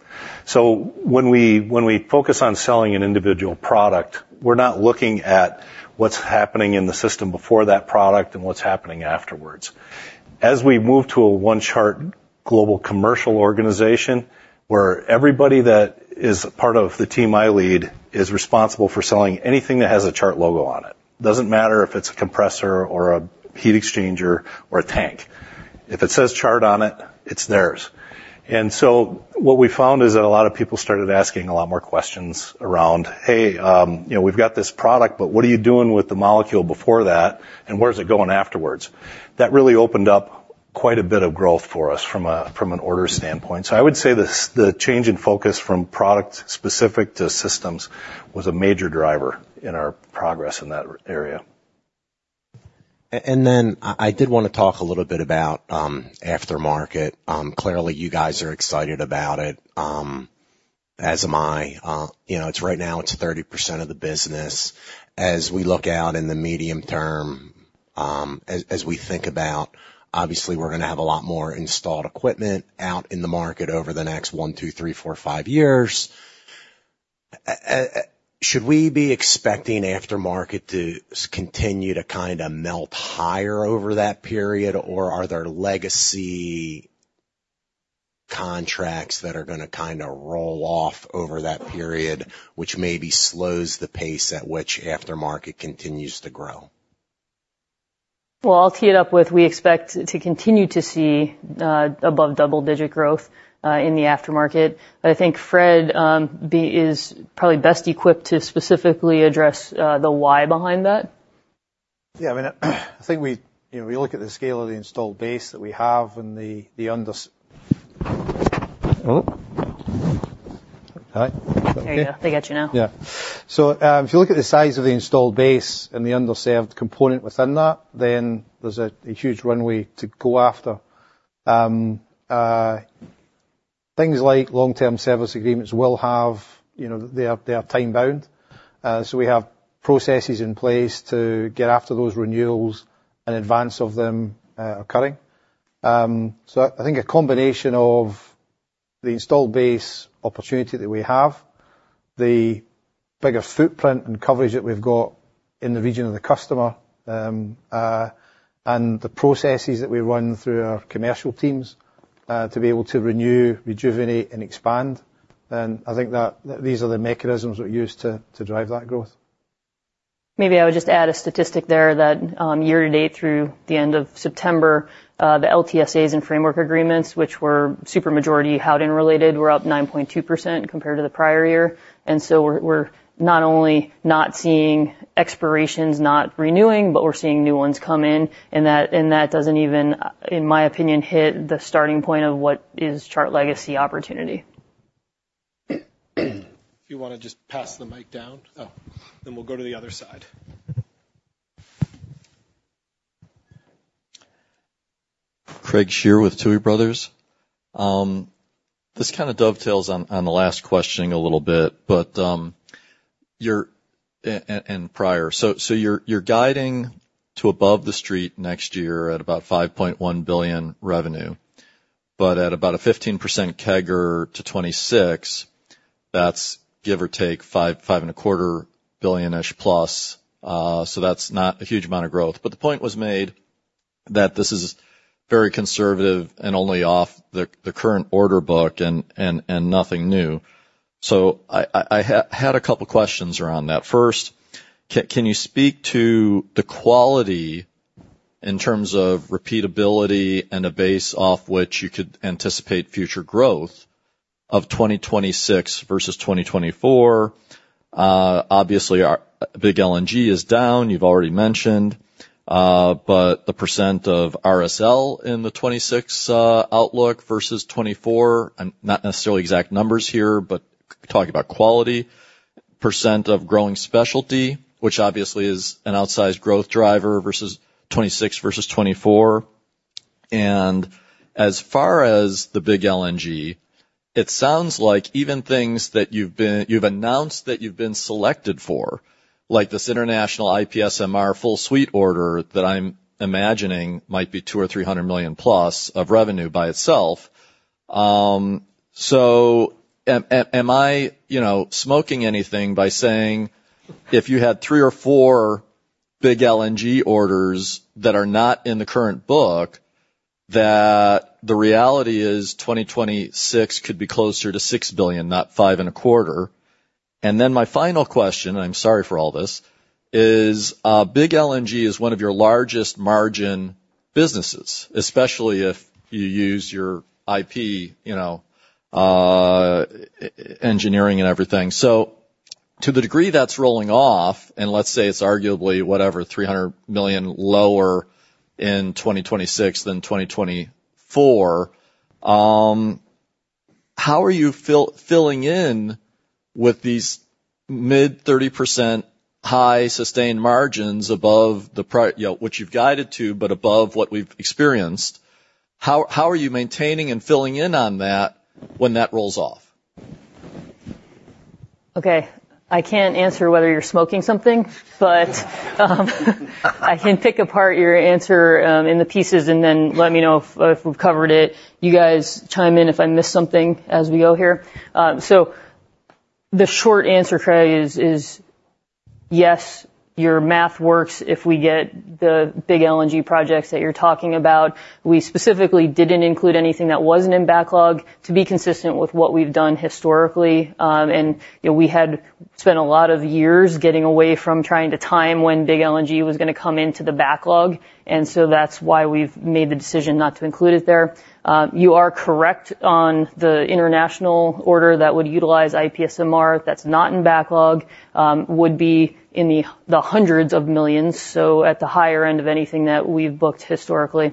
So when we focus on selling an individual product, we're not looking at what's happening in the system before that product and what's happening afterwards. As we move to a One Chart global commercial organization, where everybody that is part of the team I lead is responsible for selling anything that has a Chart logo on it. Doesn't matter if it's a compressor or a heat exchanger or a tank. If it says Chart on it, it's theirs. So what we found is that a lot of people started asking a lot more questions around: "Hey, you know, we've got this product, but what are you doing with the molecule before that, and where is it going afterwards?" That really opened up quite a bit of growth for us from an order standpoint. So I would say the change in focus from product specific to systems was a major driver in our progress in that area. And then I did want to talk a little bit about aftermarket. Clearly, you guys are excited about it, as am I. You know, it's right now 30% of the business. As we look out in the medium term, as we think about, obviously, we're gonna have a lot more installed equipment out in the market over the next 1, 2, 3, 4, 5 years. Should we be expecting aftermarket to continue to kinda melt higher over that period, or are there legacy contracts that are gonna kinda roll off over that period, which maybe slows the pace at which aftermarket continues to grow? Well, I'll tee it up with, we expect to continue to see above double-digit growth in the aftermarket, but I think Fred is probably best equipped to specifically address the why behind that. Yeah, I mean, I think we, you know, we look at the scale of the installed base that we have and the unders... Oh, hi. There you go. They got you now. Yeah. So, if you look at the size of the installed base and the underserved component within that, then there's a huge runway to go after. Things like long-term service agreements will have, you know, they are, they are time-bound, so we have processes in place to get after those renewals in advance of them occurring. So I think a combination of the installed base opportunity that we have, the bigger footprint and coverage that we've got in the region of the customer, and the processes that we run through our commercial teams to be able to renew, rejuvenate, and expand, then I think that these are the mechanisms we use to drive that growth. Maybe I would just add a statistic there that, year to date, through the end of September, the LTSAs and framework agreements, which were super majority Howden related, were up 9.2% compared to the prior year. And so we're, we're not only not seeing expirations, not renewing, but we're seeing new ones come in, and that, and that doesn't even, in my opinion, hit the starting point of what is Chart legacy opportunity. If you wanna just pass the mic down. Oh, then we'll go to the other side. Craig Shere with Tuohy Brothers. This kind of dovetails on the last questioning a little bit, but your and prior. So you're guiding to above the street next year at about $5.1 billion revenue, but at about a 15% CAGR to 2026, that's give or take $5-$5.25 billion-ish plus, so that's not a huge amount of growth. But the point was made that this is very conservative and only off the current order book and nothing new. So I had a couple questions around that. First, can you speak to the quality in terms of repeatability and a base off which you could anticipate future growth of 2026 versus 2024? Obviously, our big LNG is down, you've already mentioned. But the percent of RSL in the 2026 outlook versus 2024, and not necessarily exact numbers here, but talking about quality, percent of growing specialty, which obviously is an outsized growth driver, versus 2026 versus 2024. And as far as the big LNG, it sounds like even things that you've announced that you've been selected for, like this international IPSMR full suite order that I'm imagining might be $200-$300 million plus of revenue by itself. So am I, you know, smoking anything by saying, if you had 3 or 4 big LNG orders that are not in the current book, that the reality is 2026 could be closer to $6 billion, not $5.25 billion? And then my final question, I'm sorry for all this, is, big LNG is one of your largest margin businesses, especially if you use your IP, you know, engineering and everything. So to the degree that's rolling off, and let's say it's arguably, whatever, $300 million lower in 2026 than 2024, how are you filling in with these mid-30% high sustained margins above the prior. You know, which you've guided to, but above what we've experienced, how are you maintaining and filling in on that when that rolls off? Okay, I can't answer whether you're smoking something, but I can pick apart your answer in the pieces, and then let me know if we've covered it. You guys chime in if I miss something as we go here. So the short answer, Trey, is yes, your math works if we get the big LNG projects that you're talking about. We specifically didn't include anything that wasn't in backlog to be consistent with what we've done historically. And you know, we had spent a lot of years getting away from trying to time when big LNG was gonna come into the backlog, and so that's why we've made the decision not to include it there. You are correct on the international order that would utilize IPSMR, that's not in backlog, would be in the hundreds of millions, so at the higher end of anything that we've booked historically.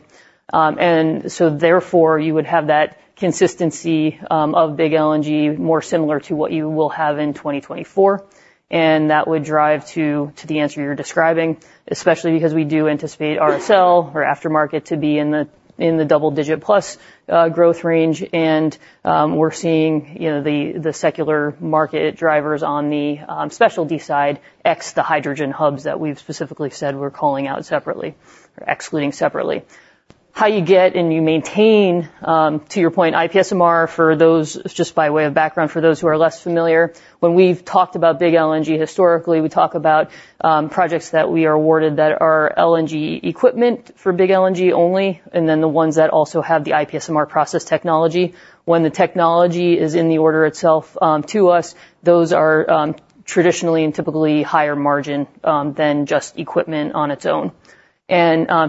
And so therefore, you would have that consistency of big LNG, more similar to what you will have in 2024, and that would drive to the answer you're describing, especially because we do anticipate RSL or aftermarket to be in the double-digit+ growth range. And we're seeing, you know, the secular market drivers on the specialty side, ex the hydrogen hubs that we've specifically said we're calling out separately or excluding separately. How you get and you maintain, to your point, IPSMR, for those, just by way of background, for those who are less familiar, when we've talked about big LNG, historically, we talk about projects that we are awarded that are LNG equipment for big LNG only, and then the ones that also have the IPSMR process technology. When the technology is in the order itself, to us, those are traditionally and typically higher margin than just equipment on its own.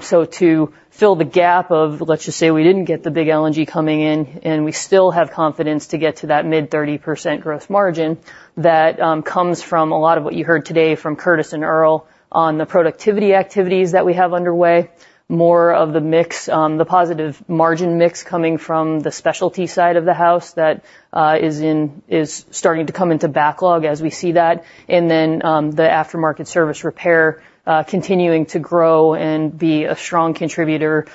So to fill the gap of, let's just say, we didn't get the big LNG coming in, and we still have confidence to get to that mid-30% growth margin, that comes from a lot of what you heard today from Curtis and Earl on the productivity activities that we have underway. More of the mix, the positive margin mix coming from the specialty side of the house that is starting to come into backlog as we see that. And then, the aftermarket service repair continuing to grow and be a strong contributor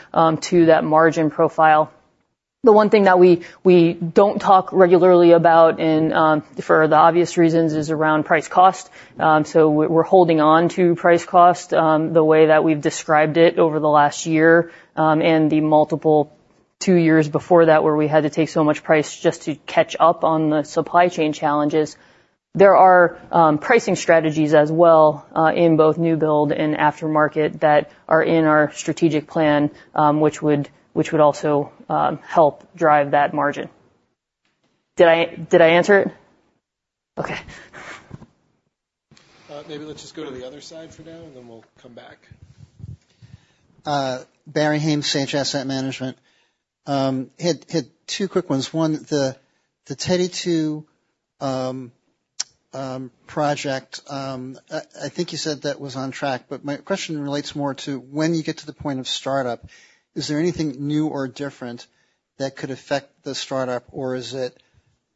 to that margin profile. The one thing that we don't talk regularly about, and for the obvious reasons, is around price-cost. So we're holding on to price-cost the way that we've described it over the last year, and the multiple two years before that, where we had to take so much price just to catch up on the supply chain challenges. There are pricing strategies as well in both new build and aftermarket that are in our strategic plan, which would also help drive that margin. Did I, did I answer it? Okay. Maybe let's just go to the other side for now, and then we'll come back. Barry Haimes, Sage Asset Management. Had two quick ones. One, the Teddy 2 project, I think you said that was on track, but my question relates more to when you get to the point of startup, is there anything new or different that could affect the startup, or is it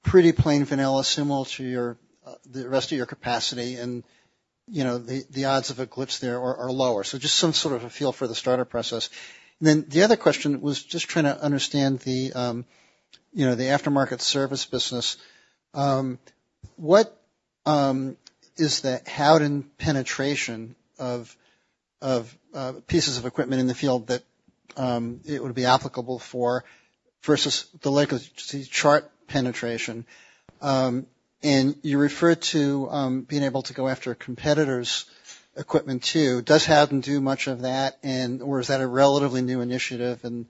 pretty plain vanilla, similar to your, the rest of your capacity? And-... you know, the odds of a glitch there are lower. So just some sort of a feel for the starter process. And then the other question was just trying to understand the, you know, the aftermarket service business. What is the Howden penetration of pieces of equipment in the field that it would be applicable for versus the legacy Chart penetration? And you referred to being able to go after a competitor's equipment, too. Does Howden do much of that, or is that a relatively new initiative? And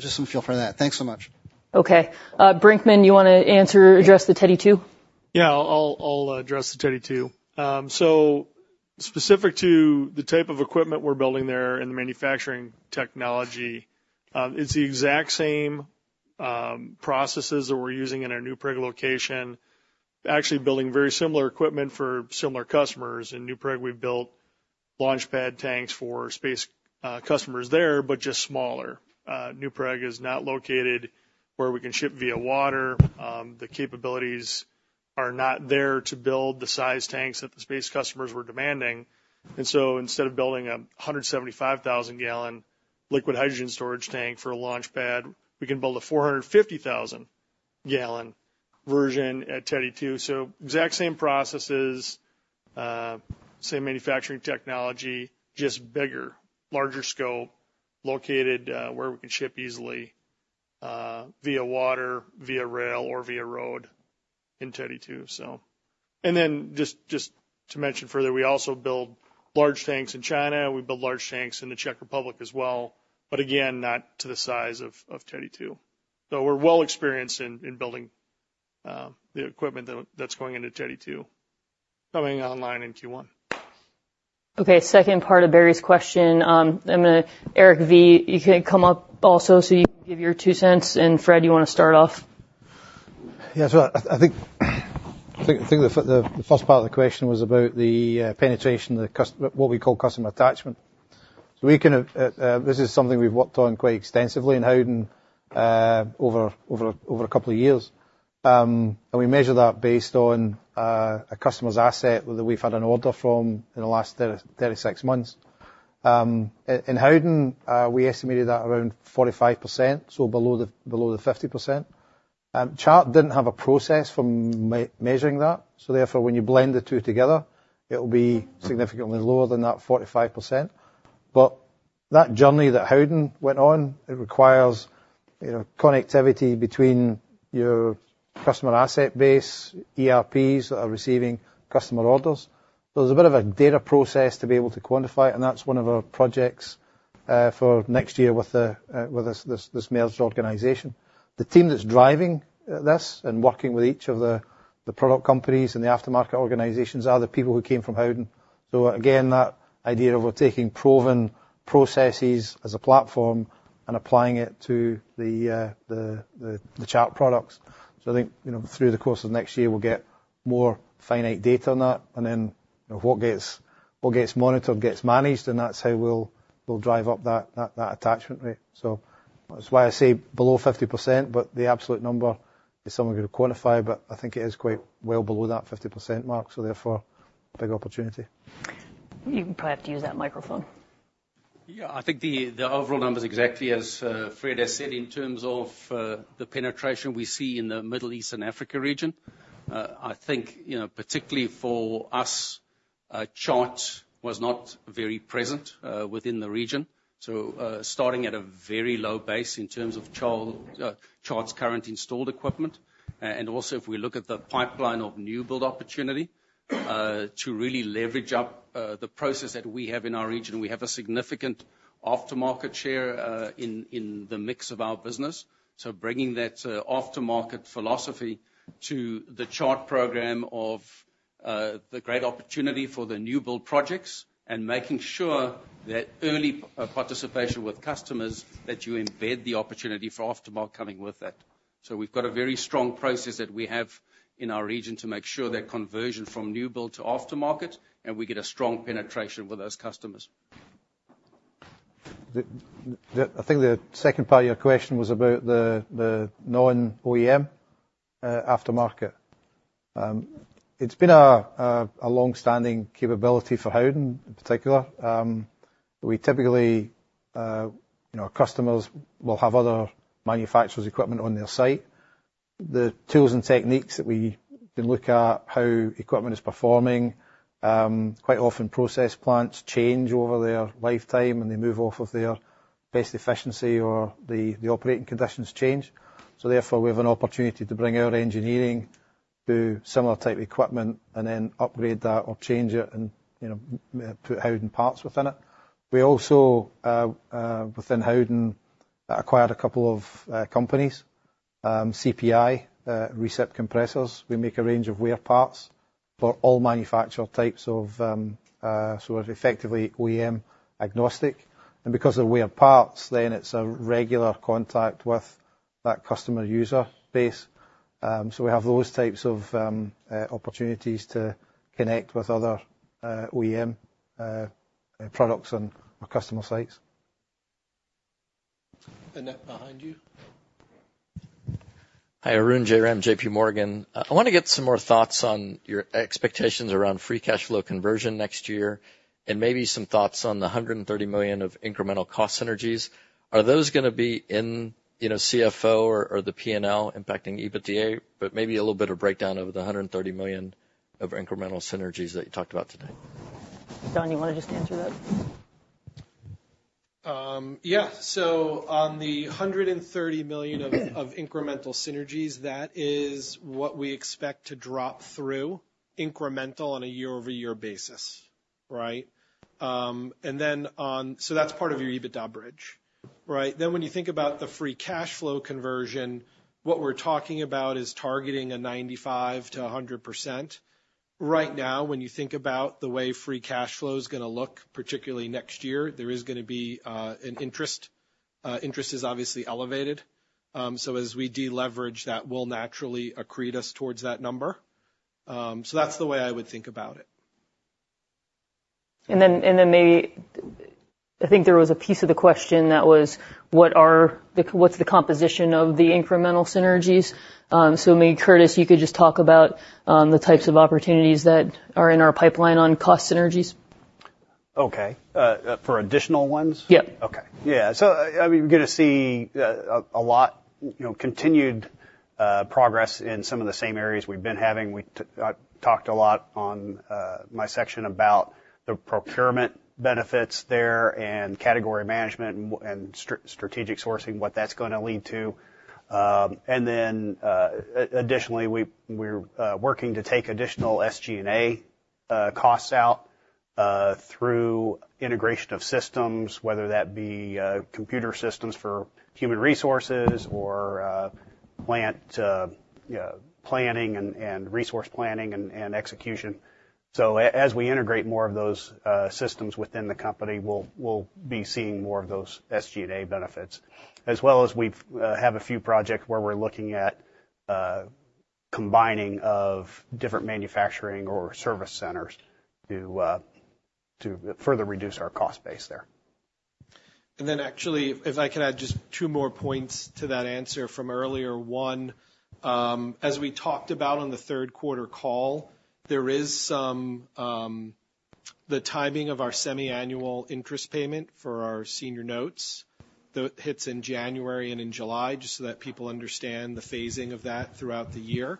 just some feel for that. Thanks so much. Okay. Brinkman, you wanna answer, address the Teddy 2? Yeah, I'll address the Teddy 2. So specific to the type of equipment we're building there in the manufacturing technology, it's the exact same processes that we're using in our New Prague location, actually building very similar equipment for similar customers. In New Prague, we've built launchpad tanks for space customers there, but just smaller. New Prague is not located where we can ship via water. The capabilities are not there to build the size tanks that the space customers were demanding. And so instead of building a 175,000-gallon liquid hydrogen storage tank for a launchpad, we can build a 450,000-gallon version at Teddy 2. So exact same processes, same manufacturing technology, just bigger, larger scope, located where we can ship easily via water, via rail, or via road in Teddy 2, so... And then just, just to mention further, we also build large tanks in China. We build large tanks in the Czech Republic as well, but again, not to the size of, of Teddy 2. So we're well experienced in, in building the equipment that's going into Teddy 2, coming online in Q1. Okay, second part of Barry's question, I'm gonna, Eric V, you can come up also, so you can give your two cents. And Fred, you wanna start off? Yeah, so I think the first part of the question was about the penetration, what we call customer attachment. So this is something we've worked on quite extensively in Howden over a couple of years. And we measure that based on a customer's asset that we've had an order from in the last 30-36 months. In Howden, we estimated at around 45%, so below the 50%. Chart didn't have a process for measuring that, so therefore, when you blend the two together, it'll be significantly lower than that 45%. But that journey that Howden went on, it requires, you know, connectivity between your customer asset base, ERPs that are receiving customer orders. So there's a bit of a data process to be able to quantify, and that's one of our projects for next year with this sales organization. The team that's driving this and working with each of the product companies and the aftermarket organizations are the people who came from Howden. So again, that idea of taking proven processes as a platform and applying it to the Chart products. So I think, you know, through the course of next year, we'll get more finite data on that, and then, what gets monitored, gets managed, and that's how we'll drive up that attachment rate. So that's why I say below 50%, but the absolute number is someone gonna quantify, but I think it is quite well below that 50% mark, so therefore, a big opportunity. You probably have to use that microphone. Yeah, I think the overall number is exactly as Fred has said, in terms of the penetration we see in the Middle East and Africa region. I think, you know, particularly for us, Chart was not very present within the region. So, starting at a very low base in terms of Chart's current installed equipment. And also, if we look at the pipeline of new build opportunity, to really leverage up the process that we have in our region, we have a significant aftermarket share in the mix of our business. So bringing that aftermarket philosophy to the Chart program of the great opportunity for the new build projects and making sure that early participation with customers, that you embed the opportunity for aftermarket coming with that. We've got a very strong process that we have in our region to make sure that conversion from new build to aftermarket, and we get a strong penetration with those customers. I think the second part of your question was about the non-OEM aftermarket. It's been a long-standing capability for Howden in particular. We typically, you know, our customers will have other manufacturers' equipment on their site. The tools and techniques that we can look at, how equipment is performing, quite often, process plants change over their lifetime, and they move off of their best efficiency or the operating conditions change. So therefore, we have an opportunity to bring our engineering to similar type of equipment and then upgrade that or change it and, you know, put Howden parts within it. We also within Howden acquired a couple of companies, CPI, recip compressors. We make a range of wear parts for all manufacturer types of, so effectively OEM agnostic. Because of wear parts, then it's a regular contact with that customer user base. We have those types of opportunities to connect with other OEM products on our customer sites.... Annette, behind you. Hi, Arun Jayaram, J.P. Morgan. I want to get some more thoughts on your expectations around free cash flow conversion next year, and maybe some thoughts on the $130 million of incremental cost synergies. Are those going to be in, you know, CFO or, or the P&L impacting EBITDA? But maybe a little bit of breakdown of the $130 million of incremental synergies that you talked about today. John, you want to just answer that? Yeah. So on the $130 million of incremental synergies, that is what we expect to drop through incremental on a year-over-year basis, right? And then on— So that's part of your EBITDA bridge, right? Then when you think about the free cash flow conversion, what we're talking about is targeting a 95%-100%. Right now, when you think about the way free cash flow is going to look, particularly next year, there is going to be an interest. Interest is obviously elevated. So as we deleverage, that will naturally accrete us towards that number. So that's the way I would think about it. And then maybe, I think there was a piece of the question that was, what are the-- what's the composition of the incremental synergies? So maybe, Curtis, you could just talk about the types of opportunities that are in our pipeline on cost synergies. Okay. For additional ones? Yeah. Okay. Yeah. So, I mean, we're going to see a lot, you know, continued progress in some of the same areas we've been having. We talked a lot on my section about the procurement benefits there and category management and strategic sourcing, what that's going to lead to. And then, additionally, we're working to take additional SG&A costs out through integration of systems, whether that be computer systems for human resources or plant planning and resource planning and execution. So as we integrate more of those systems within the company, we'll be seeing more of those SG&A benefits, as well as we have a few projects where we're looking at combining of different manufacturing or service centers to further reduce our cost base there. Actually, if I can add just two more points to that answer from earlier. One, as we talked about on the third quarter call, there is some, the timing of our semiannual interest payment for our senior notes that hits in January and in July, just so that people understand the phasing of that throughout the year.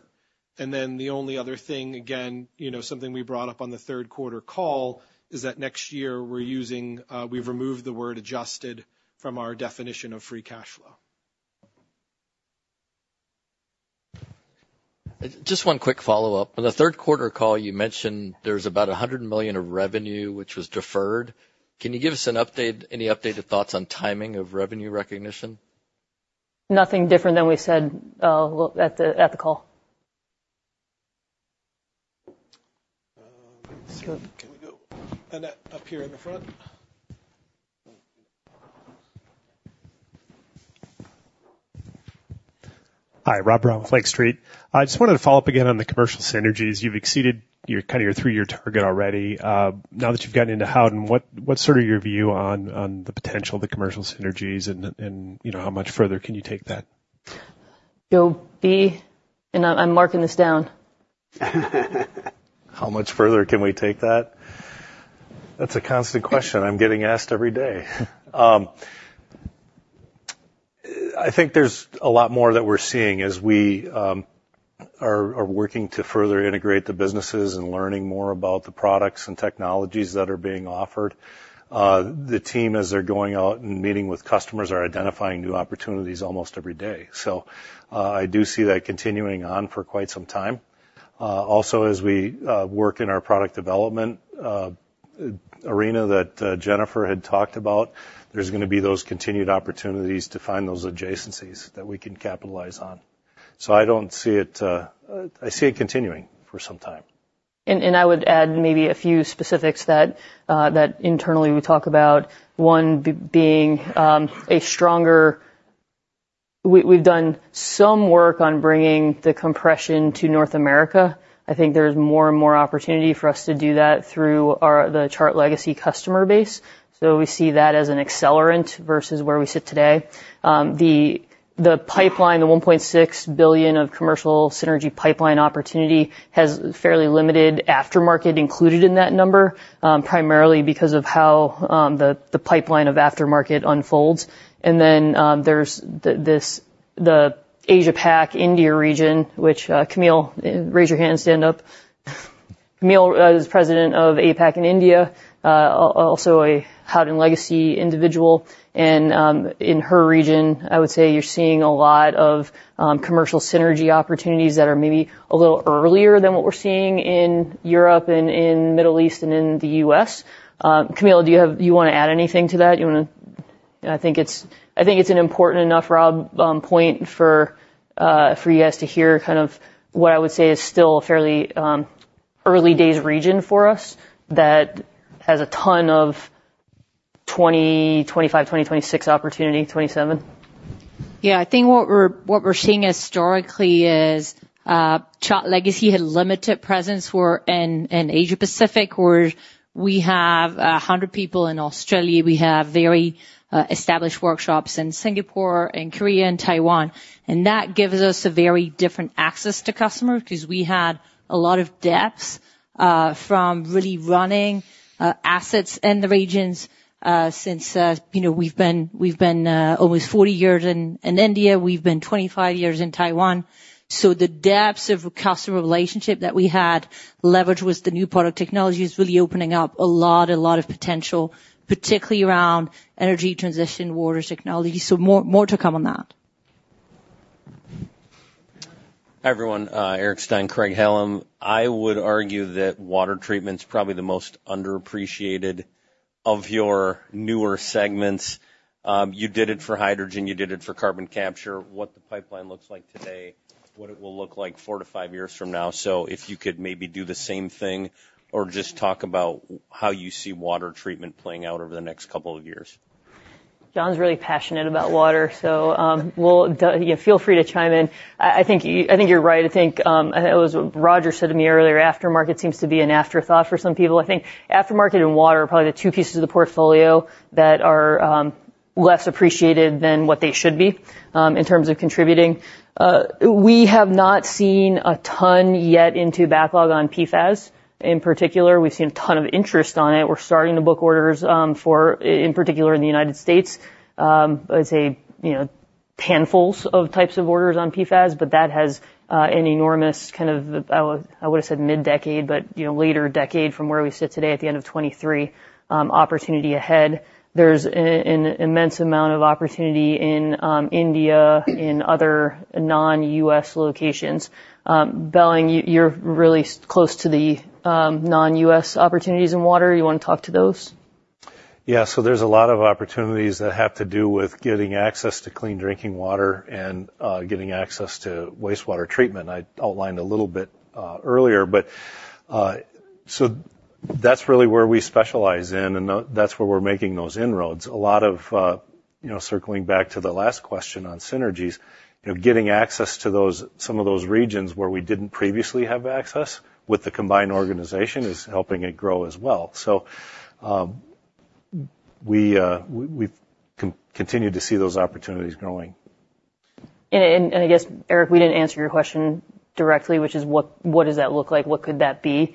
Then the only other thing, again, you know, something we brought up on the third quarter call, is that next year, we're using, we've removed the word adjusted from our definition of free cash flow. Just one quick follow-up. On the third quarter call, you mentioned there's about $100 million of revenue, which was deferred. Can you give us an update, any updated thoughts on timing of revenue recognition? Nothing different than we said, well, at the call. Can we go, Annette, up here in the front? Hi, Rob Brown with Lake Street. I just wanted to follow up again on the commercial synergies. You've exceeded your kind of three-year target already. Now that you've gotten into Howden, what's sort of your view on the potential of the commercial synergies and, you know, how much further can you take that? Bill B, and I'm marking this down. How much further can we take that? That's a constant question I'm getting asked every day. I think there's a lot more that we're seeing as we are working to further integrate the businesses and learning more about the products and technologies that are being offered. The team, as they're going out and meeting with customers, are identifying new opportunities almost every day. So, I do see that continuing on for quite some time. Also, as we work in our product development arena that Jennifer had talked about, there's going to be those continued opportunities to find those adjacencies that we can capitalize on. So I don't see it... I see it continuing for some time. I would add maybe a few specifics that internally we talk about, one being a stronger. We've done some work on bringing the compression to North America. I think there's more and more opportunity for us to do that through our the Chart legacy customer base. So we see that as an accelerant versus where we sit today. The pipeline, the $1.6 billion of commercial synergy pipeline opportunity, has fairly limited aftermarket included in that number, primarily because of how the pipeline of aftermarket unfolds. Then there's this, the Asia Pac, India region, which Camille, raise your hand, stand up. Camille is president of APAC in India, also a Howden legacy individual, and in her region, I would say you're seeing a lot of commercial synergy opportunities that are maybe a little earlier than what we're seeing in Europe and in Middle East and in the US. Camille, do you have-- do you want to add anything to that? You wanna-- I think it's, I think it's an important enough, Rob, point for you guys to hear kind of what I would say is still a fairly early days region for us, that has a ton of 2020, 2025, 2026 opportunity, 2027.... Yeah, I think what we're seeing historically is Chart legacy had limited presence in Asia Pacific, where we have 100 people in Australia. We have very established workshops in Singapore and Korea and Taiwan, and that gives us a very different access to customers, 'cause we had a lot of depth from really running assets in the regions since, you know, we've been almost 40 years in India, we've been 25 years in Taiwan. So the depths of customer relationship that we had leveraged with the new product technology is really opening up a lot of potential, particularly around energy transition, water technology. So more to come on that. Hi, everyone, Eric Stine, Craig-Hallum. I would argue that water treatment's probably the most underappreciated of your newer segments. You did it for hydrogen, you did it for carbon capture. What the pipeline looks like today, what it will look like 4-5 years from now? So if you could maybe do the same thing or just talk about how you see water treatment playing out over the next couple of years. John's really passionate about water, so, we'll yeah, feel free to chime in. I think you, I think you're right. I think, and it was Roger said to me earlier, aftermarket seems to be an afterthought for some people. I think aftermarket and water are probably the two pieces of the portfolio that are, less appreciated than what they should be, in terms of contributing. We have not seen a ton yet into backlog on PFAS. In particular, we've seen a ton of interest on it. We're starting to book orders, for, in particular in the United States. I'd say, you know, handfuls of types of orders on PFAS, but that has an enormous kind of, I would, I would've said mid-decade, but, you know, later decade from where we sit today at the end of 2023, opportunity ahead. There's an immense amount of opportunity in India, in other non-US locations. Belling, you're really close to the non-US opportunities in water. You wanna talk to those? Yeah. So there's a lot of opportunities that have to do with getting access to clean drinking water and getting access to wastewater treatment. I outlined a little bit earlier, but so that's really where we specialize in, and that's where we're making those inroads. A lot of you know, circling back to the last question on synergies, you know, getting access to those, some of those regions where we didn't previously have access with the combined organization is helping it grow as well. So we continue to see those opportunities growing. I guess, Eric, we didn't answer your question directly, which is: what does that look like? What could that be?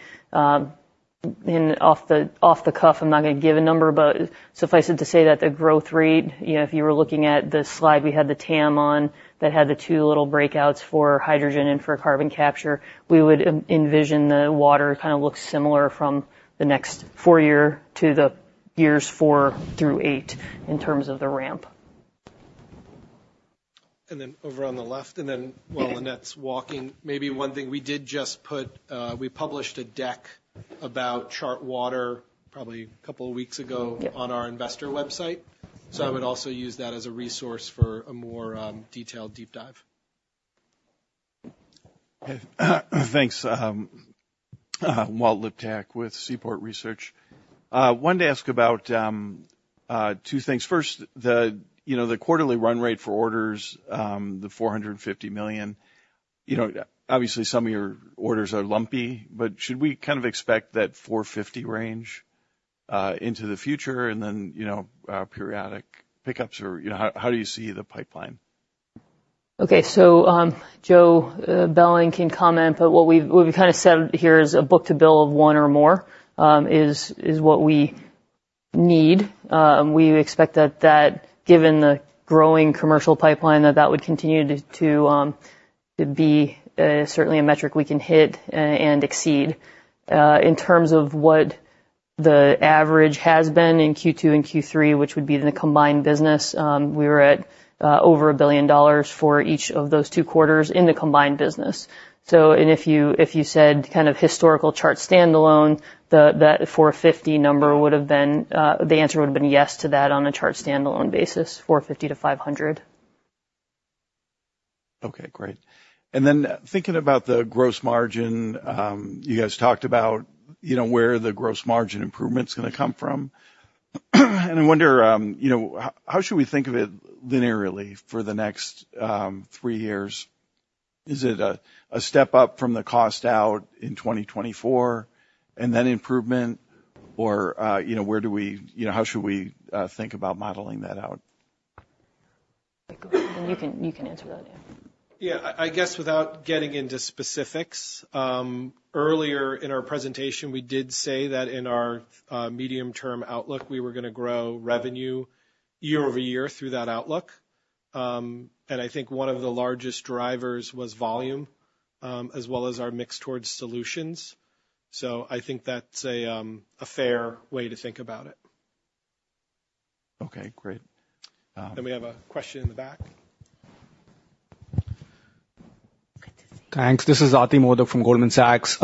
And off the cuff, I'm not going to give a number, but suffice it to say that the growth rate, you know, if you were looking at the slide we had the TAM on, that had the two little breakouts for hydrogen and for carbon capture, we would envision the water kinda look similar from the next four year to the years four through eight in terms of the ramp. And then over on the left, and then while Lynette's walking, maybe one thing we did just put, we published a deck about Chart Water probably a couple of weeks ago- Yep. - on our investor website, so I would also use that as a resource for a more, detailed, deep dive. Thanks. Walt Liptak with Seaport Research. Wanted to ask about two things. First, the, you know, the quarterly run rate for orders, the $450 million, you know, obviously, some of your orders are lumpy, but should we kind of expect that 450 range, into the future and then, you know, periodic pickups? Or, you know, how do you see the pipeline? Okay. So, Joe Belling can comment, but what we've kinda said here is a book to bill of one or more is what we need. We expect that given the growing commercial pipeline, that would continue to be certainly a metric we can hit and exceed. In terms of what the average has been in Q2 and Q3, which would be in the combined business, we were at over $1 billion for each of those two quarters in the combined business. So and if you said kind of historical Chart standalone, the 450 number would have been the answer would have been yes to that on a Chart standalone basis, 450-500. Okay, great. And then thinking about the gross margin, you guys talked about, you know, where the gross margin improvement is gonna come from. And I wonder, you know, how should we think of it linearly for the next three years? Is it a step up from the cost out in 2024, and then improvement or, you know, where do we... You know, how should we think about modeling that out? You can, you can answer that. Yeah, I guess without getting into specifics, earlier in our presentation, we did say that in our medium-term outlook, we were gonna grow revenue year-over-year through that outlook. And I think one of the largest drivers was volume, as well as our mix towards solutions. So I think that's a fair way to think about it. Okay, great. Then we have a question in the back. Thanks. This is Ati Modak from Goldman Sachs.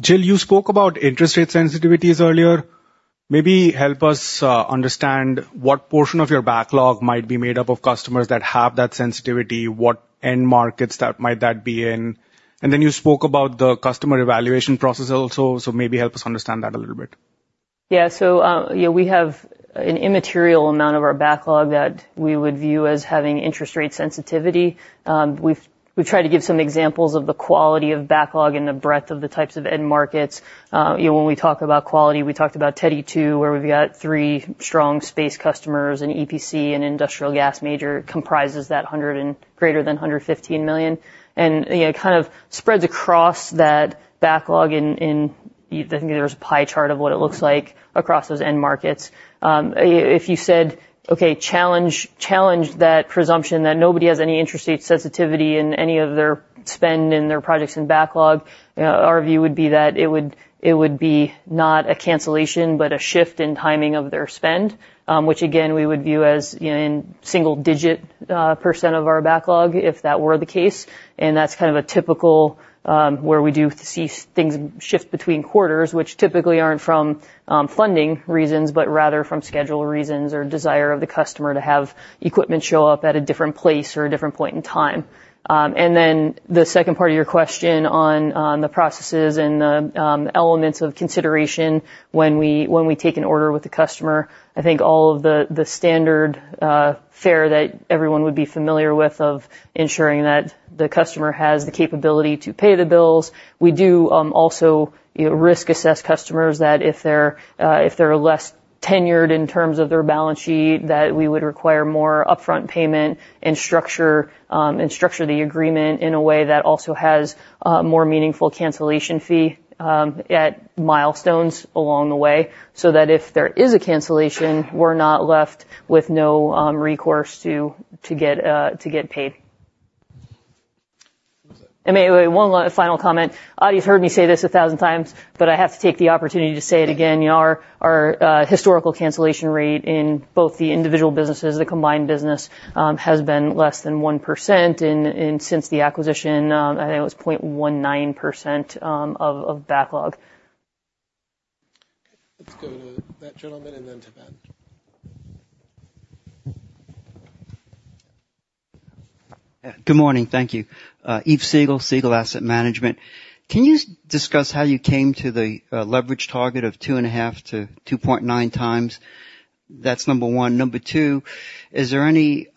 Jill, you spoke about interest rate sensitivities earlier. Maybe help us understand what portion of your backlog might be made up of customers that have that sensitivity, what end markets that might be in? And then you spoke about the customer evaluation process also, so maybe help us understand that a little bit.... Yeah. So, yeah, we have an immaterial amount of our backlog that we would view as having interest rate sensitivity. We've tried to give some examples of the quality of backlog and the breadth of the types of end markets. When we talk about quality, we talked about Teddy 2, where we've got three strong space customers, an EPC, and industrial gas major comprises that $100 and greater than $115 million. Yeah, it kind of spreads across that backlog in, I think there was a pie chart of what it looks like across those end markets. If you said, okay, challenge, challenge that presumption that nobody has any interest rate sensitivity in any of their spend and their projects in backlog, our view would be that it would, it would be not a cancellation, but a shift in timing of their spend, which again, we would view as in single-digit % of our backlog, if that were the case. That's kind of a typical where we do see things shift between quarters, which typically aren't from funding reasons, but rather from schedule reasons or desire of the customer to have equipment show up at a different place or a different point in time. And then the second part of your question on the processes and the elements of consideration when we take an order with the customer, I think all of the standard fare that everyone would be familiar with, of ensuring that the customer has the capability to pay the bills. We do also risk assess customers that if they're less tenured in terms of their balance sheet, that we would require more upfront payment and structure the agreement in a way that also has more meaningful cancellation fee at milestones along the way, so that if there is a cancellation, we're not left with no recourse to get paid. And one last final comment. You've heard me say this a thousand times, but I have to take the opportunity to say it again. Our historical cancellation rate in both the individual businesses, the combined business, has been less than 1%. Since the acquisition, I think it was 0.19% of backlog. Let's go to that gentleman and then to Benjamin. Good morning. Thank you. Yves Siegel, Siegel Asset Management. Can you discuss how you came to the leverage target of 2.5-2.9 times? That's number one. Number two, is there any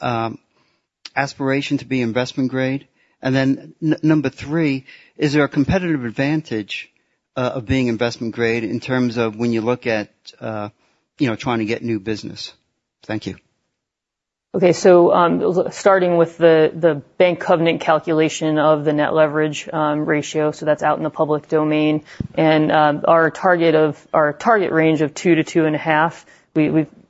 aspiration to be investment grade? And then number three, is there a competitive advantage of being investment grade in terms of when you look at, you know, trying to get new business? Thank you. Okay, so, starting with the bank covenant calculation of the net leverage ratio, so that's out in the public domain. And, our target range of 2-2.5,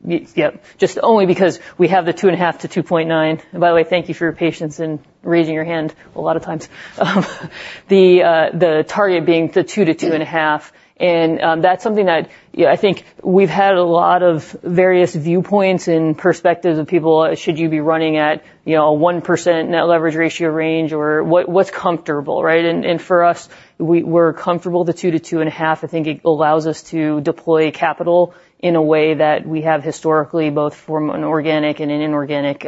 we've just only because we have the 2.5-2.9. And by the way, thank you for your patience in raising your hand a lot of times. The target being the 2-2.5, and, that's something that, you know, I think we've had a lot of various viewpoints and perspectives of people. Should you be running at, you know, a 1% net leverage ratio range, or what, what's comfortable, right? And, and for us, we're comfortable the 2-2.5. I think it allows us to deploy capital in a way that we have historically, both from an organic and an inorganic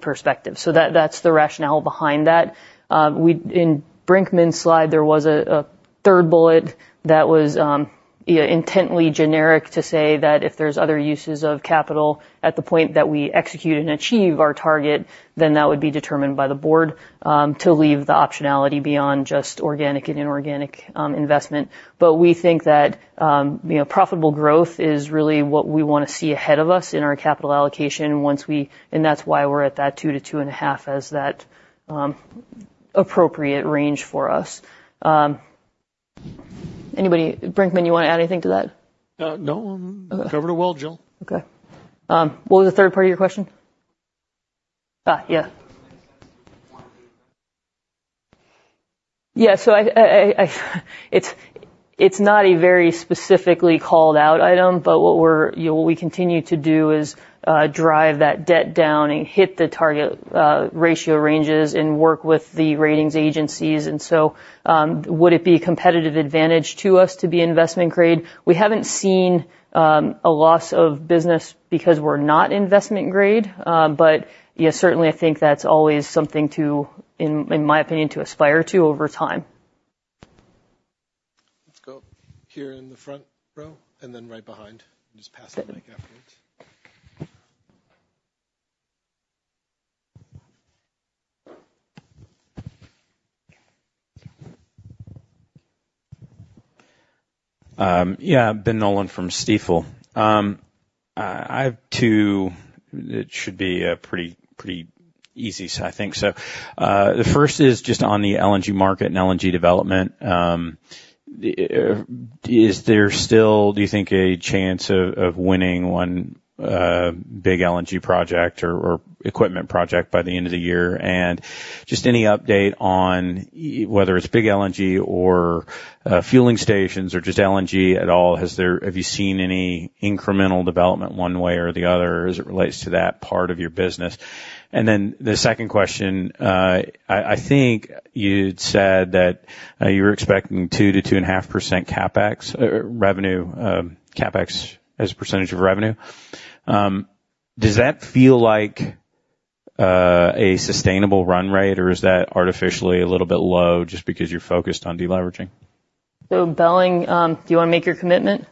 perspective. So that, that's the rationale behind that. In Brinkman's slide, there was a third bullet that was, you know, intentionally generic to say that if there's other uses of capital at the point that we execute and achieve our target, then that would be determined by the board to leave the optionality beyond just organic and inorganic investment. But we think that profitable growth is really what we want to see ahead of us in our capital allocation once and that's why we're at that 2-2.5 as that appropriate range for us. Anybody? Brinkman, you want to add anything to that? No. Covered it well, Jillian. Okay. What was the third part of your question? Yeah. Yeah. So I... It's not a very specifically called out item, but what we're, you know, what we continue to do is drive that debt down and hit the target ratio ranges and work with the ratings agencies. And so, would it be a competitive advantage to us to be investment grade? We haven't seen a loss of business because we're not investment grade, but yeah, certainly I think that's always something to, in my opinion, to aspire to over time. Let's go here in the front row and then right behind. Just pass the mic afterwards. Yeah. Benjamin Nolan from Stifel. I have two... It should be pretty easy, I think so. The first is just on the LNG market and LNG development. Is there still, do you think, a chance of winning one big LNG project or equipment project by the end of the year? And just any update on whether it's big LNG or fueling stations or just LNG at all, has there-- have you seen any incremental development one way or the other as it relates to that part of your business? And then the second question, I think you'd said that you were expecting 2%-2.5% CapEx revenue, CapEx as a percentage of revenue. Does that feel like-... a sustainable run rate, or is that artificially a little bit low just because you're focused on deleveraging? So Belling, do you want to make your commitment?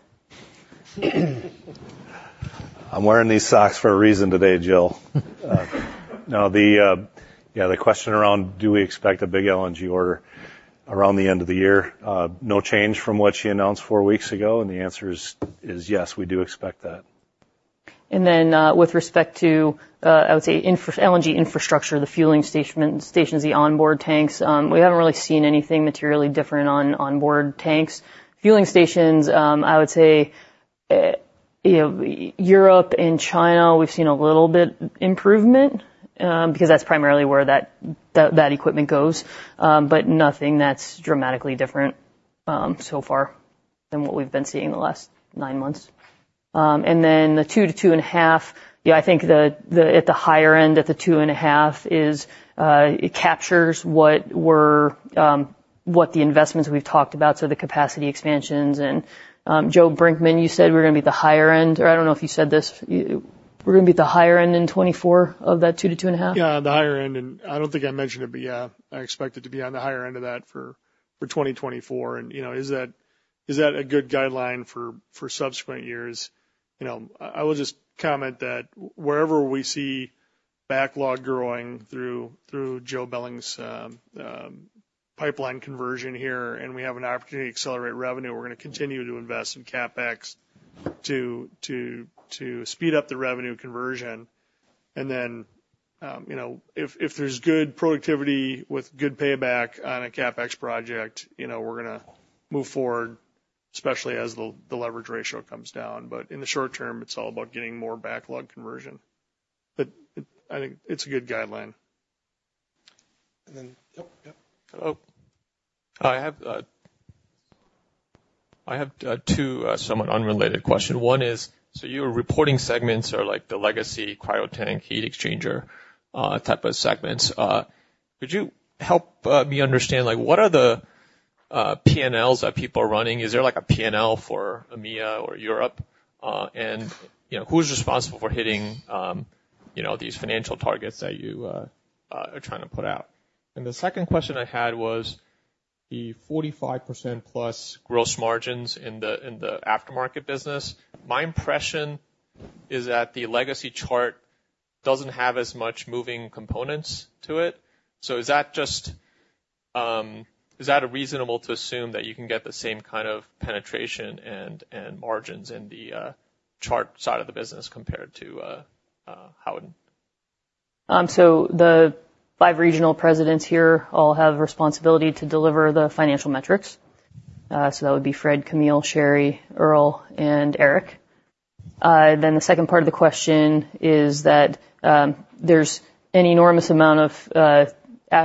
I'm wearing these socks for a reason today, Jillian. No, the, yeah, the question around, do we expect a big LNG order around the end of the year? No change from what she announced four weeks ago, and the answer is, is yes, we do expect that. Then, with respect to, I would say, infrastructure, LNG infrastructure, the fueling stations, the onboard tanks, we haven't really seen anything materially different on onboard tanks. Fueling stations, I would say, you know, Europe and China, we've seen a little bit improvement, because that's primarily where that, that equipment goes. But nothing that's dramatically different, so far than what we've been seeing in the last nine months. And then the 2 to 2.5, yeah, I think the at the higher end, at the 2.5 is, it captures what we're, what the investments we've talked about, so the capacity expansions and, Joe Brinkman, you said we're gonna be at the higher end, or I don't know if you said this. We're gonna be at the higher end in 2024 of that 2-2.5? Yeah, the higher end, and I don't think I mentioned it, but yeah, I expect it to be on the higher end of that for 2024. And, you know, is that, is that a good guideline for subsequent years? You know, I will just comment that wherever we see backlog growing through Joe Belling's pipeline conversion here, and we have an opportunity to accelerate revenue, we're gonna continue to invest in CapEx to speed up the revenue conversion. And then, you know, if there's good productivity with good payback on a CapEx project, you know, we're gonna move forward, especially as the leverage ratio comes down. But in the short term, it's all about getting more backlog conversion. But it... I think it's a good guideline. And then, yep, yep. Hello. I have two somewhat unrelated question. One is, so your reporting segments are like the legacy, cryo tank, heat exchanger type of segments. Could you help me understand, like, what are the PNLs that people are running? Is there a PNL for AMEA or Europe? And, you know, who's responsible for hitting, you know, these financial targets that you are trying to put out? And the second question I had was the 45%+ gross margins in the aftermarket business. My impression is that the legacy chart doesn't have as much moving components to it. So is that just a reasonable to assume that you can get the same kind of penetration and margins in the chart side of the business compared to Howden? So the five regional presidents here all have responsibility to deliver the financial metrics. So that would be Fred, Camille, Sherry, Earl, and Eric. Then the second part of the question is that there's an enormous amount of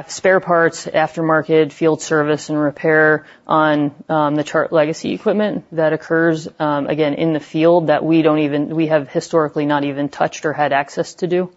spare parts, aftermarket, field service, and repair on the Chart legacy equipment that occurs again in the field that we have historically not even touched or had access to do.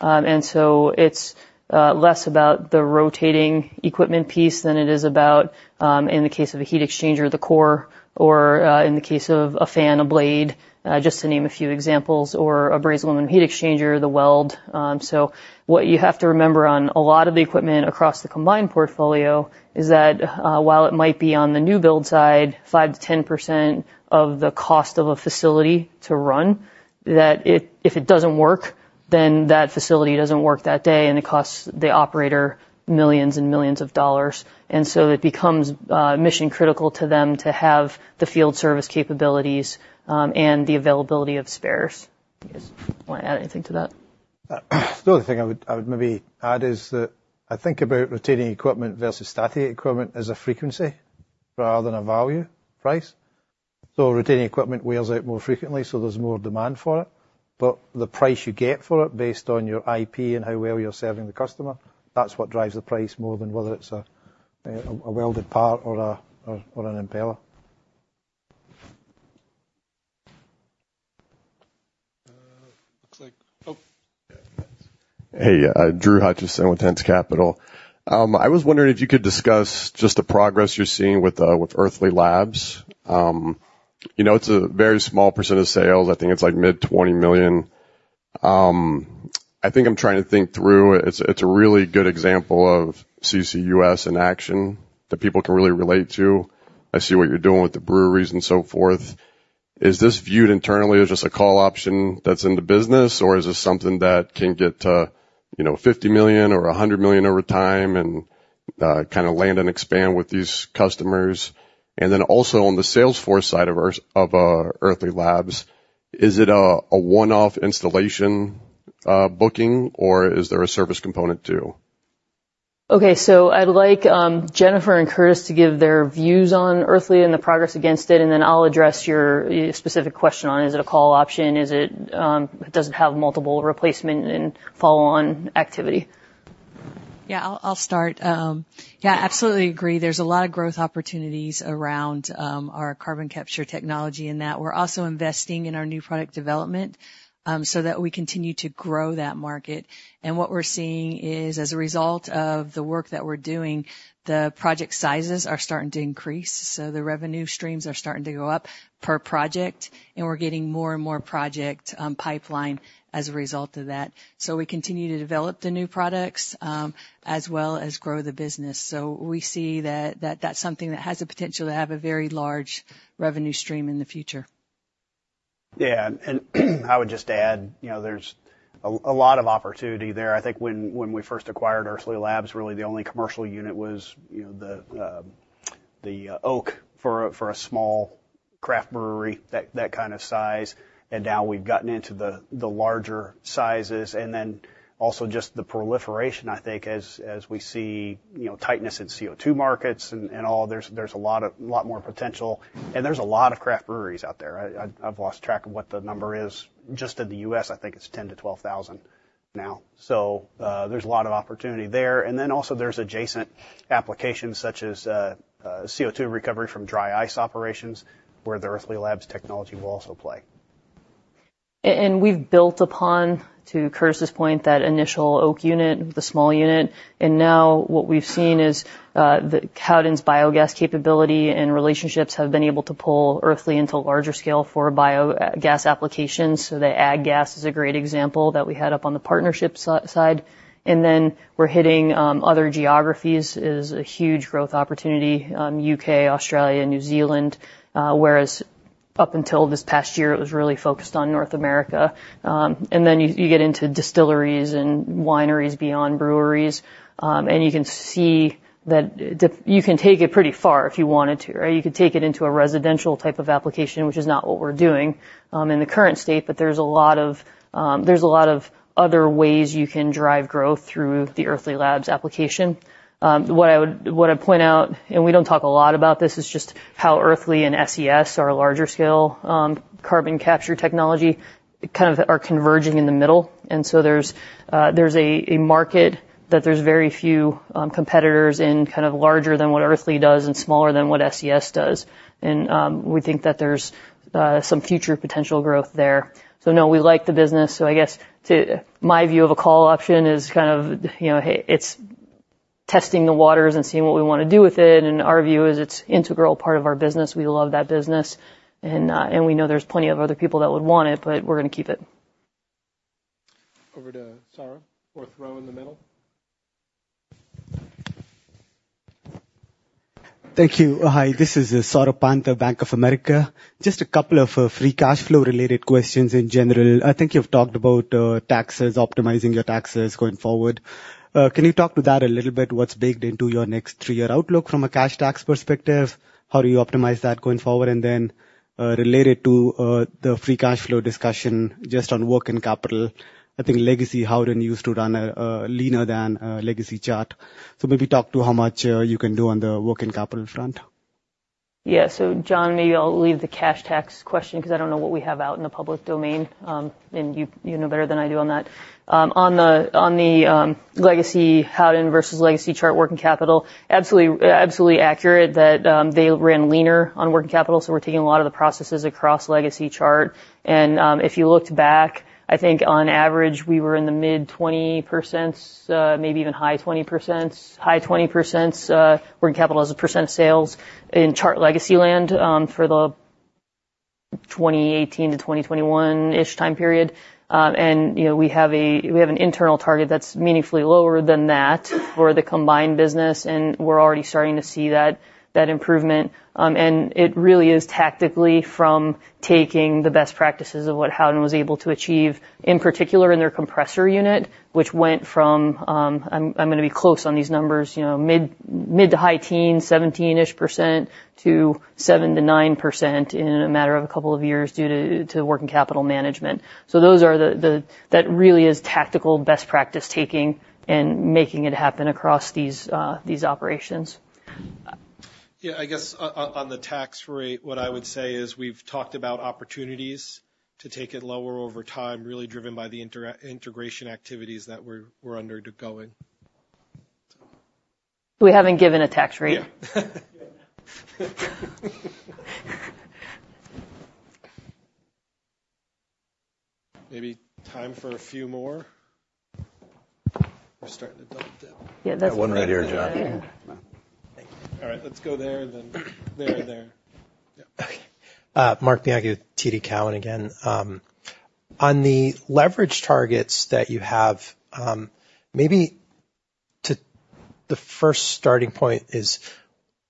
And so it's less about the rotating equipment piece than it is about in the case of a heat exchanger, the core, or in the case of a fan, a blade just to name a few examples, or a brazed aluminum heat exchanger, the weld. So what you have to remember on a lot of the equipment across the combined portfolio is that, while it might be on the new build side, 5%-10% of the cost of a facility to run, that if it doesn't work, then that facility doesn't work that day, and it costs the operator $millions and millions. And so it becomes mission critical to them to have the field service capabilities, and the availability of spares. You guys want to add anything to that? The only thing I would, I would maybe add is that I think about rotating equipment versus static equipment as a frequency rather than a value price. So rotating equipment wears out more frequently, so there's more demand for it, but the price you get for it based on your IP and how well you're serving the customer, that's what drives the price more than whether it's a welded part or an impeller. Looks like... Oh, yeah. Hey, Drew Hutchison with Tenth Capital. I was wondering if you could discuss just the progress you're seeing with, with Earthly Labs. You know, it's a very small percentage of sales. I think it's like mid-$20 million. I think I'm trying to think through. It's, it's a really good example of CCUS in action that people can really relate to. I see what you're doing with the breweries and so forth. Is this viewed internally as just a call option that's in the business, or is this something that can get to, you know, $50 million or $100 million over time and, kinda land and expand with these customers? And then also, on the sales force side of ours, of, Earthly Labs, is it a, a one-off installation, booking, or is there a service component, too? Okay, so I'd like, Jennifer and Curtis to give their views on Earthly and the progress against it, and then I'll address your specific question on, is it a call option? Is it, does it have multiple replacement and follow-on activity? Yeah, I'll start. Yeah, I absolutely agree. There's a lot of growth opportunities around our carbon capture technology, and that we're also investing in our new product development, so that we continue to grow that market. And what we're seeing is, as a result of the work that we're doing, the project sizes are starting to increase, so the revenue streams are starting to go up per project, and we're getting more and more project pipeline as a result of that. So we continue to develop the new products, as well as grow the business. So we see that, that, that's something that has the potential to have a very large revenue stream in the future. ... Yeah, and I would just add, you know, there's a lot of opportunity there. I think when we first acquired Earthly Labs, really the only commercial unit was, you know, the oak for a small craft brewery, that kind of size. And now we've gotten into the larger sizes. And then also just the proliferation, I think, as we see, you know, tightness in CO2 markets and all, there's a lot more potential, and there's a lot of craft breweries out there. I, I've lost track of what the number is. Just in the U.S., I think it's 10-12 thousand now. So, there's a lot of opportunity there. And then also there's adjacent applications such as CO2 recovery from dry ice operations, where the Earthly Labs technology will also play. And we've built upon, to Curtis's point, that initial oak unit, the small unit, and now what we've seen is, the Howden's biogas capability and relationships have been able to pull Earthly into larger scale for biogas applications. So the ag gas is a great example that we had up on the partnership side. And then we're hitting other geographies, is a huge growth opportunity, UK, Australia, New Zealand, whereas up until this past year, it was really focused on North America. And then you get into distilleries and wineries beyond breweries, and you can see that you can take it pretty far if you wanted to, right? You could take it into a residential type of application, which is not what we're doing in the current state, but there's a lot of other ways you can drive growth through the Earthly Labs application. What I'd point out, and we don't talk a lot about this, is just how Earthly and SES are a larger scale carbon capture technology kind of are converging in the middle. And so there's a market that there's very few competitors in, kind of larger than what Earthly does and smaller than what SES does. And we think that there's some future potential growth there. So no, we like the business. So I guess to... My view of a call option is kind of, you know, hey, it's testing the waters and seeing what we want to do with it, and our view is it's integral part of our business. We love that business, and, and we know there's plenty of other people that would want it, but we're gonna keep it. Over to Saurabh, fourth row in the middle. Thank you. Hi, this is Saurabh Pant, Bank of America. Just a couple of free cash flow related questions in general. I think you've talked about taxes, optimizing your taxes going forward. Can you talk to that a little bit? What's baked into your next three-year outlook from a cash tax perspective? How do you optimize that going forward? And then related to the free cash flow discussion, just on working capital, I think legacy Howden used to run a leaner than legacy Chart. So maybe talk to how much you can do on the working capital front. Yeah. So, John, maybe I'll leave the cash tax question because I don't know what we have out in the public domain, and you, you know better than I do on that. On the, on the, legacy Howden versus legacy Chart working capital, absolutely, absolutely accurate that, they ran leaner on working capital, so we're taking a lot of the processes across legacy Chart. And, if you looked back, I think on average, we were in the mid-20%, maybe even high 20%, high 20%, working capital as a percent of sales in Chart legacy land, for the 2018 to 2021-ish time period. And, you know, we have a, we have an internal target that's meaningfully lower than that for the combined business, and we're already starting to see that, that improvement. And it really is tactically from taking the best practices of what Howden was able to achieve, in particular in their compressor unit, which went from, I'm gonna be close on these numbers, you know, mid- to high-teens, 17%-ish %, to 7%-9% in a matter of a couple of years due to working capital management. So those are the... That really is tactical best practice taking and making it happen across these operations. Yeah, I guess on the tax rate, what I would say is we've talked about opportunities to take it lower over time, really driven by the integration activities that we're undergoing. So. We haven't given a tax rate. Yeah. Maybe time for a few more. We're starting to wind down. Yeah, that's- One right here, John. Thank you. All right, let's go there, and then there and there. Yeah. Okay. Mark Banchi with TD Cowen again. On the leverage targets that you have, maybe to the first starting point is,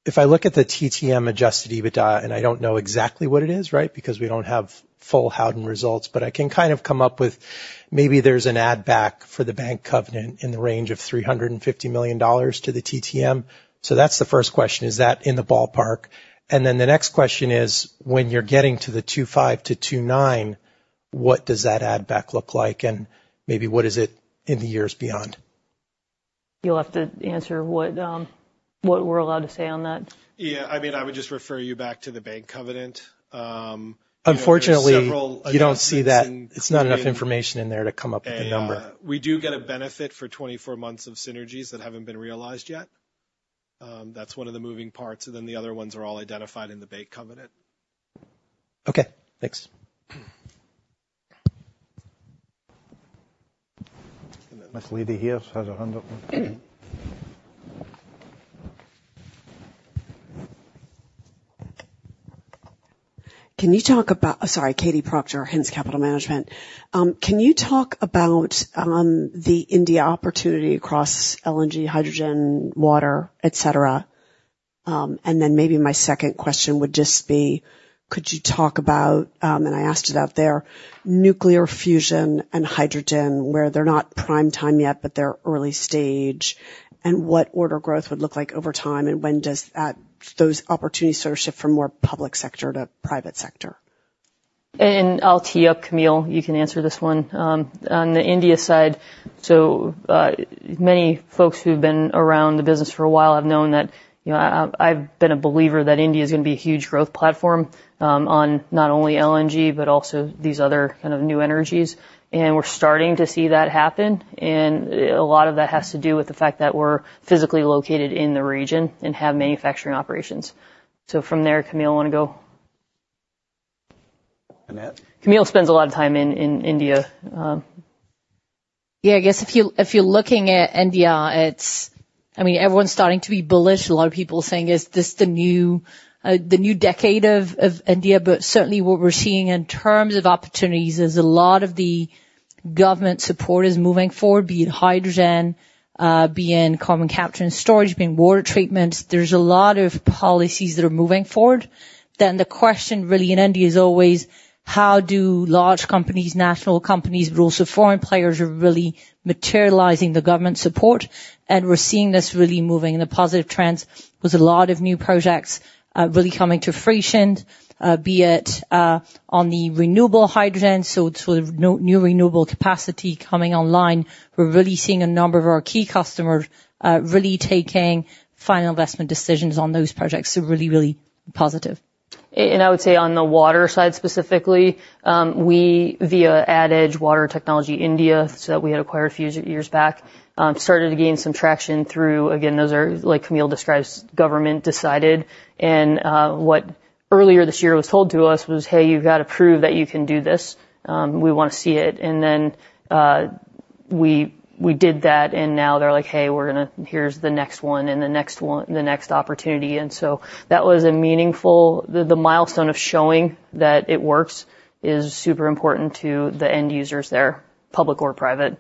if I look at the TTM adjusted EBITDA, and I don't know exactly what it is, right? Because we don't have full Howden results, but I can kind of come up with, maybe there's an ad back for the bank covenant in the range of $350 million to the TTM. So that's the first question. Is that in the ballpark? And then the next question is, when you're getting to the 2.5-2.9, what does that add back look like? And maybe what is it in the years beyond? You'll have to answer what, what we're allowed to say on that. Yeah, I mean, I would just refer you back to the bank covenant. Several- Unfortunately, you don't see that... It's not enough information in there to come up with a number. We do get a benefit for 24 months of synergies that haven't been realized yet. That's one of the moving parts, and then the other ones are all identified in the bank covenant. Okay, thanks. This lady here has her hand up. Sorry, Katie Proctor, Hintz Capital Management. Can you talk about the India opportunity across LNG, hydrogen, water, et cetera?... and then maybe my second question would just be: could you talk about, and I asked it out there, nuclear fusion and hydrogen, where they're not prime time yet, but they're early stage, and what order growth would look like over time, and when does that, those opportunities sort of shift from more public sector to private sector? I'll tee up, Camille, you can answer this one. On the India side, so, many folks who've been around the business for a while have known that, you know, I, I've been a believer that India is gonna be a huge growth platform, on not only LNG, but also these other kind of new energies. And we're starting to see that happen, and a lot of that has to do with the fact that we're physically located in the region and have manufacturing operations. So from there, Camille, you wanna go? Annette? Camille spends a lot of time in India. Yeah, I guess if you, if you're looking at India, it's—I mean, everyone's starting to be bullish. A lot of people are saying, "Is this the new, the new decade of, of India?" But certainly, what we're seeing in terms of opportunities is a lot of the government support is moving forward, be it hydrogen, be it carbon capture and storage, be it water treatments. There's a lot of policies that are moving forward. Then the question really in India is always: how do large companies, national companies, but also foreign players, are really materializing the government support? And we're seeing this really moving in a positive trends, with a lot of new projects, really coming to fruition, be it, on the renewable hydrogen, so sort of new renewable capacity coming online. We're really seeing a number of our key customers, really taking final investment decisions on those projects, so really, really positive. And I would say on the water side, specifically, we via AdEdge Water Technologies India, so that we had acquired a few years back, started to gain some traction through... Again, those are, like Camille describes, government-decided. And what earlier this year was told to us was, "Hey, you've got to prove that you can do this. We wanna see it." And then, we did that, and now they're like: Hey, we're gonna-- here's the next one and the next one, the next opportunity. And so that was a meaningful... The milestone of showing that it works is super important to the end users there, public or private.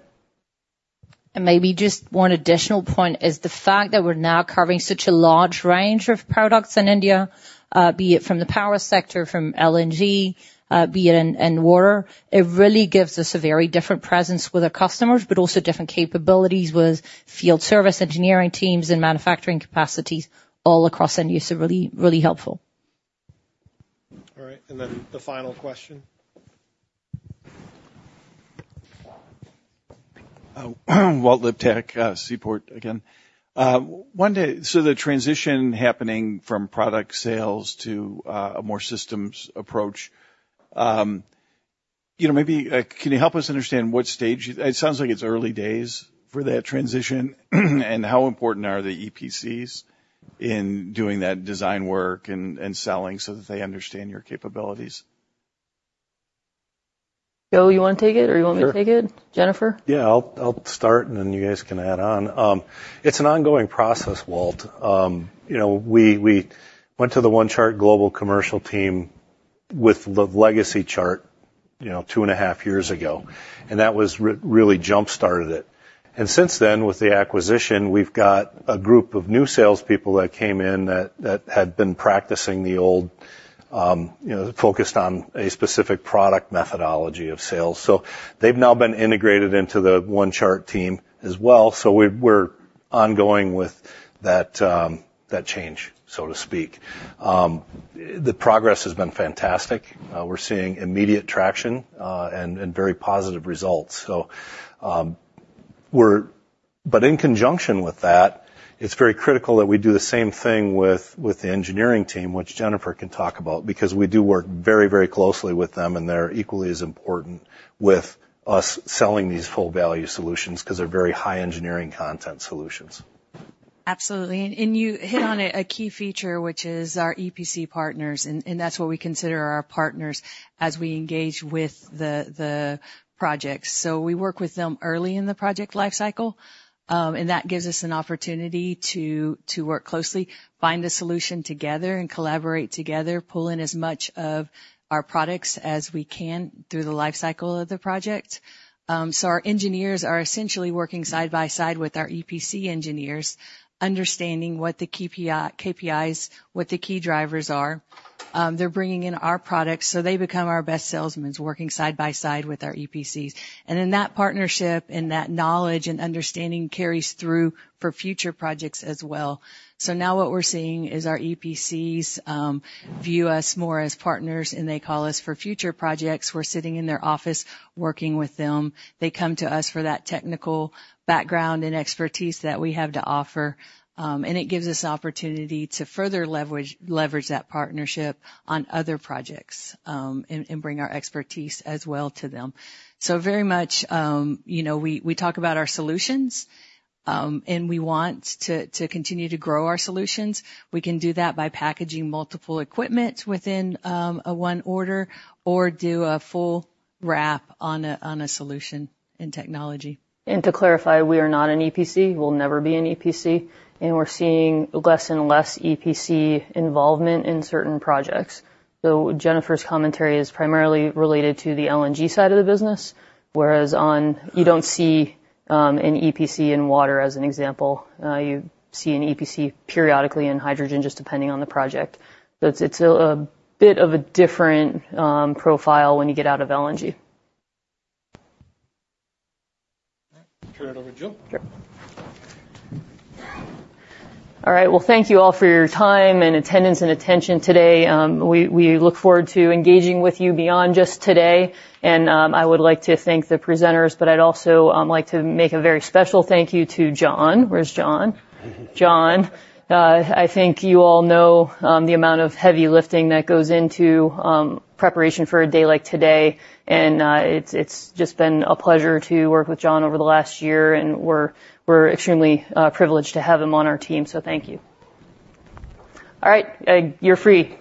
Maybe just one additional point is the fact that we're now covering such a large range of products in India, be it from the power sector, from LNG, be it in water. It really gives us a very different presence with our customers, but also different capabilities with field service engineering teams and manufacturing capacities all across end use, so really, really helpful. All right, and then the final question. Walt Liptak, Seaport again. So the transition happening from product sales to a more systems approach, you know, maybe can you help us understand what stage? It sounds like it's early days for that transition, and how important are the EPCs in doing that design work and selling so that they understand your capabilities? Joe, you want to take it, or you want me to take it? Sure. Jennifer? Yeah, I'll start, and then you guys can add on. It's an ongoing process, Walt. You know, we went to the OneChart global commercial team with the legacy Chart, you know, 2.5 years ago, and that was really jump-started it. And since then, with the acquisition, we've got a group of new salespeople that came in that had been practicing the old, you know, focused on a specific product methodology of sales. So they've now been integrated into the OneChart team as well. So we're ongoing with that, that change, so to speak. The progress has been fantastic. We're seeing immediate traction, and very positive results. So, we're... But in conjunction with that, it's very critical that we do the same thing with the engineering team, which Jennifer can talk about, because we do work very, very closely with them, and they're equally as important with us selling these full value solutions because they're very high engineering content solutions. Absolutely. And you hit on a key feature, which is our EPC partners, and that's what we consider our partners as we engage with the projects. So we work with them early in the project life cycle, and that gives us an opportunity to work closely, find a solution together and collaborate together, pull in as much of our products as we can through the life cycle of the project. So our engineers are essentially working side by side with our EPC engineers, understanding what the KPIs are, what the key drivers are. They're bringing in our products, so they become our best salesmen, working side by side with our EPCs. And then that partnership and that knowledge and understanding carries through for future projects as well. So now what we're seeing is our EPCs view us more as partners, and they call us for future projects. We're sitting in their office, working with them. They come to us for that technical background and expertise that we have to offer, and it gives us opportunity to further leverage that partnership on other projects, and bring our expertise as well to them. So very much, you know, we talk about our solutions, and we want to continue to grow our solutions. We can do that by packaging multiple equipment within a one order or do a full wrap on a solution in technology. To clarify, we are not an EPC. We'll never be an EPC, and we're seeing less and less EPC involvement in certain projects. So Jennifer's commentary is primarily related to the LNG side of the business, whereas on... You don't see an EPC in water as an example. You see an EPC periodically in hydrogen, just depending on the project. But it's a bit of a different profile when you get out of LNG. All right. Turn it over to Jillian. Sure. All right, well, thank you all for your time and attendance and attention today. We look forward to engaging with you beyond just today. I would like to thank the presenters, but I'd also like to make a very special thank you to John. Where's John? John, I think you all know the amount of heavy lifting that goes into preparation for a day like today, and it's just been a pleasure to work with John over the last year, and we're extremely privileged to have him on our team. So thank you. All right, you're free.